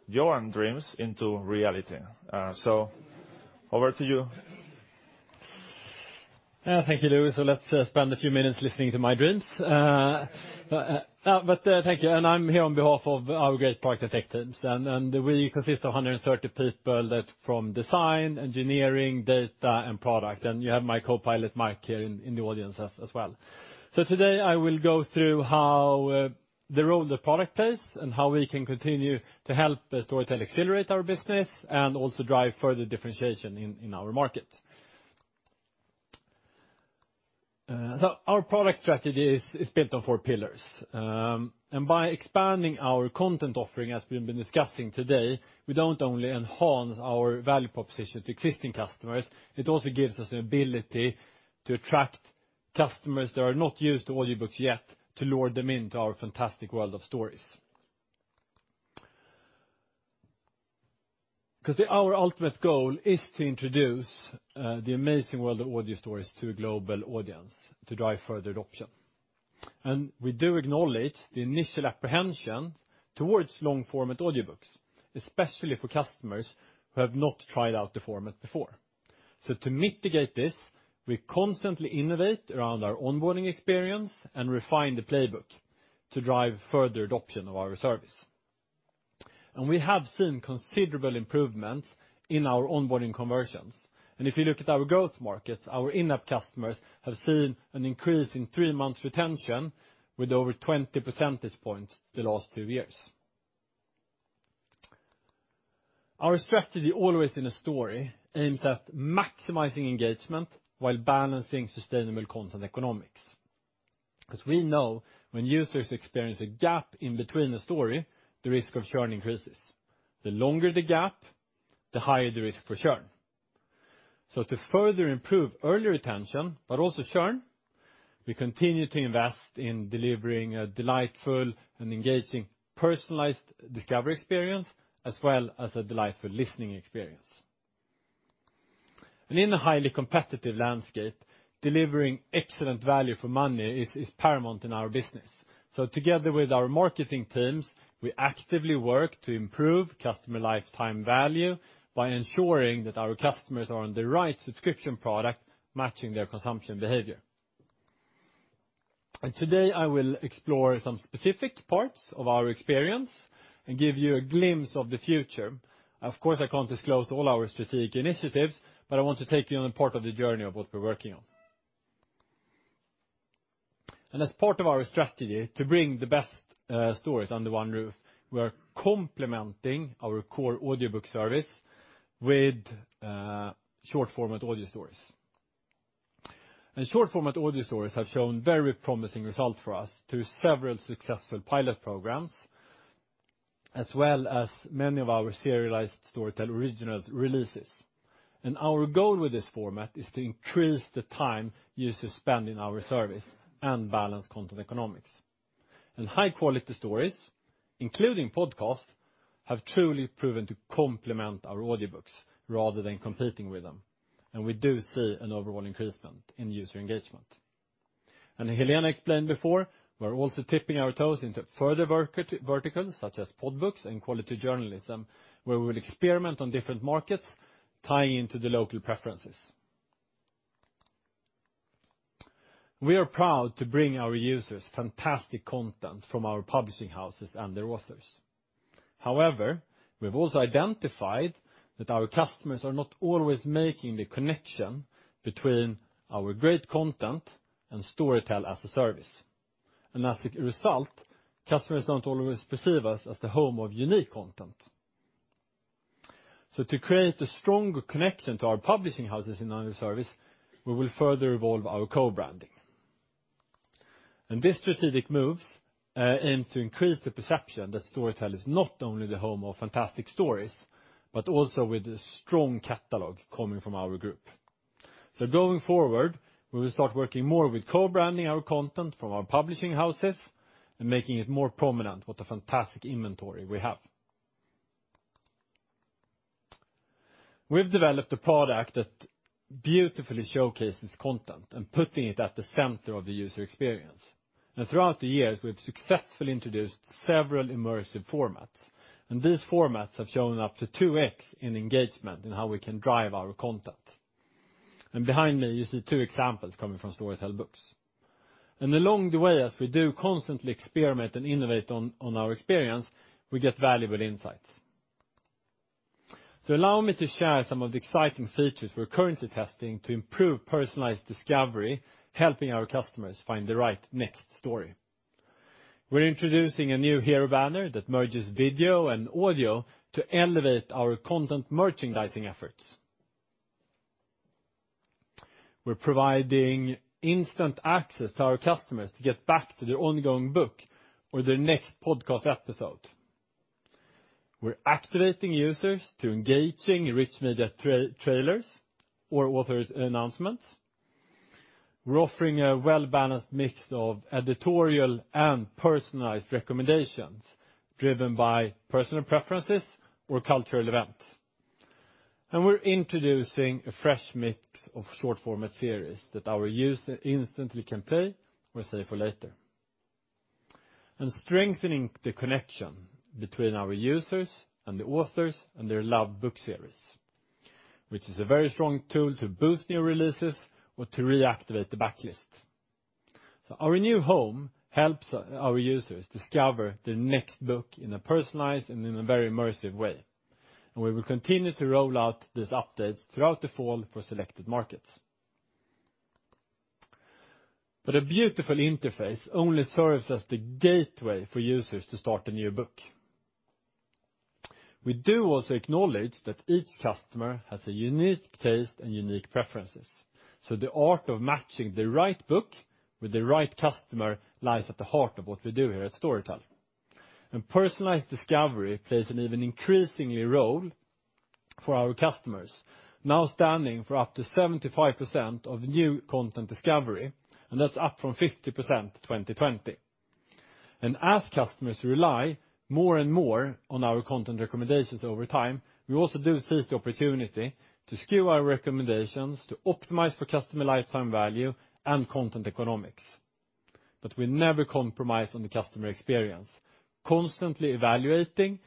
Johan dreams into reality. Over to you.
Thank you, Luis. Let's spend a few minutes listening to my dreams. Thank you. I'm here on behalf of our great product teams, and we consist of 130 people that from design, engineering, data, and product. You have my co-pilot, Mark, here in the audience as well. Today, I will go through how the role the product plays and how we can continue to help Storytel accelerate our business, and also drive further differentiation in our market. Our product strategy is built on four pillars. By expanding our content offering, as we've been discussing today, we don't only enhance our value proposition to existing customers, it also gives us the ability to attract customers that are not used to audiobooks yet, to lure them into our fantastic world of stories. Our ultimate goal is to introduce the amazing world of audio stories to a global audience to drive further adoption. We do acknowledge the initial apprehension towards long-format audiobooks, especially for customers who have not tried out the format before. To mitigate this, we constantly innovate around our onboarding experience and refine the playbook to drive further adoption of our service. We have seen considerable improvements in our onboarding conversions. If you look at our Growth markets, our in-app customers have seen an increase in three months retention with over 20 percentage points the last two years. Our strategy, Always in a Story, aims at maximizing engagement while balancing sustainable content economics. We know when users experience a gap in between the story, the risk of churn increases. The longer the gap, the higher the risk for churn. To further improve early retention, but also churn, we continue to invest in delivering a delightful and engaging, personalized discovery experience, as well as a delightful listening experience. In a highly competitive landscape, delivering excellent value for money is paramount in our business. Together with our marketing teams, we actively work to improve customer lifetime value by ensuring that our customers are on the right subscription product, matching their consumption behavior. Today, I will explore some specific parts of our experience and give you a glimpse of the future. Of course, I can't disclose all our strategic initiatives, but I want to take you on a part of the journey of what we're working on. As part of our strategy to bring the best stories under one roof, we are complementing our core audiobook service with short-format audio stories. Short-format audio stories have shown very promising results for us through several successful pilot programs, as well as many of our serialized Storytel Original releases. Our goal with this format is to increase the time users spend in our service and balance content economics. High-quality stories, including podcasts, have truly proven to complement our audiobooks rather than competing with them, and we do see an overall increase in user engagement. Helena explained before, we're also tipping our toes into further verticals, such as Podbook and quality journalism, where we will experiment on different markets, tying into the local preferences. We are proud to bring our users fantastic content from our publishing houses and their authors. However, we've also identified that our customers are not always making the connection between our great content and Storytel as a service. As a result, customers don't always perceive us as the home of unique content. To create a stronger connection to our publishing houses in our service, we will further evolve our co-branding. These specific moves aim to increase the perception that Storytel is not only the home of fantastic stories, but also with a strong catalog coming from our group. Going forward, we will start working more with co-branding our content from our publishing houses and making it more prominent what a fantastic inventory we have. We've developed a product that beautifully showcases content and putting it at the center of the user experience. Throughout the years, we've successfully introduced several immersive formats, and these formats have shown up to 2x in engagement in how we can drive our content. Behind me, you see two examples coming from Storytel Books. Along the way, as we do constantly experiment and innovate on our experience, we get valuable insights. Allow me to share some of the exciting features we're currently testing to improve personalized discovery, helping our customers find the right next story. We're introducing a new hero banner that merges video and audio to elevate our content merchandising efforts. We're providing instant access to our customers to get back to their ongoing book or their next podcast episode. We're activating users to engaging rich media trailers or author announcements. We're offering a well-balanced mix of editorial and personalized recommendations, driven by personal preferences or cultural events. We're introducing a fresh mix of short format series that our user instantly can play or save for later. Strengthening the connection between our users and the authors and their loved book series, which is a very strong tool to boost new releases or to reactivate the backlist. Our new home helps our users discover the next book in a personalized and in a very immersive way, and we will continue to roll out this update throughout the fall for selected markets. A beautiful interface only serves as the gateway for users to start a new book. We do also acknowledge that each customer has a unique taste and unique preferences, so the art of matching the right book with the right customer lies at the heart of what we do here at Storytel. Personalized discovery plays an even increasingly role for our customers, now standing for up to 75% of new content discovery, and that's up from 50% in 2020. As customers rely more and more on our content recommendations over time, we also do seize the opportunity to skew our recommendations to optimize for customer lifetime value and content economics. We never compromise on the customer experience, constantly evaluating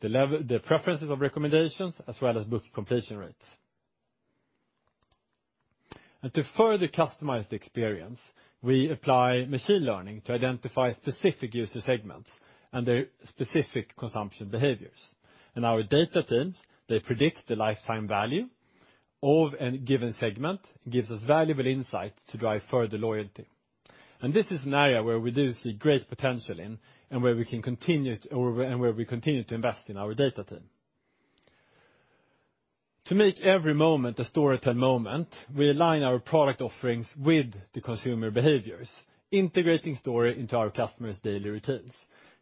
the preferences of recommendations, as well as book completion rates. To further customize the experience, we apply machine learning to identify specific user segments and their specific consumption behaviors. Our data teams, they predict the lifetime value of any given segment, gives us valuable insights to drive further loyalty. This is an area where we do see great potential in, and where we continue to invest in our data team. To make every moment a Storytel moment, we align our product offerings with the consumer behaviors, integrating story into our customers' daily routines.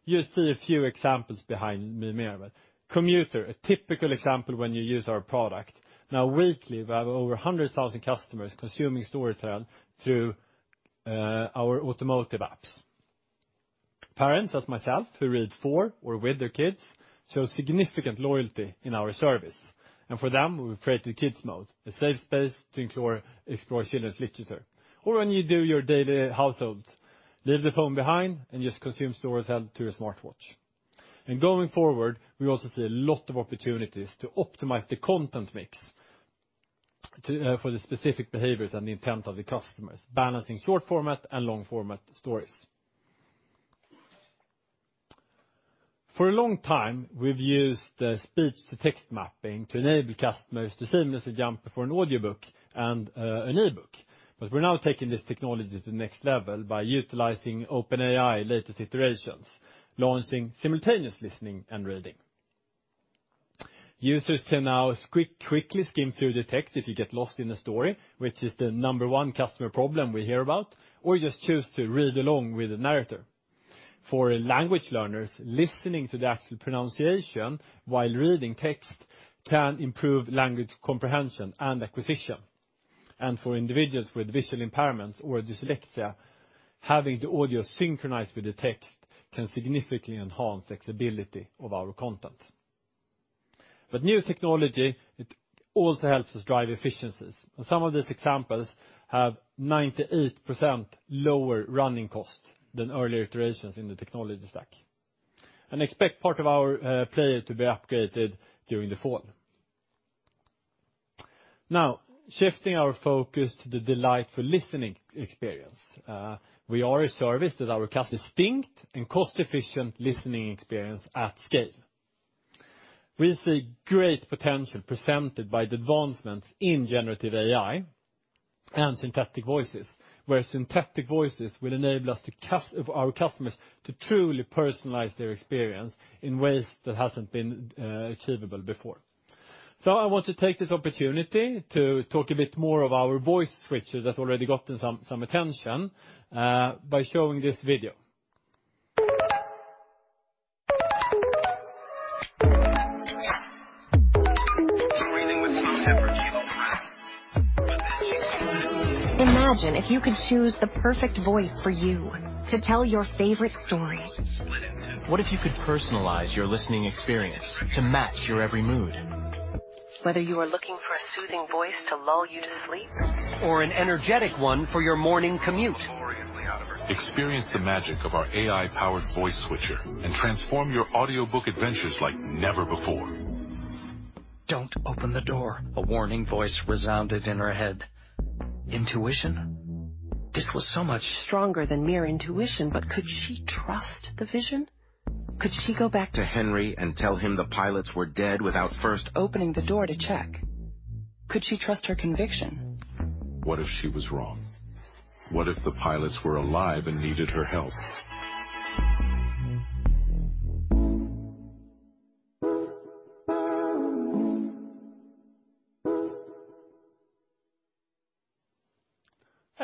You see a few examples behind me here, but commuter, a typical example when you use our product. Now, weekly, we have over 100,000 customers consuming Storytel through our automotive apps. Parents, as myself, who read for or with their kids, show significant loyalty in our service, and for them, we've created Kids Mode, a safe space to explore children's literature. When you do your daily households, leave the phone behind and just consume Storytel through your smartwatch. Going forward, we also see a lot of opportunities to optimize the content mix to for the specific behaviors and the intent of the customers, balancing short format and long format stories. For a long time, we've used speech-to-text mapping to enable customers to seamlessly jump for an audiobook and an e-book. We're now taking this technology to the next level by utilizing OpenAI latest iterations, launching simultaneous listening and reading. Users can now quickly skim through the text if you get lost in the story, which is the number one customer problem we hear about, or just choose to read along with the narrator. For language learners, listening to the actual pronunciation while reading text can improve language comprehension and acquisition. For individuals with visual impairments or dyslexia, having the audio synchronized with the text can significantly enhance the accessibility of our content. New technology, it also helps us drive efficiencies. Some of these examples have 98% lower running costs than earlier iterations in the technology stack. Expect part of our player to be upgraded during the fall. Now, shifting our focus to the delight for listening experience, we are a service that our distinct and cost-efficient listening experience at scale. We see great potential presented by the advancements in generative AI and synthetic voices, where synthetic voices will enable us to our customers to truly personalize their experience in ways that hasn't been achievable before. I want to take this opportunity to talk a bit more of our Voice Switcher that's already gotten some attention by showing this video.
Imagine if you could choose the perfect voice for you to tell your favorite story. What if you could personalize your listening experience to match your every mood? Whether you are looking for a soothing voice to lull you to sleep. An energetic one for your morning commute. Experience the magic of our AI-powered Voice Switcher and transform your audiobook adventures like never before. Don't open the door," a warning voice resounded in her head. Intuition? This was so much- Stronger than mere intuition. Could she trust the vision? To Henry and tell him the pilots were dead without first. Opening the door to check? Could she trust her conviction? What if she was wrong? What if the pilots were alive and needed her help?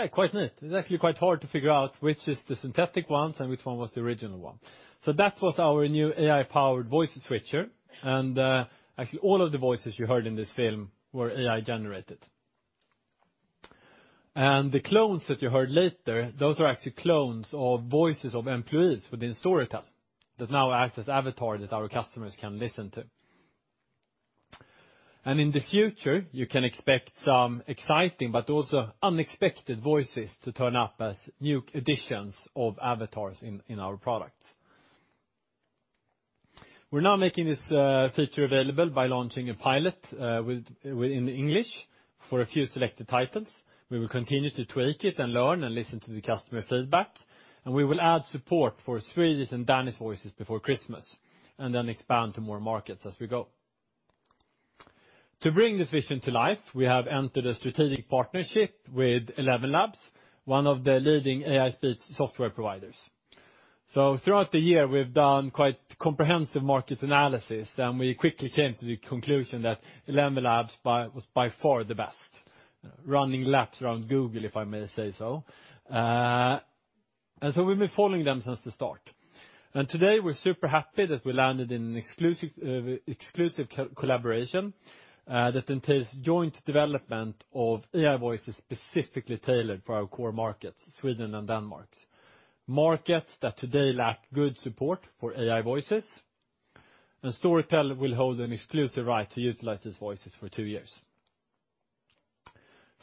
Hey, quite neat. It's actually quite hard to figure out which is the synthetic ones and which one was the original one. That was our new AI-powered Voice Switcher, actually, all of the voices you heard in this film were AI-generated. The clones that you heard later, those are actually clones of voices of employees within Storytel, that now acts as avatar that our customers can listen to. In the future, you can expect some exciting but also unexpected voices to turn up as new additions of avatars in our products. We're now making this feature available by launching a pilot within English for a few selected titles. We will continue to tweak it and learn and listen to the customer feedback, and we will add support for Swedish and Danish voices before Christmas, and then expand to more markets as we go. To bring this vision to life, we have entered a strategic partnership with ElevenLabs, one of the leading AI speech software providers. Throughout the year, we've done quite comprehensive market analysis, and we quickly came to the conclusion that ElevenLabs was by far the best. Running laps around Google, if I may say so. We've been following them since the start. Today, we're super happy that we landed in an exclusive collaboration that entails joint development of AI voices specifically tailored for our Core markets, Sweden and Denmark. Markets that today lack good support for AI voices, Storytel will hold an exclusive right to utilize these voices for two years.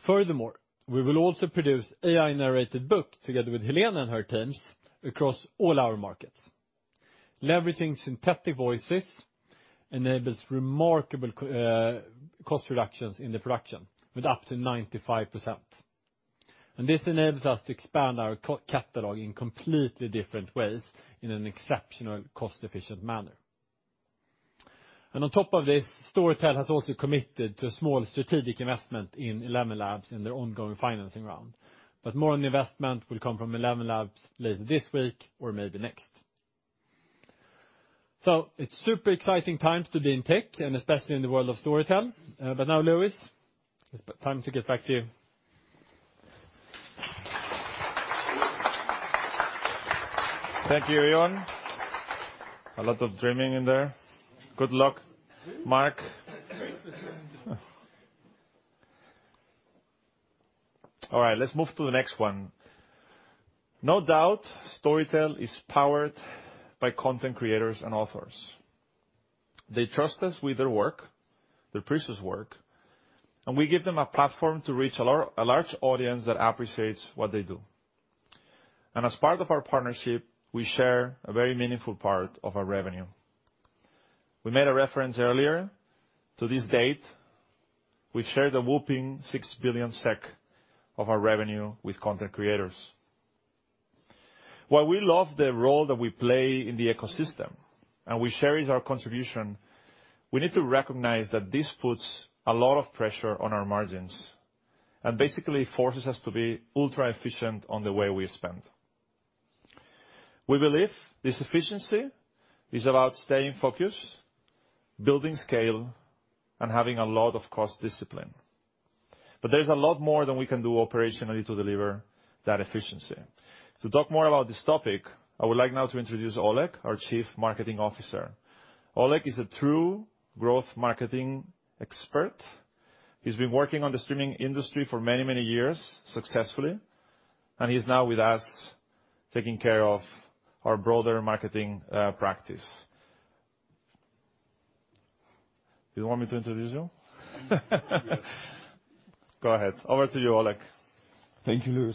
Furthermore, we will also produce AI-narrated book together with Helena and her teams across all our markets. Leveraging synthetic voices enables remarkable cost reductions in the production with up to 95%. This enables us to expand our catalog in completely different ways in an exceptional, cost-efficient manner. On top of this, Storytel has also committed to a small strategic investment in ElevenLabs in their ongoing financing round, More on the investment will come from ElevenLabs later this week or maybe next. It's super exciting times to be in tech and especially in the world of Storytel. Now, Luis, it's time to get back to you.
Thank you, Johan. A lot of dreaming in there. Good luck, Mark. All right, let's move to the next one. No doubt, Storytel is powered by content creators and authors. They trust us with their work, their precious work, and we give them a platform to reach a large audience that appreciates what they do. As part of our partnership, we share a very meaningful part of our revenue. We made a reference earlier, to this date, we've shared a whopping 6 billion SEK of our revenue with content creators. While we love the role that we play in the ecosystem, and we cherish our contribution, we need to recognize that this puts a lot of pressure on our margins and basically forces us to be ultra-efficient on the way we spend. We believe this efficiency is about staying focused, building scale, and having a lot of cost discipline. There's a lot more than we can do operationally to deliver that efficiency. To talk more about this topic, I would like now to introduce Oleg, our Chief Marketing Officer. Oleg is a true Growth marketing expert. He's been working on the streaming industry for many, many years, successfully. He's now with us, taking care of our broader marketing practice. You want me to introduce you? Go ahead. Over to you, Oleg.
Thank you,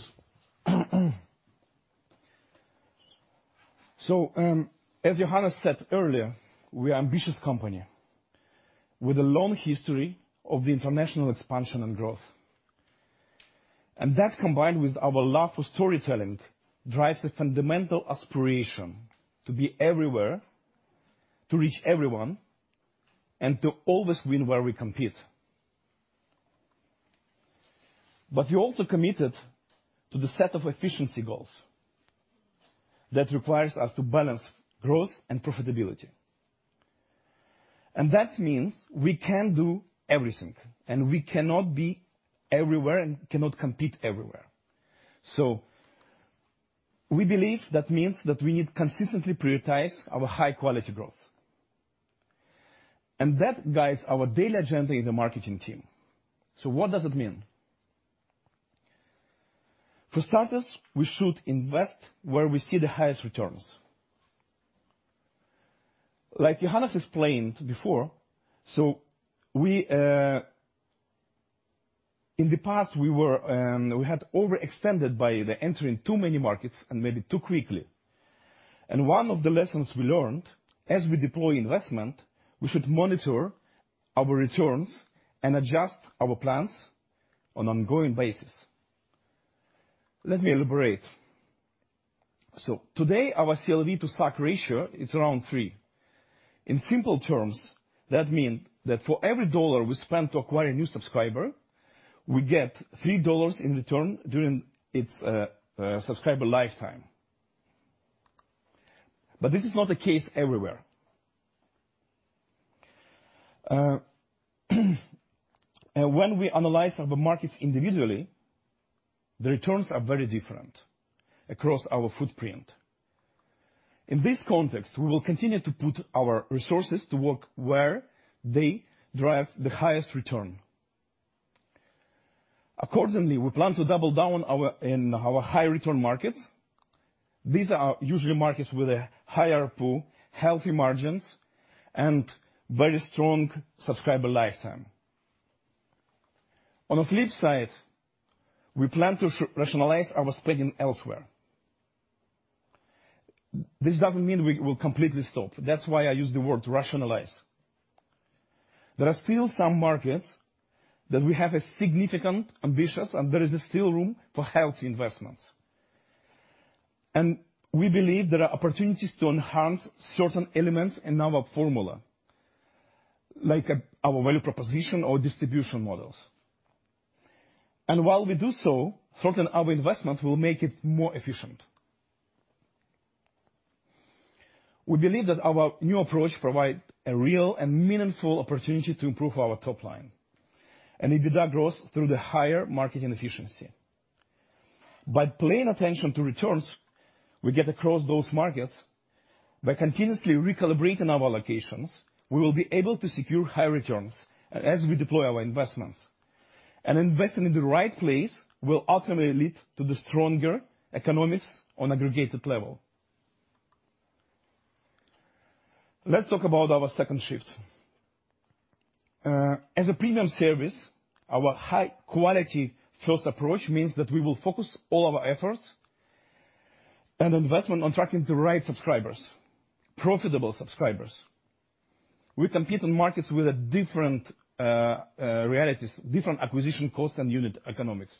Luis. As Johannes said earlier, we're ambitious company with a long history of the international expansion and growth. That, combined with our love for storytelling, drives the fundamental aspiration to be everywhere, to reach everyone, and to always win where we compete. We're also committed to the set of efficiency goals that requires us to balance growth and profitability. That means we can't do everything, and we cannot be everywhere, and cannot compete everywhere. We believe that means that we need to consistently prioritize our high quality growth. That guides our daily agenda as a marketing team. What does it mean? For starters, we should invest where we see the highest returns. Like Johannes explained before, In the past, we were, we had overextended by the entering too many markets and made it too quickly. One of the lessons we learned, as we deploy investment, we should monitor our returns and adjust our plans on ongoing basis. Let me elaborate. Today, our CLV to SAC ratio is around 3. In simple terms, that mean that for every dollar we spend to acquire a new subscriber, we get $3 in return during its subscriber lifetime. This is not the case everywhere. When we analyze our markets individually, the returns are very different across our footprint. In this context, we will continue to put our resources to work where they drive the highest return. Accordingly, we plan to double down in our high return markets. These are usually markets with a higher pool, healthy margins, and very strong subscriber lifetime. On the flip side, we plan to rationalize our spending elsewhere. This doesn't mean we will completely stop. That's why I use the word rationalize. There are still some markets that we have a significant ambitions, there is still room for healthy investments. We believe there are opportunities to enhance certain elements in our formula, like our value proposition or distribution models. While we do so, certain our investment will make it more efficient. We believe that our new approach provide a real and meaningful opportunity to improve our top line, EBITDA grows through the higher marketing efficiency. By paying attention to returns, we get across those markets. By continuously recalibrating our allocations, we will be able to secure high returns as we deploy our investments. Investing in the right place will ultimately lead to the stronger economics on aggregated level. Let's talk about our second shift. As a premium service, our high quality first approach means that we will focus all our efforts and investment on attracting the right subscribers, profitable subscribers. We compete in markets with a different realities, different acquisition costs and unit economics.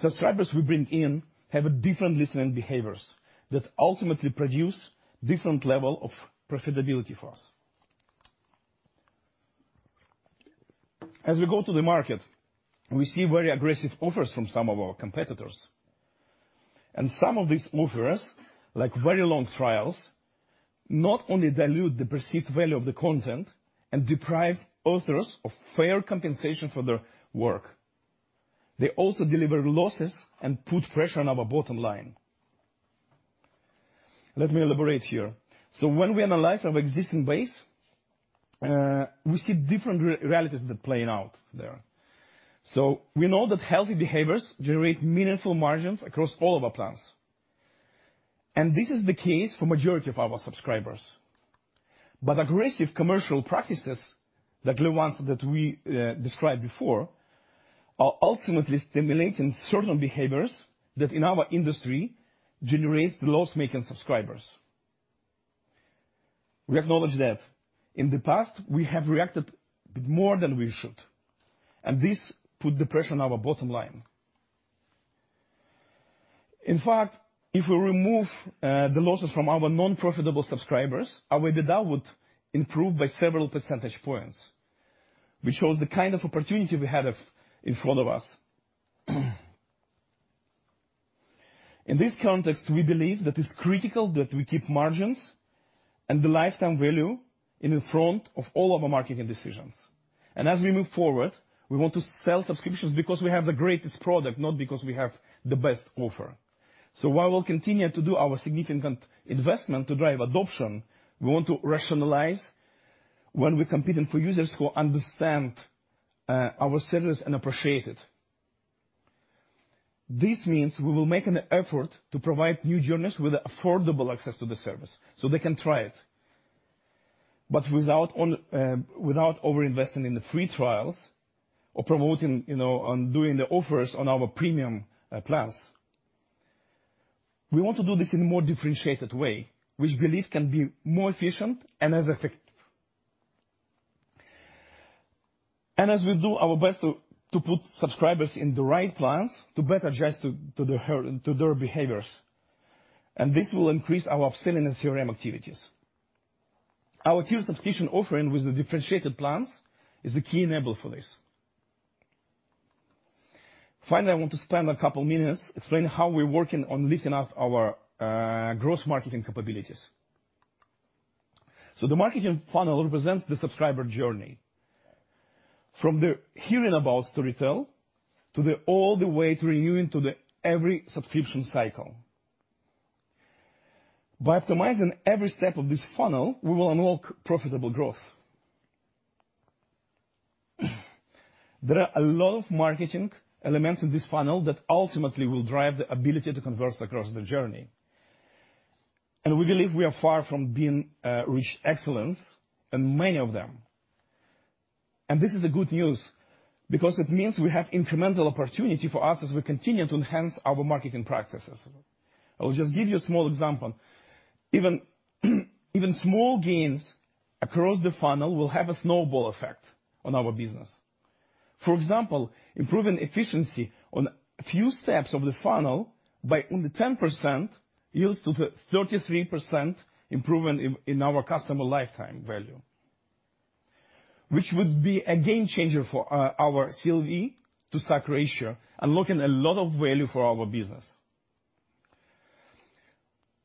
Subscribers we bring in have different listening behaviors, that ultimately produce different level of profitability for us. As we go to the market, we see very aggressive offers from some of our competitors. Some of these offerers, like very long trials, not only dilute the perceived value of the content and deprive authors of fair compensation for their work, they also deliver losses and put pressure on our bottom line. Let me elaborate here. When we analyze our existing base, we see different realities that playing out there. We know that healthy behaviors generate meaningful margins across all of our plans, and this is the case for majority of our subscribers. Aggressive commercial practices, like the ones that we described before, are ultimately stimulating certain behaviors that in our industry generates loss-making subscribers. We acknowledge that. In the past, we have reacted more than we should, and this put the pressure on our bottom line. If we remove the losses from our non-profitable subscribers, our EBITDA would improve by several percentage points, which shows the kind of opportunity we have in front of us. In this context, we believe that it's critical that we keep margins and the lifetime value in the front of all of our marketing decisions. As we move forward, we want to sell subscriptions because we have the greatest product, not because we have the best offer. While we'll continue to do our significant investment to drive adoption, we want to rationalize when we're competing for users who understand our service and appreciate it. This means we will make an effort to provide new journeys with affordable access to the service so they can try it. Without on, without over-investing in the free trials or promoting, you know, on doing the offers on our premium plans. We want to do this in a more differentiated way, which we believe can be more efficient and as effective. As we do our best to put subscribers in the right plans, to better adjust to their behaviors, and this will increase our upselling and CRM activities. Our tier subscription offering with the differentiated plans is the key enabler for this. I want to spend a couple minutes explaining how we're working on lifting up our Growth marketing capabilities. The marketing funnel represents the subscriber journey, from the hearing about to retail, to the all the way to renewing to the every subscription cycle. By optimizing every step of this funnel, we will unlock profitable growth. There are a lot of marketing elements in this funnel that ultimately will drive the ability to convert across the journey. We believe we are far from being reach excellence in many of them. This is the good news, because it means we have incremental opportunity for us as we continue to enhance our marketing practices. I will just give you a small example. Even small gains across the funnel will have a snowball effect on our business. For example, improving efficiency on a few steps of the funnel by only 10% yields to the 33% improvement in our customer lifetime value, which would be a game changer for our CLV to SAC ratio, unlocking a lot of value for our business.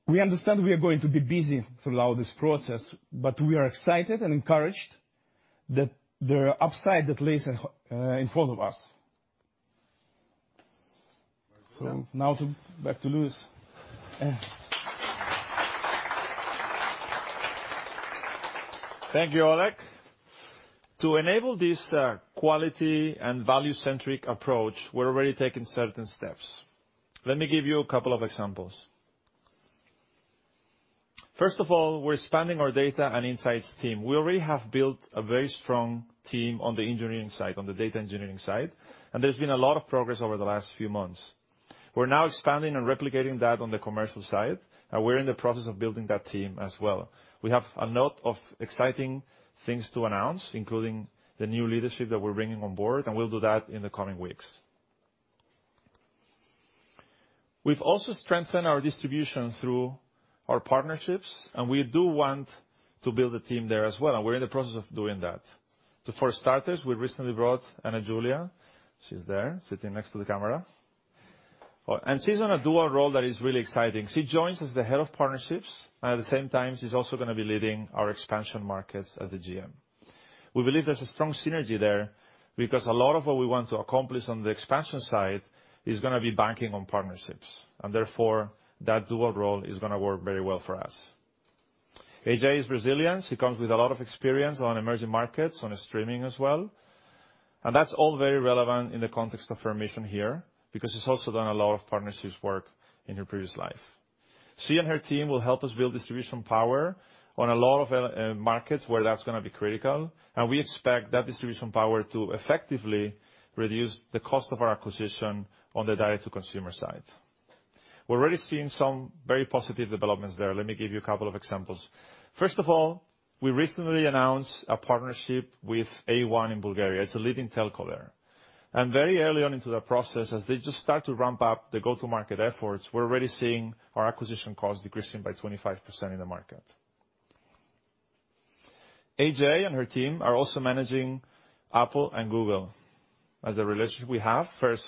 We understand we are going to be busy throughout this process. We are excited and encouraged that there are upside that lays in front of us. Now to, back to Luis.
Thank you, Oleg. To enable this quality and value-centric approach, we're already taking certain steps. Let me give you a couple of examples. First of all, we're expanding our data and insights team. We already have built a very strong team on the engineering side, on the data engineering side, and there's been a lot of progress over the last few months. We're now expanding and replicating that on the commercial side, and we're in the process of building that team as well. We have a lot of exciting things to announce, including the new leadership that we're bringing on board, and we'll do that in the coming weeks. We've also strengthened our distribution through our partnerships, and we do want to build a team there as well, and we're in the process of doing that. For starters, we recently brought Anna Julia. She's there, sitting next to the camera. She's on a dual role that is really exciting. She joins as the head of partnerships, and at the same time, she's also gonna be leading our Expansion markets as the GM. We believe there's a strong synergy there, because a lot of what we want to accomplish on the expansion side is gonna be banking on partnerships, and therefore, that dual role is gonna work very well for us. AJ is Brazilian. She comes with a lot of experience on emerging markets, on streaming as well, and that's all very relevant in the context of her mission here, because she's also done a lot of partnerships work in her previous life. She and her team will help us build distribution power on a lot of markets where that's gonna be critical, we expect that distribution power to effectively reduce the cost of our acquisition on the direct-to-consumer side. We're already seeing some very positive developments there. Let me give you a couple of examples. First of all, we recently announced a partnership with A1 in Bulgaria. It's a leading telco there. Very early on into that process, as they just start to ramp up the go-to-market efforts, we're already seeing our acquisition costs decreasing by 25% in the market. AJ and her team are also managing Apple and Google as the relationship we have. First,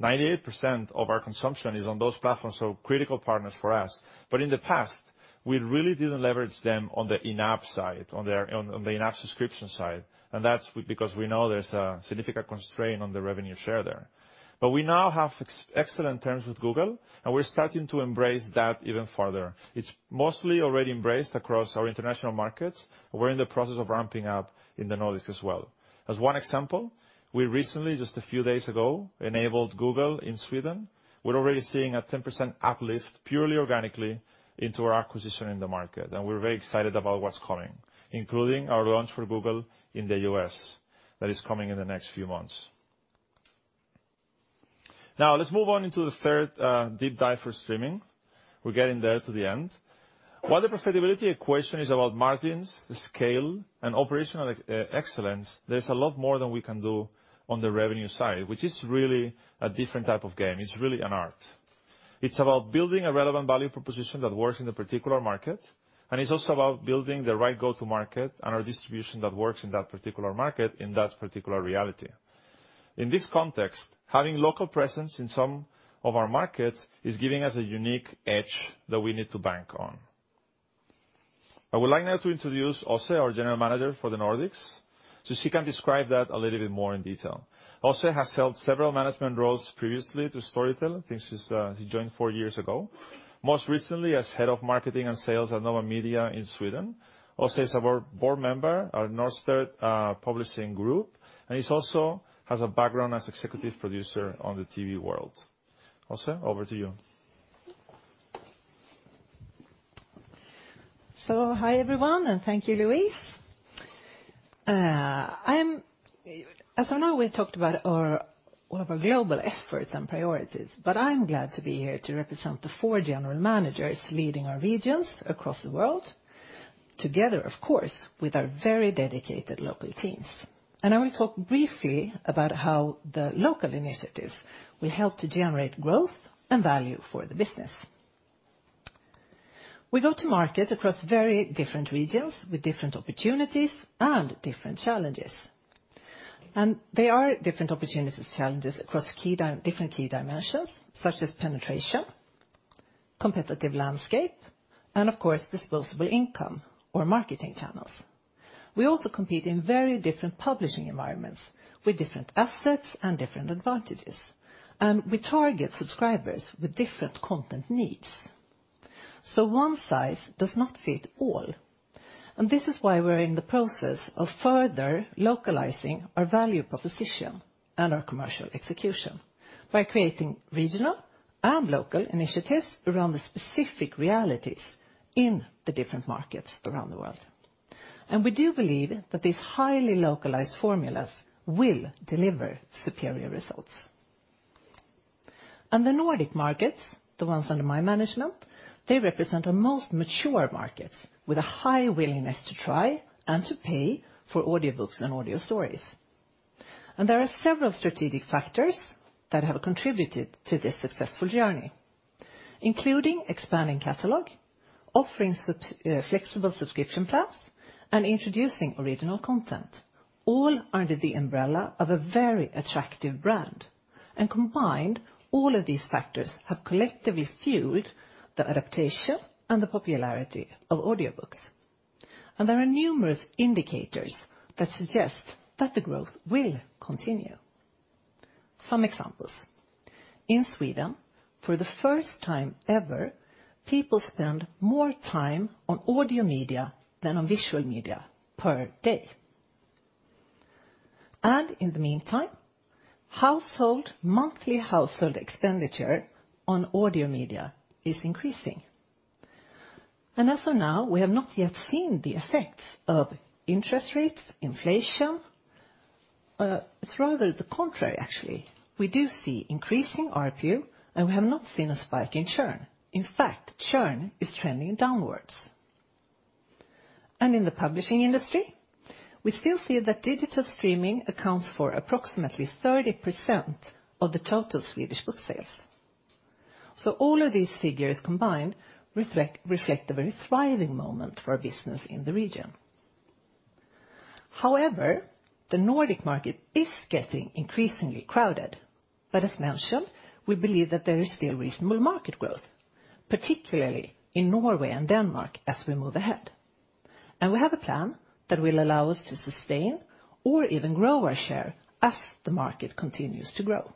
98% of our consumption is on those platforms, so critical partners for us. In the past, we really didn't leverage them on the in-app side, on their, on the in-app subscription side, and that's because we know there's a significant constraint on the revenue share there. We now have excellent terms with Google. We're starting to embrace that even further. It's mostly already embraced across our international markets. We're in the process of ramping up in the Nordics as well. As one example, we recently, just a few days ago, enabled Google in Sweden. We're already seeing a 10% uplift, purely organically, into our acquisition in the market. We're very excited about what's coming, including our launch for Google in the U.S. that is coming in the next few months. Let's move on into the third deep dive for streaming. We're getting there to the end. While the profitability equation is about margins, scale, and operational excellence, there's a lot more that we can do on the revenue side, which is really a different type of game. It's really an art. It's about building a relevant value proposition that works in the particular market, it's also about building the right go-to market and our distribution that works in that particular market, in that particular reality. In this context, having local presence in some of our markets is giving us a unique edge that we need to bank on. I would like now to introduce Åse, our general manager for the Nordics. She can describe that a little bit more in detail. Åse has held several management roles previously to Storytel, since she joined four years ago. Most recently as head of marketing and sales at Nova Media in Sweden. Åse is our board member at Norstedts Publishing Group, and she's also has a background as executive producer on the TV world. Åse, over to you.
Hi, everyone, and thank you, Luis. As I know, we've talked about our, all of our global efforts and priorities, but I'm glad to be here to represent the four general managers leading our regions across the world, together, of course, with our very dedicated local teams. I will talk briefly about how the local initiatives will help to generate growth and value for the business. We go to market across very different regions with different opportunities and different challenges. There are different opportunities and challenges across key different key dimensions, such as penetration, competitive landscape, and of course, disposable income or marketing channels. We also compete in very different publishing environments with different assets and different advantages, and we target subscribers with different content needs. One size does not fit all, and this is why we're in the process of further localizing our value proposition and our commercial execution by creating regional and local initiatives around the specific realities in the different markets around the world. We do believe that these highly localized formulas will deliver superior results. The Nordic markets, the ones under my management, they represent our most mature markets, with a high willingness to try and to pay for audiobooks and audio stories. There are several strategic factors that have contributed to this successful journey, including expanding catalog, offering sub, flexible subscription plans, and introducing original content, all under the umbrella of a very attractive brand. Combined, all of these factors have collectively fueled the adaptation and the popularity of audiobooks. There are numerous indicators that suggest that the growth will continue. Some examples: in Sweden, for the first time ever, people spend more time on audio media than on visual media per day. In the meantime, monthly household expenditure on audio media is increasing. As of now, we have not yet seen the effects of interest rates, inflation, it's rather the contrary, actually. We do see increasing ARPU, and we have not seen a spike in churn. In fact, churn is trending downwards. In the publishing industry, we still see that digital streaming accounts for approximately 30% of the total Swedish book sales. All of these figures combined reflect a very thriving moment for our business in the region. However, the Nordic market is getting increasingly crowded. As mentioned, we believe that there is still reasonable market growth, particularly in Norway and Denmark, as we move ahead. We have a plan that will allow us to sustain or even grow our share as the market continues to grow.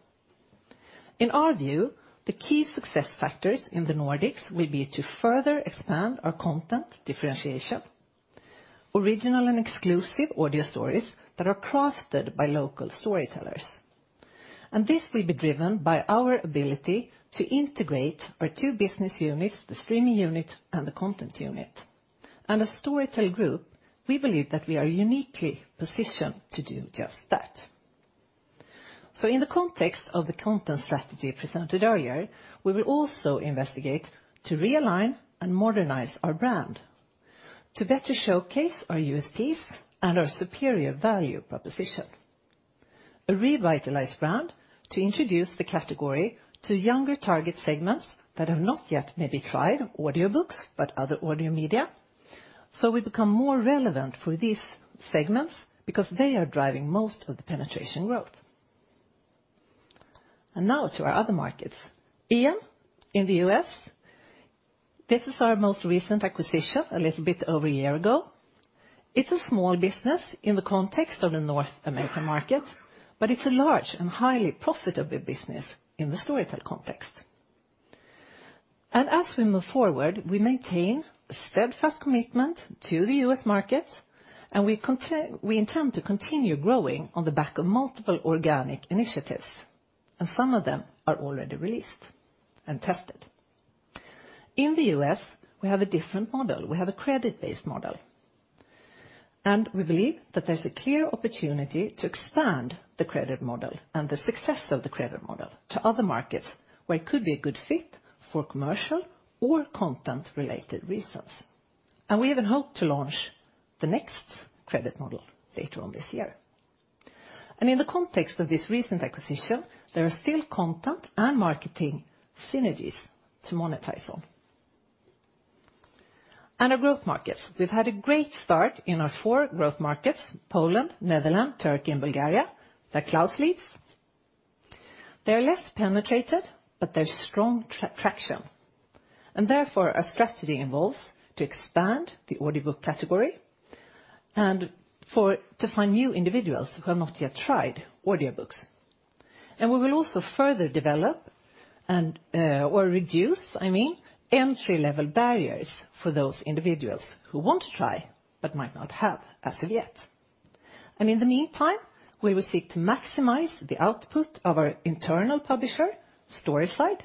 In our view, the key success factors in the Nordics will be to further expand our content differentiation, original and exclusive audio stories that are crafted by local storytellers. This will be driven by our ability to integrate our two business units, the streaming unit and the content unit. As Storytel Group, we believe that we are uniquely positioned to do just that. In the context of the content strategy presented earlier, we will also investigate to realign and modernize our brand, to better showcase our U.S. team and our superior value propositions. A revitalized brand to introduce the category to younger target segments that have not yet maybe tried audiobooks, but other audio media, so we become more relevant for these segments because they are driving most of the penetration growth. Now to our other markets. Ian, in the U.S., this is our most recent acquisition, a little bit over a year ago. It's a small business in the context of the North American market, but it's a large and highly profitable business in the Storytel context. As we move forward, we maintain a steadfast commitment to the U.S. market, we intend to continue growing on the back of multiple organic initiatives, and some of them are already released and tested. In the U.S., we have a different model. We have a credit-based model, and we believe that there's a clear opportunity to expand the credit model and the success of the credit model to other markets, where it could be a good fit for commercial or content-related reasons. We even hope to launch the next credit model later on this year. In the context of this recent acquisition, there are still content and marketing synergies to monetize on. Our Growth markets. We've had a great start in our four Growth markets, Poland, Netherlands, Turkey, and Bulgaria, that Claus leads. They are less penetrated, but there's strong traction. Therefore, our strategy involves to expand the audiobook category and to find new individuals who have not yet tried audiobooks. We will also further develop and, or reduce, I mean, entry-level barriers for those individuals who want to try, but might not have as of yet. In the meantime, we will seek to maximize the output of our internal publisher, Storyside,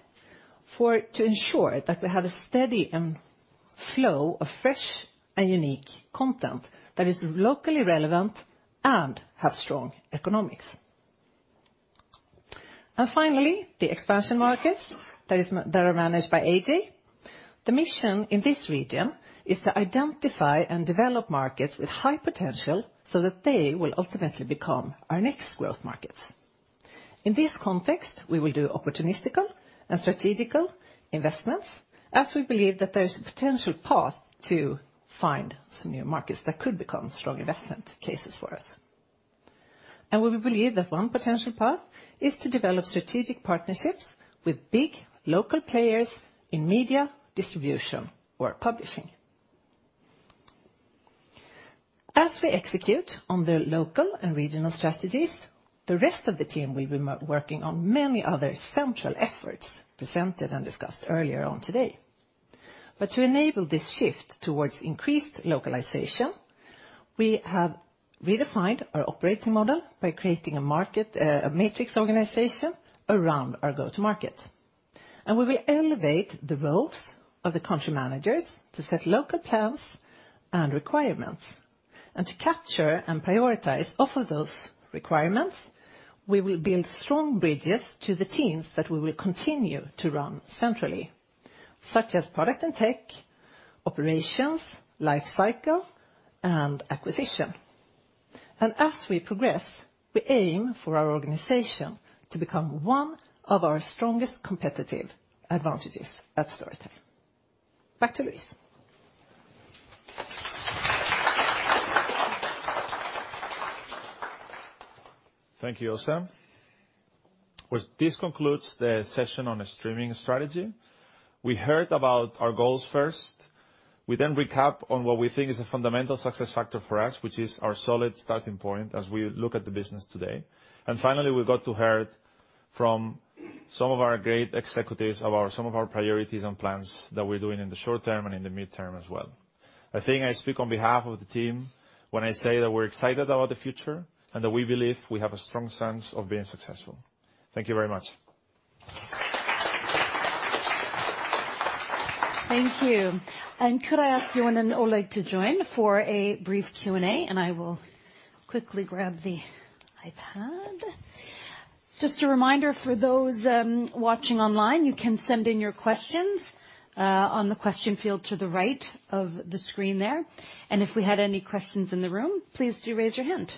to ensure that we have a steady flow of fresh and unique content that is locally relevant and have strong economics. Finally, the Expansion markets that are managed by AJ. The mission in this region is to identify and develop markets with high potential so that they will ultimately become our next Growth markets. In this context, we will do opportunistic and strategic investments, as we believe that there is a potential path to find some new markets that could become strong investment cases for us. We believe that one potential path is to develop strategic partnerships with big local players in media, distribution, or publishing. As we execute on the local and regional strategies, the rest of the team will be working on many other central efforts presented and discussed earlier on today. To enable this shift towards increased localization, we have redesigned our operating model by creating a market, a matrix organization around our go-to-market. We will elevate the roles of the country managers to set local plans and requirements. To capture and prioritize off of those requirements, we will build strong bridges to the teams that we will continue to run centrally, such as product and tech, operations, life cycle, and acquisition. As we progress, we aim for our organization to become one of our strongest competitive advantages at Storytel. Back to Luis.
Thank you, Åse. Well, this concludes the session on the streaming strategy. We heard about our goals first. We then recap on what we think is a fundamental success factor for us, which is our solid starting point as we look at the business today. Finally, we got to hear it from some of our great executives about some of our priorities and plans that we're doing in the short term and in the midterm as well. I think I speak on behalf of the team when I say that we're excited about the future and that we believe we have a strong sense of being successful. Thank you very much.
Thank you. Could I ask Johan and Oleg to join for a brief Q&A. I will quickly grab the iPad. Just a reminder for those watching online, you can send in your questions on the question field to the right of the screen there. If we had any questions in the room, please do raise your hand.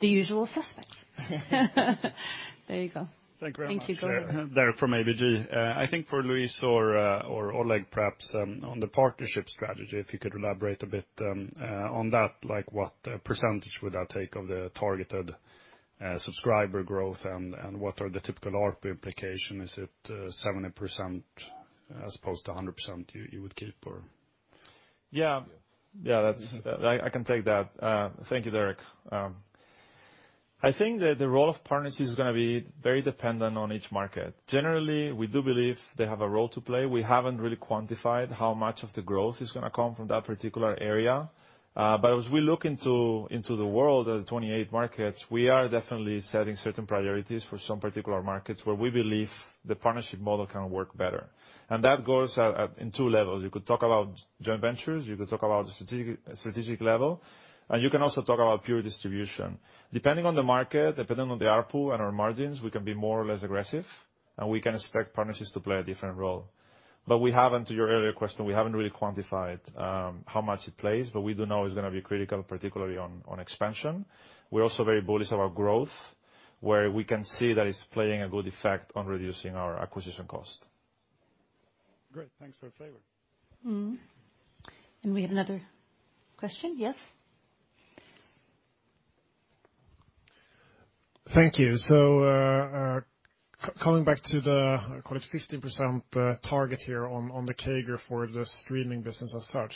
The usual suspects. There you go.
Thank you very much.
Thank you.
Derek from ABG. I think for Luis or Oleg, perhaps, on the partnership strategy, if you could elaborate a bit on that, what percentage would that take of the targeted subscriber growth? What are the typical ARPU implication? Is it 70% as opposed to 100% you would keep, or?
Yeah. I can take that. Thank you, Derek. I think that the role of partnerships is gonna be very dependent on each market. Generally, we do believe they have a role to play. We haven't really quantified how much of the growth is gonna come from that particular area. As we look into the world at the 28 markets, we are definitely setting certain priorities for some particular markets where we believe the partnership model can work better. That goes at two levels. You could talk about joint ventures, you could talk about the strategic level, and you can also talk about pure distribution. Depending on the market, depending on the ARPU and our margins, we can be more or less aggressive, and we can expect partnerships to play a different role. We haven't, to your earlier question, we haven't really quantified how much it plays, but we do know it's gonna be critical, particularly on expansion. We're also very bullish about growth, where we can see that it's playing a good effect on reducing our acquisition cost.
Great, thanks for the flavor.
Mm-hmm. We have another question. Yes?
Thank you. Coming back to the, I call it, 15% target here on the CAGR for the Streaming business as such,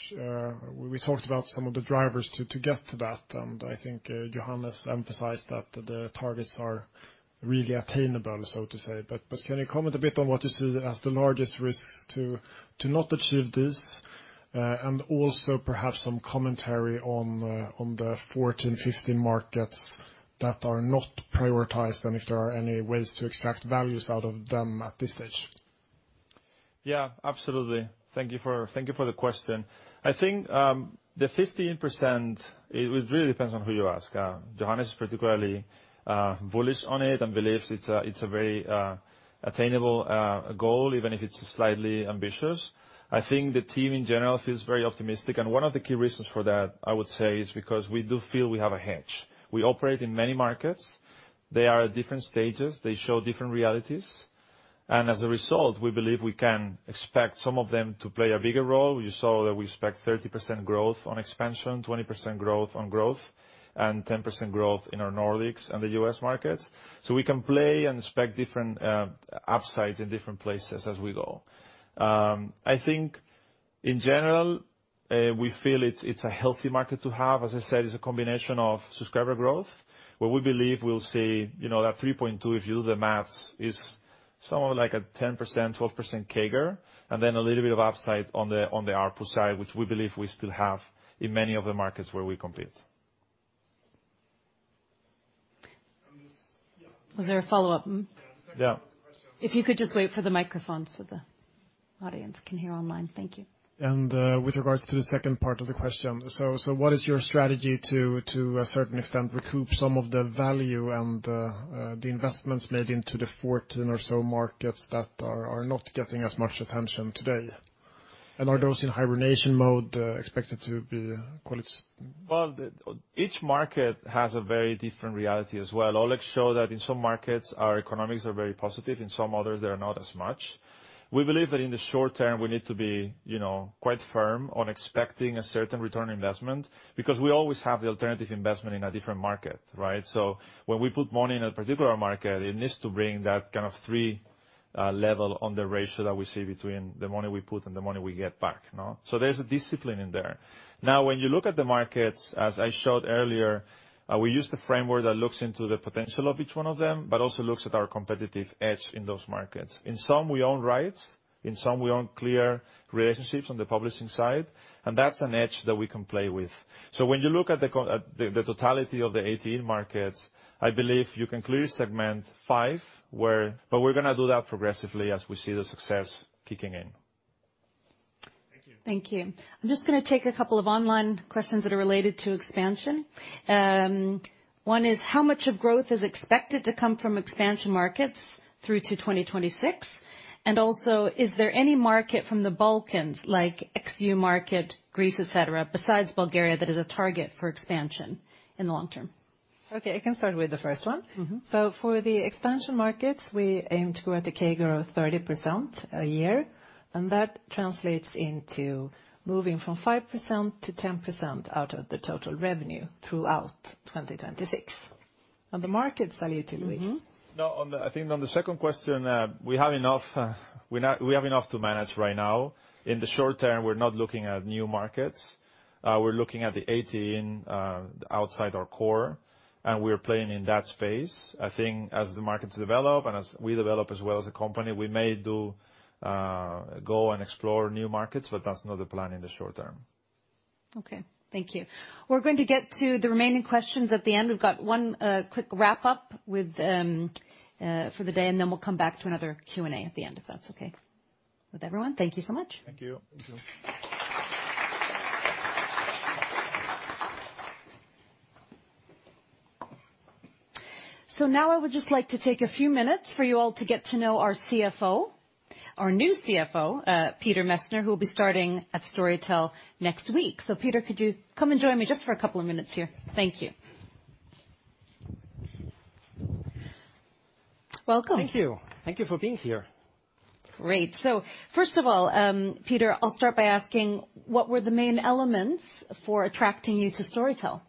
we talked about some of the drivers to get to that, and I think Johannes emphasized that the targets are really attainable, so to say. Can you comment a bit on what you see as the largest risk to not achieve this? And also perhaps some commentary on the 14, 15 markets that are not prioritized, and if there are any ways to extract values out of them at this stage.
Yeah, absolutely. Thank you for the question. I think the 15%, it really depends on who you ask. Johannes is particularly bullish on it and believes it's a very attainable goal, even if it's slightly ambitious. I think the team in general feels very optimistic, and one of the key reasons for that, I would say, is because we do feel we have a hedge. We operate in many markets. They are at different stages, they show different realities. As a result, we believe we can expect some of them to play a bigger role. You saw that we expect 30% growth on expansion, 20% growth on growth, and 10% growth in our Nordics and the US markets. We can play and expect different upsides in different places as we go. I think in general, we feel it's a healthy market to have. As I said, it's a combination of subscriber growth, where we believe we'll see, you know, that 3.2, if you do the maths, is somewhere like a 10%-12% CAGR, and then a little bit of upside on the ARPU side, which we believe we still have in many of the markets where we compete.
Was there a follow-up?
Yeah.
If you could just wait for the microphone so the audience can hear online. Thank you.
With regards to the second part of the question: so what is your strategy to a certain extent, recoup some of the value and the investments made into the 14 or so markets that are not getting as much attention today? Are those in hibernation mode expected to be quite-
Well, each market has a very different reality as well. Oleg show that in some markets, our economics are very positive, in some others, they are not as much. We believe that in the short term, we need to be, you know, quite firm on expecting a certain return on investment, because we always have the alternative investment in a different market, right? So when we put money in a particular market, it needs to bring that kind of three level on the ratio that we see between the money we put and the money we get back, no? There's a discipline in there. When you look at the markets, as I showed earlier, we use the framework that looks into the potential of each one of them, but also looks at our competitive edge in those markets. In some, we own rights, in some, we own clear relationships on the publishing side. That's an edge that we can play with. When you look at the totality of the 18 markets, I believe you can clearly segment five, where... We're gonna do that progressively as we see the success kicking in.
Thank you.
Thank you. I'm just gonna take a couple of online questions that are related to expansion. One is: How much of growth is expected to come from Expansion markets through to 2026? Also, is there any market from the Balkans, like Ex-EU market, Greece, et cetera, besides Bulgaria, that is a target for expansion in the long term?
Okay, I can start with the first one.
Mm-hmm.
For the Expansion markets, we aim to grow at a CAGR of 30% a year, and that translates into moving from 5% to 10% out of the total revenue throughout 2026. On the markets, I leave to Luis.
Mm-hmm.
I think on the second question, we have enough to manage right now. In the short term, we're not looking at new markets. We're looking at the 18 outside our core, and we're playing in that space. I think as the markets develop and as we develop as well as a company, we may do go and explore new markets, but that's not the plan in the short term.
Okay, thank you. We're going to get to the remaining questions at the end. We've got one quick wrap-up with for the day, and then we'll come back to another Q&A at the end, if that's okay with everyone. Thank you so much.
Thank you.
Thank you.
Now I would just like to take a few minutes for you all to get to know our CFO, our new CFO, Peter Messner, who will be starting at Storytel next week. Peter, could you come and join me just for a couple of minutes here? Thank you. Welcome.
Thank you. Thank you for being here.
Great. First of all, Peter, I'll start by asking, what were the main elements for attracting you to Storytel?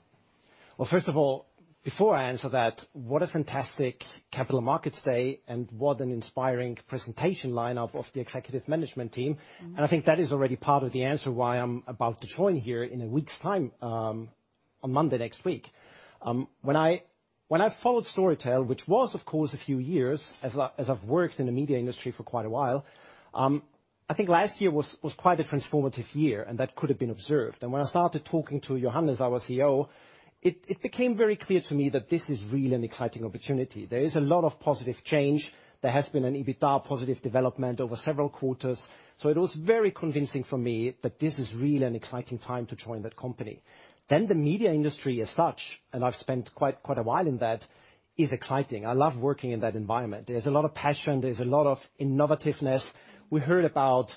Well, first of all, before I answer that, what a fantastic Capital Markets Day, and what an inspiring presentation lineup of the executive management team.
Mm-hmm.
I think that is already part of the answer why I'm about to join here in a week's time, on Monday next week. When I followed Storytel, which was, of course, a few years as I've worked in the media industry for quite a while, I think last year was quite a transformative year, and that could have been observed. When I started talking to Johannes, our CEO, it became very clear to me that this is really an exciting opportunity. There is a lot of positive change. There has been an EBITDA positive development over several quarters. It was very convincing for me that this is really an exciting time to join that company. The media industry as such, and I've spent quite a while in that, is exciting. I love working in that environment. There's a lot of passion, there's a lot of innovativeness. We heard about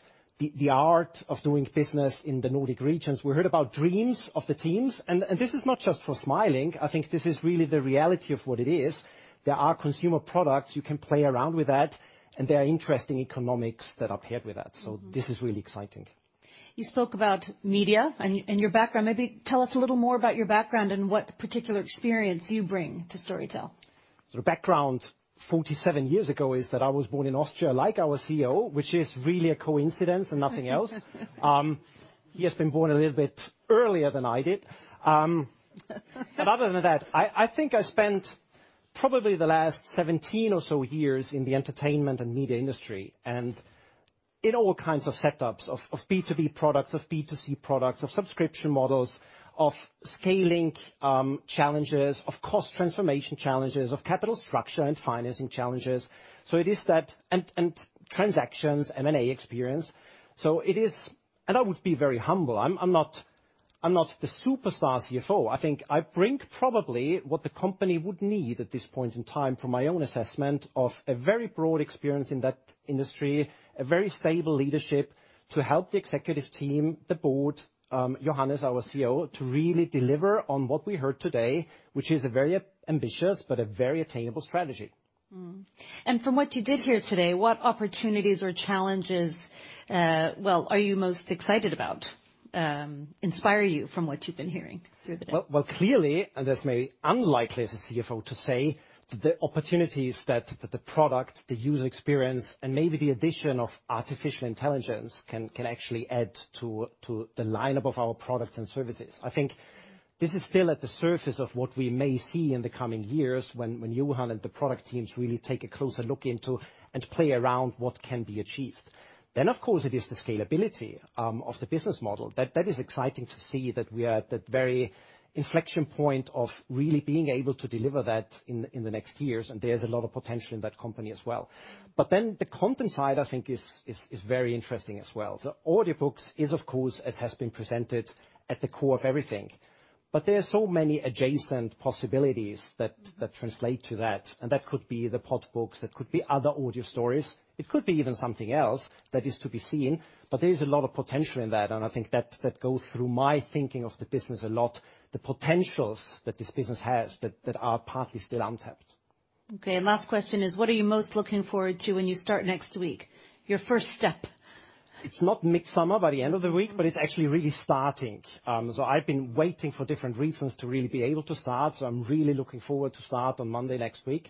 the art of doing business in the Nordic regions. We heard about dreams of the teams, and this is not just for smiling. I think this is really the reality of what it is. There are consumer products, you can play around with that, and there are interesting economics that are paired with that.
Mm-hmm.
This is really exciting.
You spoke about media and your background. Maybe tell us a little more about your background and what particular experience you bring to Storytel?
Background, 47 years ago, is that I was born in Austria, like our CEO, which is really a coincidence and nothing else. He has been born a little bit earlier than I did. Other than that, I think I spent probably the last 17 or so years in the entertainment and media industry, in all kinds of setups, of B2B products, of B2C products, of subscription models, of scaling challenges, of cost transformation challenges, of capital structure and financing challenges. It is that and transactions, M&A experience. It is. I would be very humble. I'm not the superstar CFO. I think I bring probably what the company would need at this point in time, from my own assessment, of a very broad experience in that industry, a very stable leadership to help the executives team, the board, Johannes, our CEO, to really deliver on what we heard today, which is a very ambitious but a very attainable strategy.
Mm-hmm. From what you did hear today, what opportunities or challenges, well, are you most excited about, inspire you from what you've been hearing through the day?
Well, clearly, and this may be unlikely as a CFO to say, the opportunities that the product, the user experience, and maybe the addition of artificial intelligence can actually add to the lineup of our products and services. I think this is still at the surface of what we may see in the coming years when Johan and the product teams really take a closer look into and play around what can be achieved. Of course, it is the scalability of the business model. That is exciting to see that we are at that very inflection point of really being able to deliver that in the next years, and there's a lot of potential in that company as well. The content side, I think, is very interesting as well. The audiobooks is, of course, as has been presented, at the core of everything. There are so many adjacent possibilities that translate to that, and that could be the Podbook, that could be other audio stories. It could be even something else that is to be seen, but there is a lot of potential in that, and I think that goes through my thinking of the business a lot, the potentials that this business has that are partly still untapped.
Okay, last question is, what are you most looking forward to when you start next week? Your first step.
It's not mid-summer by the end of the week, but it's actually really starting. I've been waiting for different reasons to really be able to start, so I'm really looking forward to start on Monday next week.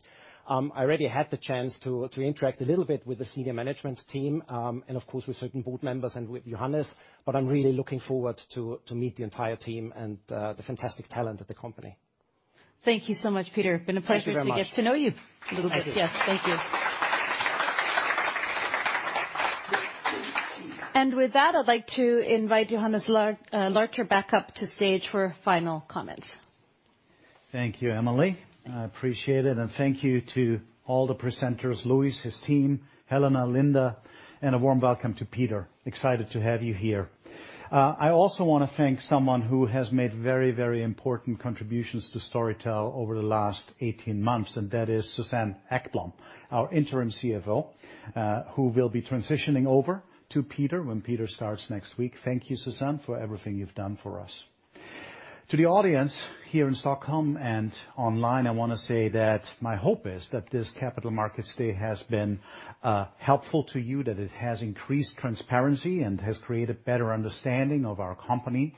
I already had the chance to interact a little bit with the senior management team, and of course, with certain board members and with Johannes, but I'm really looking forward to meet the entire team and the fantastic talent at the company.
Thank you so much, Peter.
Thank you very much.
Been a pleasure to get to know you a little bit.
Thank you.
Yes, thank you. With that, I'd like to invite Johannes Larcher back up to stage for final comments.
Thank you, Emily. I appreciate it, and thank you to all the presenters, Luis, his team, Helena, Linda, and a warm welcome to Peter. Excited to have you here. I also wanna thank someone who has made very, very important contributions to Storytel over the last 18 months, and that is Susanne Ekblom, our interim CFO, who will be transitioning over to Peter when Peter starts next week. Thank you, Susanne, for everything you've done for us. To the audience here in Stockholm and online, I wanna say that my hope is that this Capital Markets Day has been helpful to you, that it has increased transparency and has created better understanding of our company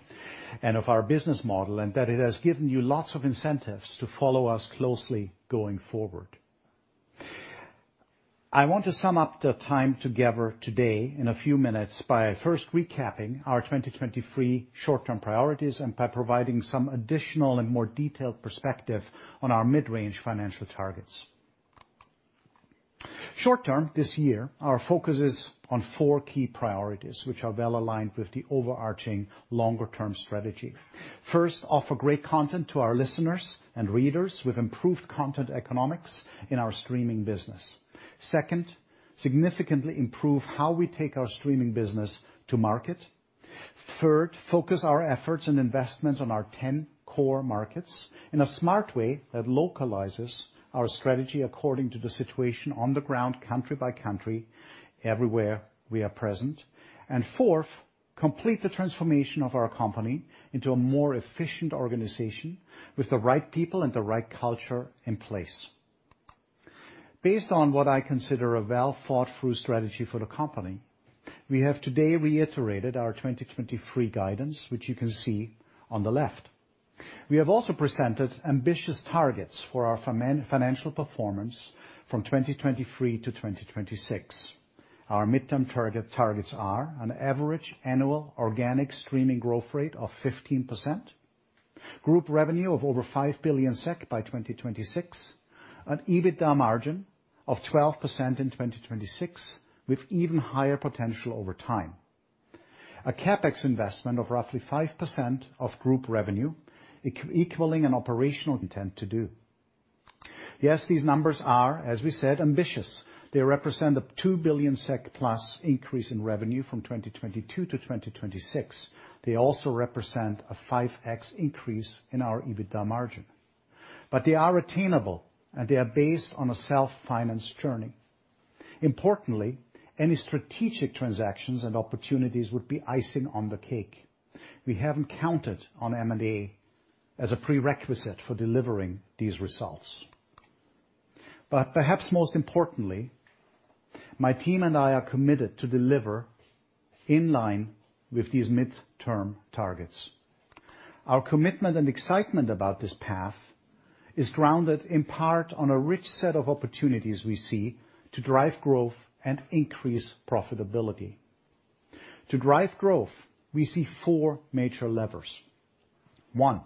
and of our business model, and that it has given you lots of incentives to follow us closely going forward. I want to sum up the time together today in a few minutes by first recapping our 2023 short-term priorities and by providing some additional and more detailed perspective on our mid-range financial targets. Short term, this year, our focus is on four key priorities, which are well aligned with the overarching longer-term strategy. First, offer great content to our listeners and readers with improved content economics in our Streaming business. Second, significantly improve how we take our Streaming business to market. Third, focus our efforts and investments on our 10 Core markets in a smart way that localizes our strategy according to the situation on the ground, country by country, everywhere we are present. Fourth, complete the transformation of our company into a more efficient organization with the right people and the right culture in place. Based on what I consider a well-thought-through strategy for the company, we have today reiterated our 2023 guidance, which you can see on the left. We have also presented ambitious targets for our financial performance from 2023 to 2026. Our midterm targets are an average annual organic streaming growth rate of 15%, group revenue of over 5 billion SEK by 2026, an EBITDA margin of 12% in 2026, with even higher potential over time. A CapEx investment of roughly 5% of group revenue, equaling an operational intent to do. Yes, these numbers are, as we said, ambitious. They represent a 2 billion SEK plus increase in revenue from 2022 to 2026. They also represent a 5x increase in our EBITDA margin. They are attainable, and they are based on a self-finance journey. Importantly, any strategic transactions and opportunities would be icing on the cake. We haven't counted on M&A as a prerequisite for delivering these results. Perhaps most importantly, my team and I are committed to deliver in line with these midterm targets. Our commitment and excitement about this path is grounded in part on a rich set of opportunities we see to drive growth and increase profitability. To drive growth, we see four major levers. One,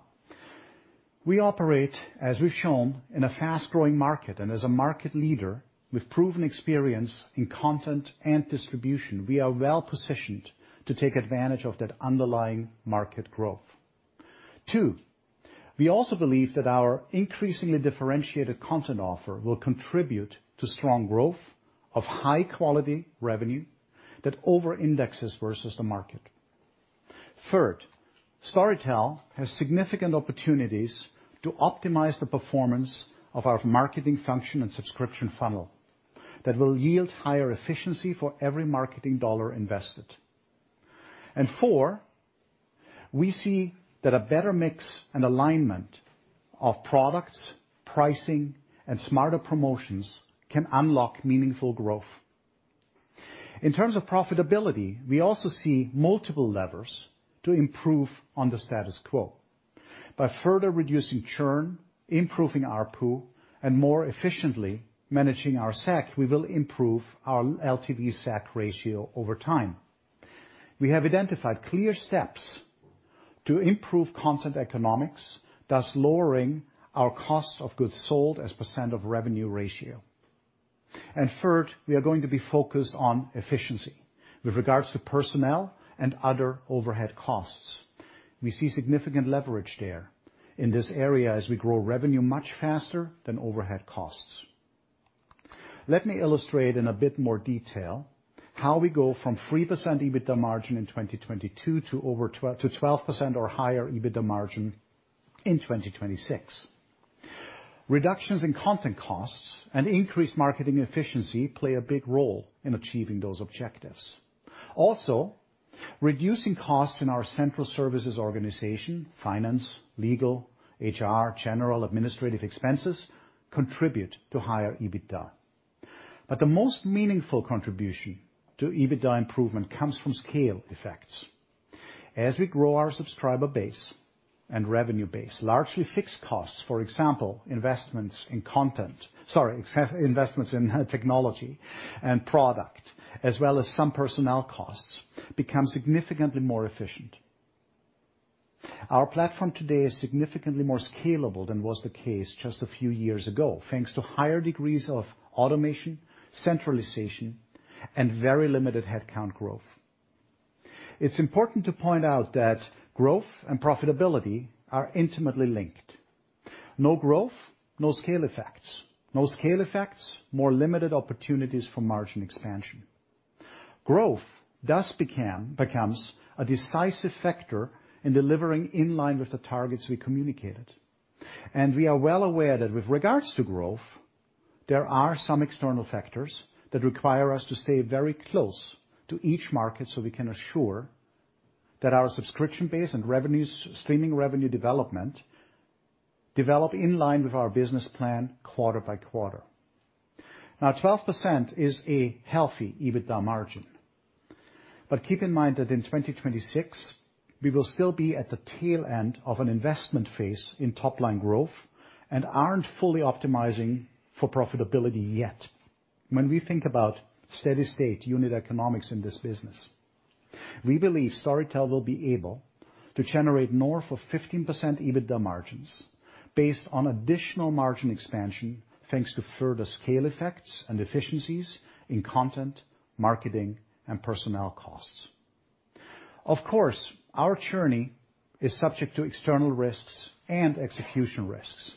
we operate, as we've shown, in a fast-growing market, and as a market leader with proven experience in content and distribution, we are well-positioned to take advantage of that underlying market growth. Two, we also believe that our increasingly differentiated content offer will contribute to strong growth of high-quality revenue that over-indexes versus the market. Third, Storytel has significant opportunities to optimize the performance of our marketing function and subscription funnel that will yield higher efficiency for every marketing dollar invested. Four, we see that a better mix and alignment of products, pricing, and smarter promotions can unlock meaningful growth. In terms of profitability, we also see multiple levers to improve on the status quo. By further reducing churn, improving ARPU, and more efficiently managing our SAC, we will improve our LTV:SAC ratio over time. We have identified clear steps to improve content economics, thus lowering our cost of goods sold as percent of revenue ratio. Third, we are going to be focused on efficiency with regards to personnel and other overhead costs. We see significant leverage there in this area as we grow revenue much faster than overhead costs. Let me illustrate in a bit more detail how we go from 3% EBITDA margin in 2022 to over 12% or higher EBITDA margin in 2026. Reductions in content costs and increased marketing efficiency play a big role in achieving those objectives. Also, reducing costs in our central services organization, finance, legal, HR, general administrative expenses, contribute to higher EBITDA. The most meaningful contribution to EBITDA improvement comes from scale effects. As we grow our subscriber base and revenue base, largely fixed costs, for example, investments in technology and product, as well as some personnel costs, become significantly more efficient. Our platform today is significantly more scalable than was the case just a few years ago, thanks to higher degrees of automation, centralization, and very limited headcount growth. It's important to point out that growth and profitability are intimately linked. No growth, no scale effects. No scale effects, more limited opportunities for margin expansion. Growth thus becomes a decisive factor in delivering in line with the targets we communicated, and we are well aware that with regards to growth, there are some external factors that require us to stay very close to each market, so we can assure that our subscription base and streaming revenue development, develop in line with our business plan quarter by quarter. Twelve percent is a healthy EBITDA margin, but keep in mind that in 2026, we will still be at the tail end of an investment phase in top-line growth and aren't fully optimizing for profitability yet. When we think about steady-state unit economics in this business, we believe Storytel will be able to generate north of 15% EBITDA margins based on additional margin expansion, thanks to further scale effects and efficiencies in content, marketing, and personnel costs. Of course, our journey is subject to external risks and execution risks.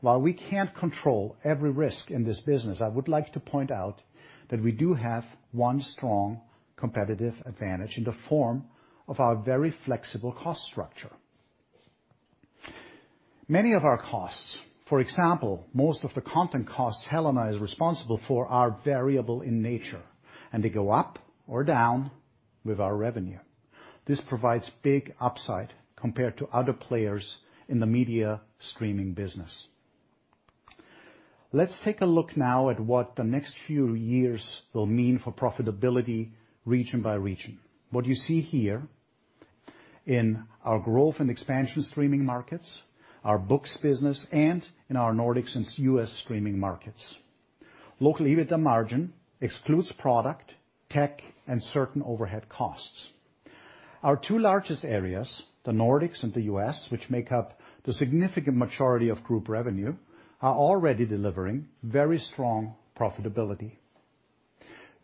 While we can't control every risk in this business, I would like to point out that we do have one strong competitive advantage in the form of our very flexible cost structure. Many of our costs, for example, most of the content costs Helena is responsible for, are variable in nature, and they go up or down with our revenue. This provides big upside compared to other players in the Media Streaming business. Let's take a look now at what the next few years will mean for profitability, region by region. What you see here in our Growth and Expansion streaming markets, our Books business, and in our Nordics and U.S. streaming markets. Local EBITDA margin excludes product, tech, and certain overhead costs. Our two largest areas, the Nordics and the U.S., which make up the significant majority of group revenue, are already delivering very strong profitability.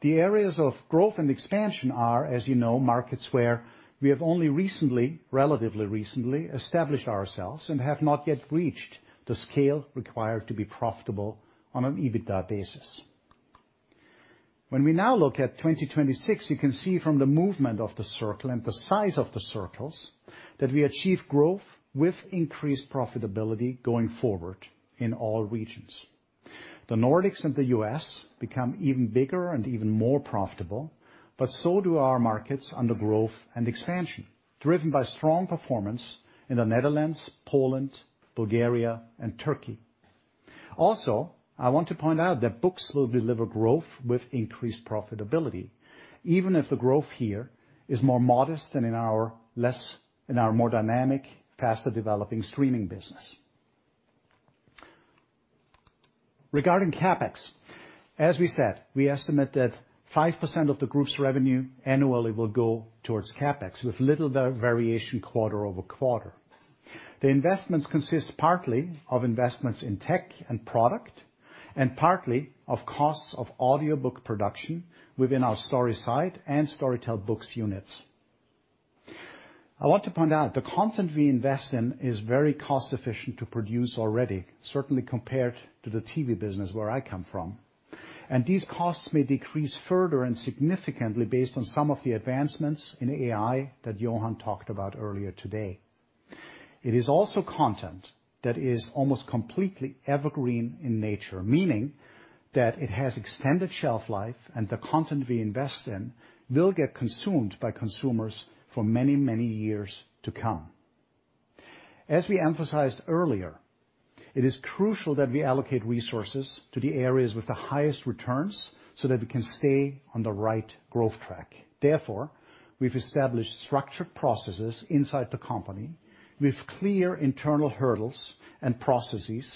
The areas of Growth and Expansion are, as you know, markets where we have only recently, relatively recently, established ourselves and have not yet reached the scale required to be profitable on an EBITDA basis. When we now look at 2026, you can see from the movement of the circle and the size of the circles, that we achieve growth with increased profitability going forward in all regions. The Nordics and the U.S. become even bigger and even more profitable, but so do our markets under Growth and Expansion, driven by strong performance in the Netherlands, Poland, Bulgaria, and Turkey. I want to point out that Books will deliver growth with increased profitability, even if the growth here is more modest than in our more dynamic, faster-developing Streaming business. Regarding CapEx, as we said, we estimate that 5% of the group's revenue annually will go towards CapEx, with little variation quarter-over-quarter. The investments consist partly of investments in tech and product, and partly of costs of audiobook production within our Storyside and Storytel Books units. I want to point out, the content we invest in is very cost-efficient to produce already, certainly compared to the TV business where I come from, and these costs may decrease further and significantly based on some of the advancements in AI that Johan talked about earlier today. It is also content that is almost completely evergreen in nature, meaning that it has extended shelf life, and the content we invest in will get consumed by consumers for many, many years to come. As we emphasized earlier, it is crucial that we allocate resources to the areas with the highest returns so that we can stay on the right growth track. Therefore, we've established structured processes inside the company with clear internal hurdles and processes,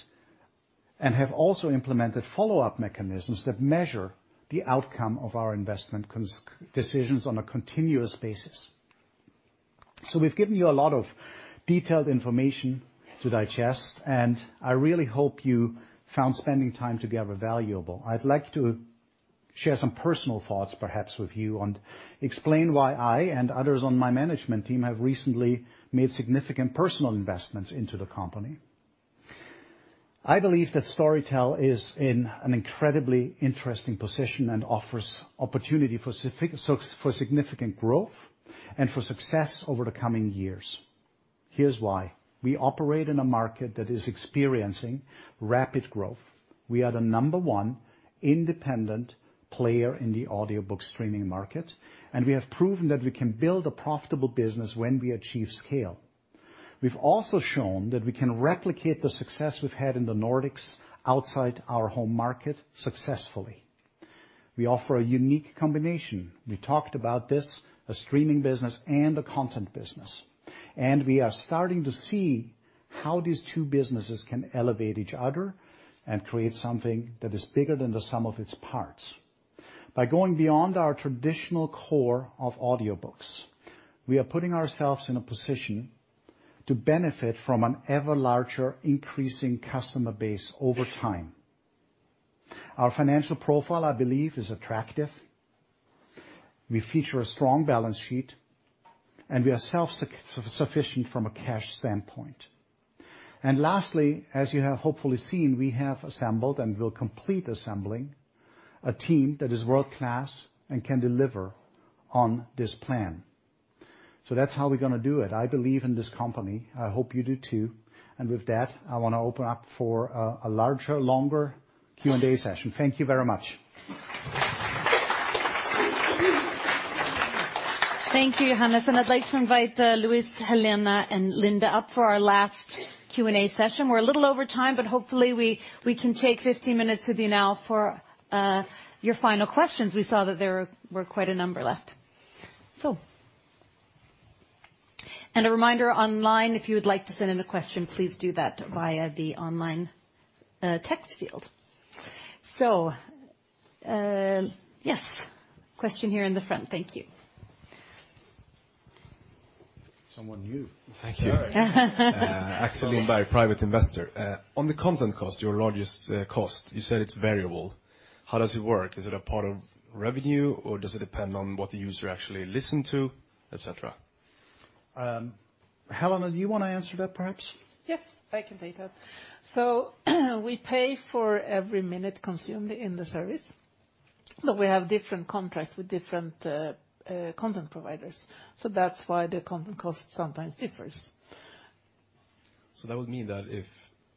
and have also implemented follow-up mechanisms that measure the outcome of our investment decisions on a continuous basis. We've given you a lot of detailed information to digest, and I really hope you found spending time together valuable. I'd like to share some personal thoughts, perhaps, with you, on explain why I and others on my management team have recently made significant personal investments into the company. I believe that Storytel is in an incredibly interesting position and offers opportunity for significant growth and for success over the coming years. Here's why: we operate in a market that is experiencing rapid growth. We are the number one independent player in the audiobook streaming market, and we have proven that we can build a profitable business when we achieve scale. We've also shown that we can replicate the success we've had in the Nordics outside our home market successfully. We offer a unique combination. We talked about this, a Streaming business and a Content business. We are starting to see how these two businesses can elevate each other and create something that is bigger than the sum of its parts. By going beyond our traditional core of audiobooks, we are putting ourselves in a position to benefit from an ever larger, increasing customer base over time. Our financial profile, I believe, is attractive. We feature a strong balance sheet, and we are self-sufficient from a cash standpoint. Lastly, as you have hopefully seen, we have assembled, and will complete assembling, a team that is world-class and can deliver on this plan. That's how we're gonna do it. I believe in this company. I hope you do, too. With that, I want to open up for a larger, longer Q&A session. Thank you very much.
Thank you, Johannes, and I'd like to invite, Luis, Helena, and Linda up for our last Q&A session. We're a little over time, but hopefully we can take 15 minutes with you now for your final questions. We saw that there were quite a number left. A reminder online, if you would like to send in a question, please do that via the online text field. Yes, question here in the front. Thank you.
Someone new.
Thank you. Alexander Lindholm, Private Investor. On the content cost, your largest cost, you said it's variable. How does it work? Is it a part of revenue, or does it depend on what the user actually listen to, et cetera?
Helena, do you want to answer that, perhaps?
Yes, I can take that. We pay for every minute consumed in the service, but we have different contracts with different content providers, so that's why the content cost sometimes differs.
That would mean that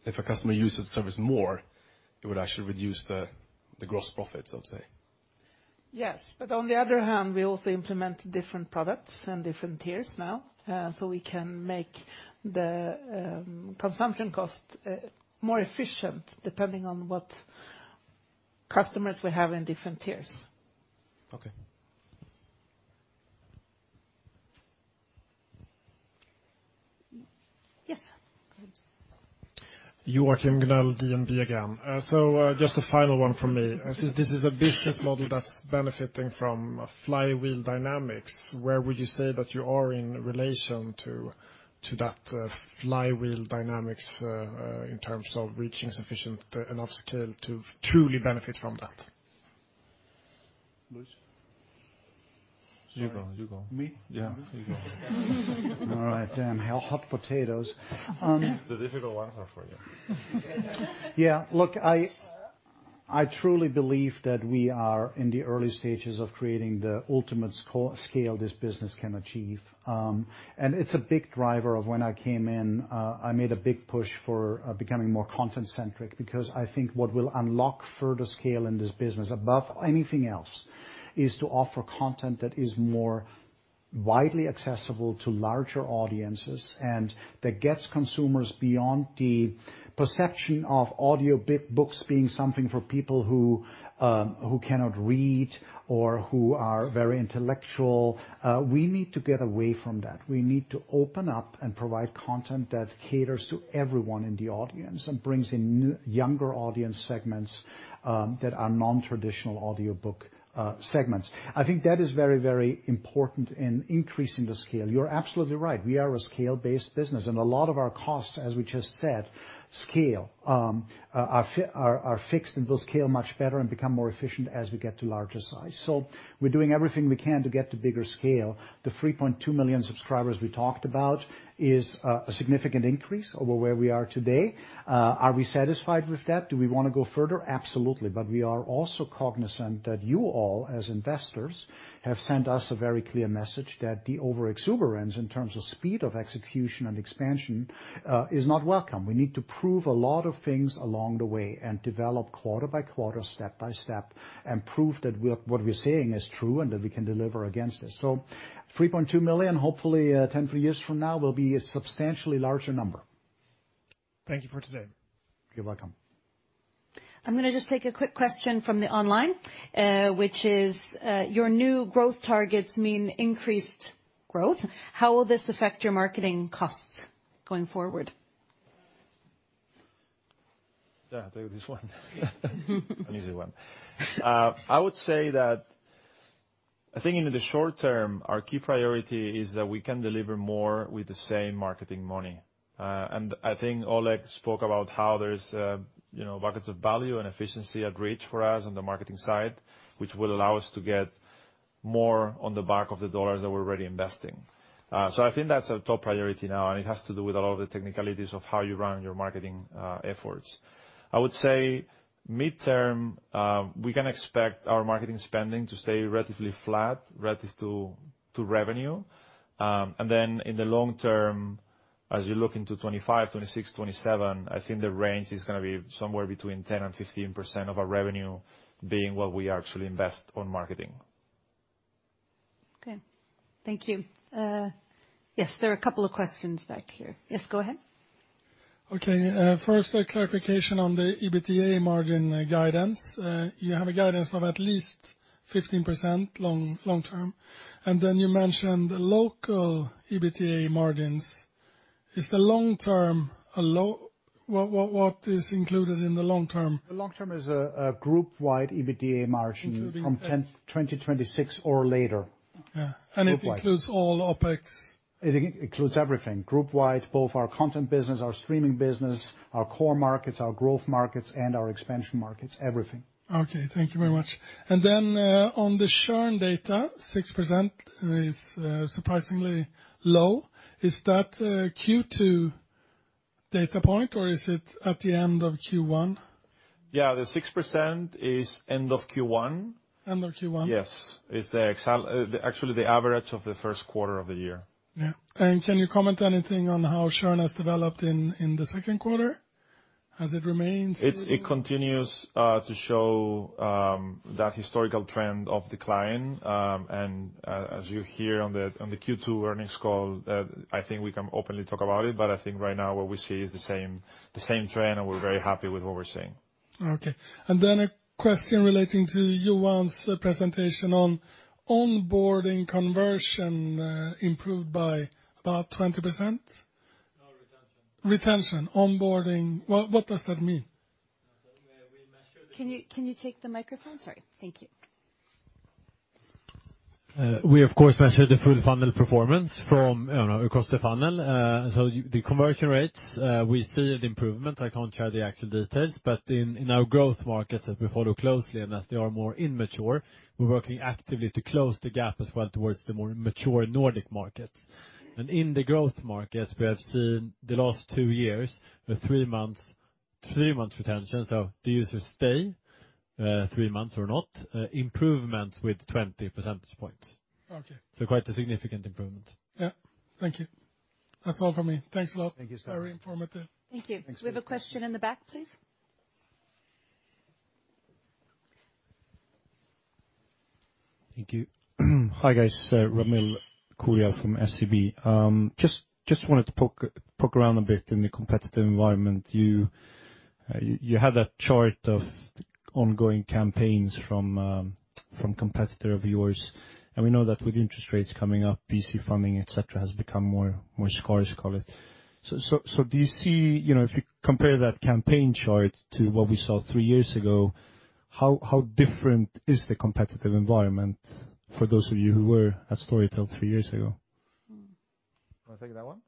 if a customer uses the service more, it would actually reduce the gross profits, I would say.
On the other hand, we also implement different products and different tiers now, so we can make the consumption cost more efficient, depending on what customers we have in different tiers.
Okay.
Yes, go ahead.
Joachim Gunell, DNB again. Just a final one from me. Since this is a business model that's benefiting from flywheel dynamics, where would you say that you are in relation to that flywheel dynamics in terms of reaching sufficient, enough scale to truly benefit from that?
Luis?
You go. You go.
Me?
Yeah, you go.
All right, damn. Hot potatoes.
The difficult ones are for you.
Yeah, look, I truly believe that we are in the early stages of creating the ultimate scale this business can achieve. It's a big driver of when I came in, I made a big push for becoming more content centric because I think what will unlock further scale in this business, above anything else, is to offer content that is more widely accessible to larger audiences, and that gets consumers beyond the perception of audiobooks being something for people who cannot read or who are very intellectual. We need to get away from that. We need to open up and provide content that caters to everyone in the audience and brings in younger audience segments that are non-traditional audiobook segments. I think that is very, very important in increasing the scale. You're absolutely right. We are a scale-based business. A lot of our costs, as we just said, scale, are fixed, and will scale much better and become more efficient as we get to larger size. We're doing everything we can to get to bigger scale. The 3.2 million subscribers we talked about is a significant increase over where we are today. Are we satisfied with that? Do we wanna go further? Absolutely. We are also cognizant that you all, as investors, have sent us a very clear message that the overexuberance, in terms of speed of execution and expansion, is not welcome. We need to prove a lot of things along the way and develop quarter by quarter, step by step, and prove that what we're saying is true and that we can deliver against this. 3.2 million, hopefully, 10, 12 years from now, will be a substantially larger number....
Thank you for today.
You're welcome.
I'm gonna just take a quick question from the online, which is, your new growth targets mean increased growth. How will this affect your marketing costs going forward?
Yeah, I'll take this one. An easy one. I would say that I think in the short term, our key priority is that we can deliver more with the same marketing money. I think Oleg spoke about how there's, you know, buckets of value and efficiency at reach for us on the marketing side, which will allow us to get more on the back of the dollars that we're already investing. I think that's our top priority now, and it has to do with a lot of the technicalities of how you run your marketing efforts. I would say midterm, we can expect our marketing spending to stay relatively flat relative to revenue. In the long term, as you look into 2025, 2026, 2027, I think the range is gonna be somewhere between 10% and 15% of our revenue being what we actually invest on marketing.
Okay. Thank you. Yes, there are a couple of questions back here. Yes, go ahead.
Okay, first, a clarification on the EBITDA margin guidance. You have a guidance of at least 15% long term. You mentioned the local EBITDA margins. Is the long term? What is included in the long term?
The long term is a group-wide EBITDA margin.
Including-
From 10, 2026 or later.
Yeah.
Group wide.
It includes all OpEx?
It includes everything. Group wide, both our Content business, our Streaming business, our Core markets, our Growth markets, and our Expansion markets, everything.
Okay, thank you very much. On the churn data, 6% is surprisingly low. Is that a Q2 data point, or is it at the end of Q1?
Yeah, the 6% is end of Q1.
End of Q1?
Yes. It's actually the average of the first quarter of the year. Yeah. Can you comment anything on how churn has developed in the second quarter? It continues to show that historical trend of decline. As you hear on the Q2 earnings call, I think we can openly talk about it, but I think right now what we see is the same trend, and we're very happy with what we're seeing.
Okay. Then a question relating to Johan's presentation on onboarding conversion, improved by about 20%?
No, retention. Retention. Onboarding, what does that mean? We measure.
Can you take the microphone? Sorry. Thank you.
We, of course, measure the full funnel performance from, you know, across the funnel. So the conversion rates, we see an improvement. I can't share the actual details, but in our Growth markets, as we follow closely, and as they are more immature, we're working actively to close the gap as well towards the more mature Nordic markets. In the Growth markets, we have seen the last two years, the 3-month retention, so the users stay three months or not, improvement with 20 percentage points.
Okay.
Quite a significant improvement.
Yeah. Thank you. That's all for me. Thanks a lot.
Thank you, sir.
Very informative.
Thank you.
Thanks.
We have a question in the back, please?
Thank you. Hi, guys, Ramil Koria from SEB. Just wanted to poke around a bit in the competitive environment. You had a chart of ongoing campaigns from competitor of yours, and we know that with interest rates coming up, PC funding, et cetera, has become more scarce, call it. Do you see, you know, if you compare that campaign chart to what we saw three years ago, how different is the competitive environment for those of you who were at Storytel three years ago?
Wanna take that one?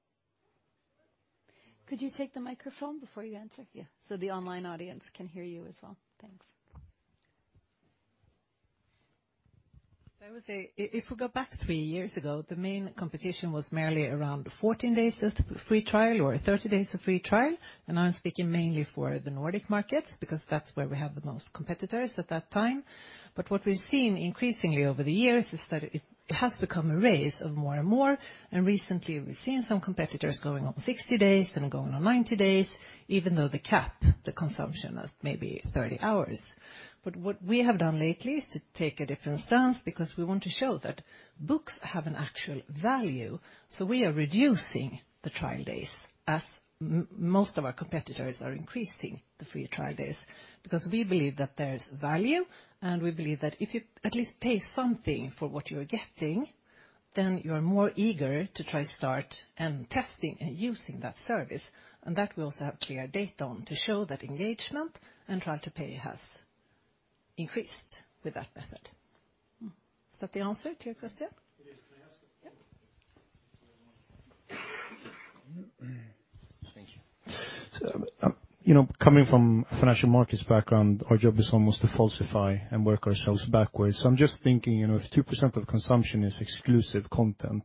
Could you take the microphone before you answer? Yeah, so the online audience can hear you as well. Thanks.
I would say if we go back three years ago, the main competition was merely around 14 days of free trial or 30 days of free trial. I'm speaking mainly for the Nordic market, because that's where we have the most competitors at that time. What we've seen increasingly over the years is that it has become a race of more and more. Recently, we've seen some competitors going on 60 days and going on 90 days, even though they cap the consumption of maybe 30 hours. What we have done lately is to take a different stance because we want to show that books have an actual value. We are reducing the trial days as most of our competitors are increasing the free trial days. Because we believe that there's value, and we believe that if you at least pay something for what you're getting, then you're more eager to try to start and testing and using that service, and that we also have clear data on to show that engagement and trial to pay has increased with that method. Mm. Is that the answer to your question?
It is. May I ask?
Yeah.
Thank you. You know, coming from a financial markets background, our job is almost to falsify and work ourselves backwards. I'm just thinking, you know, if 2% of consumption is exclusive content,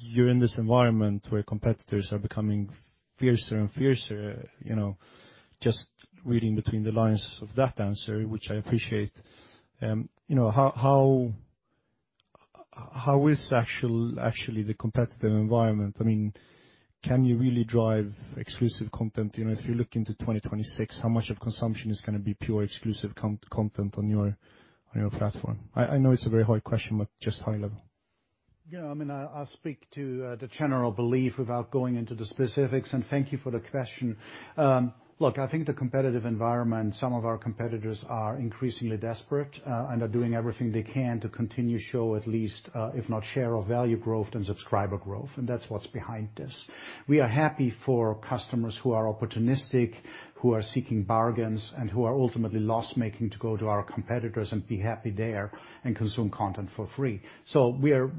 you're in this environment where competitors are becoming fiercer and fiercer, you know, just reading between the lines of that answer, which I appreciate, you know, how is actually the competitive environment? I mean, can you really drive exclusive content? You know, if you look into 2026, how much of consumption is gonna be pure exclusive content on your, on your platform? I know it's a very hard question, but just high level.
Yeah, I mean, I'll speak to the general belief without going into the specifics. Thank you for the question. Look, I think the competitive environment, some of our competitors are increasingly desperate, are doing everything they can to continue show, at least, if not share of value growth, then subscriber growth. That's what's behind this. We are happy for customers who are opportunistic, who are seeking bargains, and who are ultimately loss-making to go to our competitors and be happy there and consume content for free. We are,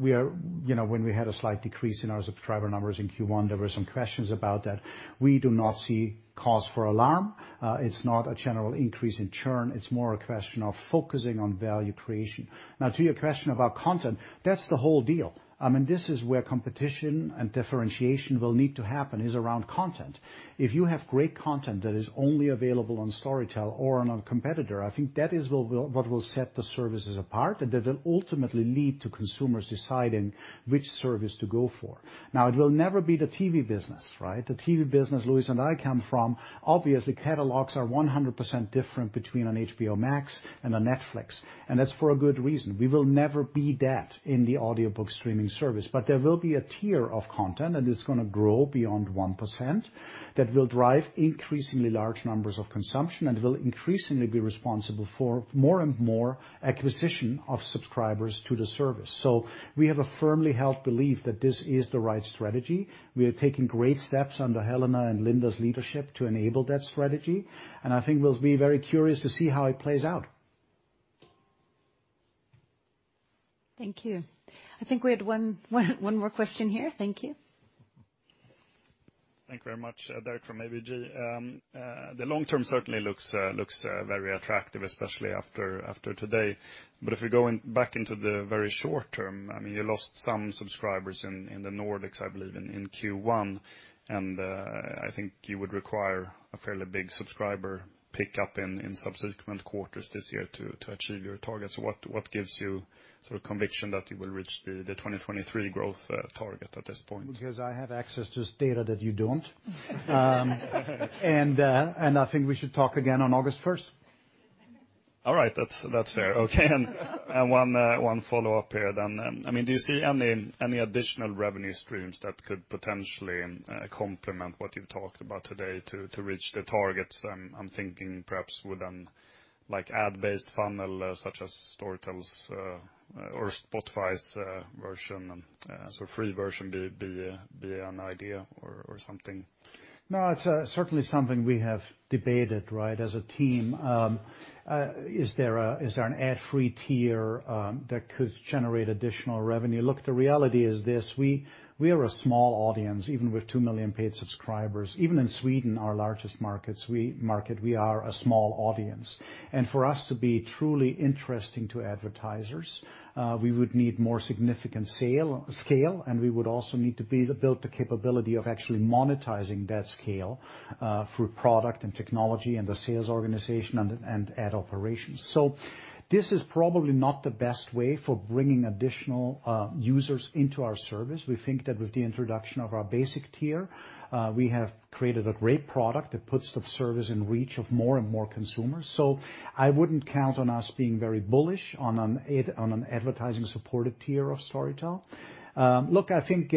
you know, when we had a slight decrease in our subscriber numbers in Q1, there were some questions about that. We do not see cause for alarm. It's not a general increase in churn, it's more a question of focusing on value creation. To your question about content, that's the whole deal. I mean, this is where competition and differentiation will need to happen, is around content. If you have great content that is only available on Storytel or on a competitor, I think that is what will set the services apart, and that will ultimately lead to consumers deciding which service to go for. It will never be the TV business, right? The TV business Luis and I come from, obviously, catalogs are 100% different between an HBO Max and a Netflix, and that's for a good reason. We will never be that in the audiobook streaming service, but there will be a tier of content, and it's gonna grow beyond 1%, that will drive increasingly large numbers of consumption and will increasingly be responsible for more and more acquisition of subscribers to the service. We have a firmly held belief that this is the right strategy. We are taking great steps under Helena and Linda's leadership to enable that strategy. I think we'll be very curious to see how it plays out.
Thank you. I think we had one more question here. Thank you.
Thank you very much. Derek from ABG. The long term certainly looks very attractive, especially after today. If we go back into the very short term, I mean, you lost some subscribers in the Nordics, I believe, in Q1, I think you would require a fairly big subscriber pickup in subsequent quarters this year to achieve your targets. What gives you sort of conviction that you will reach the 2023 growth target at this point?
Because I have access to data that you don't. I think we should talk again on August 1st.
All right. That's fair. Okay, one follow-up here then. I mean, do you see any additional revenue streams that could potentially complement what you've talked about today to reach the targets? I'm thinking perhaps with like ad-based funnel, such as Storytel's or Spotify's version, so free version be an idea or something?
No, it's certainly something we have debated, right, as a team. Is there an ad-free tier that could generate additional revenue? Look, the reality is this: we are a small audience, even with two million paid subscribers. Even in Sweden, our largest market, we are a small audience. For us to be truly interesting to advertisers, we would need more significant scale, and we would also need to build the capability of actually monetizing that scale through product and technology and the sales organization and ad operations. This is probably not the best way for bringing additional users into our service. We think that with the introduction of our basic tier, we have created a great product that puts the service in reach of more and more consumers. I wouldn't count on us being very bullish on an advertising-supported tier of Storytel. Look, I think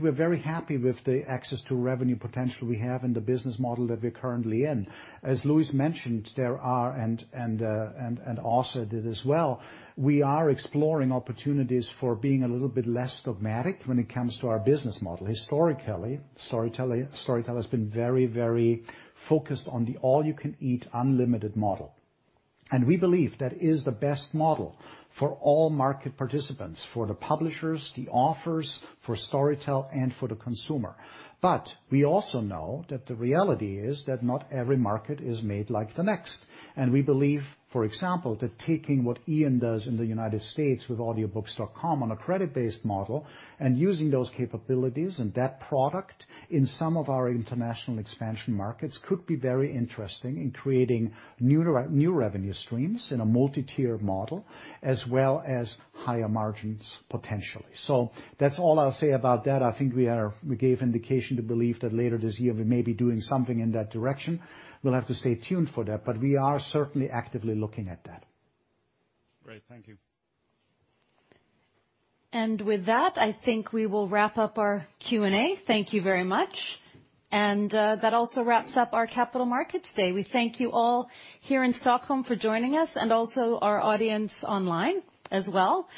we're very happy with the access to revenue potential we have in the business model that we're currently in. As Luis mentioned, there are, and Åse did as well, we are exploring opportunities for being a little bit less dogmatic when it comes to our business model. Historically, Storytel has been very focused on the all-you-can-eat unlimited model. We believe that is the best model for all market participants, for the publishers, the authors, for Storytel, and for the consumer. We also know that the reality is that not every market is made like the next. We believe, for example, that taking what Ian does in the United States with Audiobooks.com on a credit-based model and using those capabilities and that product in some of our international Expansion markets, could be very interesting in creating new revenue streams in a multi-tier model, as well as higher margins, potentially. That's all I'll say about that. I think we gave indication to believe that later this year, we may be doing something in that direction. We'll have to stay tuned for that. We are certainly actively looking at that.
Great. Thank you.
With that, I think we will wrap up our Q&A. Thank you very much, that also wraps up our Capital Markets Day. We thank you all here in Stockholm for joining us, and also our audience online as well.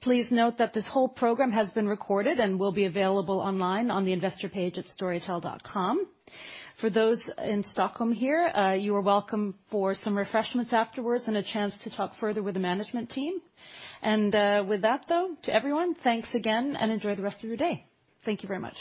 Please note that this whole program has been recorded and will be available online on the investor page at storytel.com. For those in Stockholm here, you are welcome for some refreshments afterwards and a chance to talk further with the management team. With that, though, to everyone, thanks again, and enjoy the rest of your day. Thank you very much.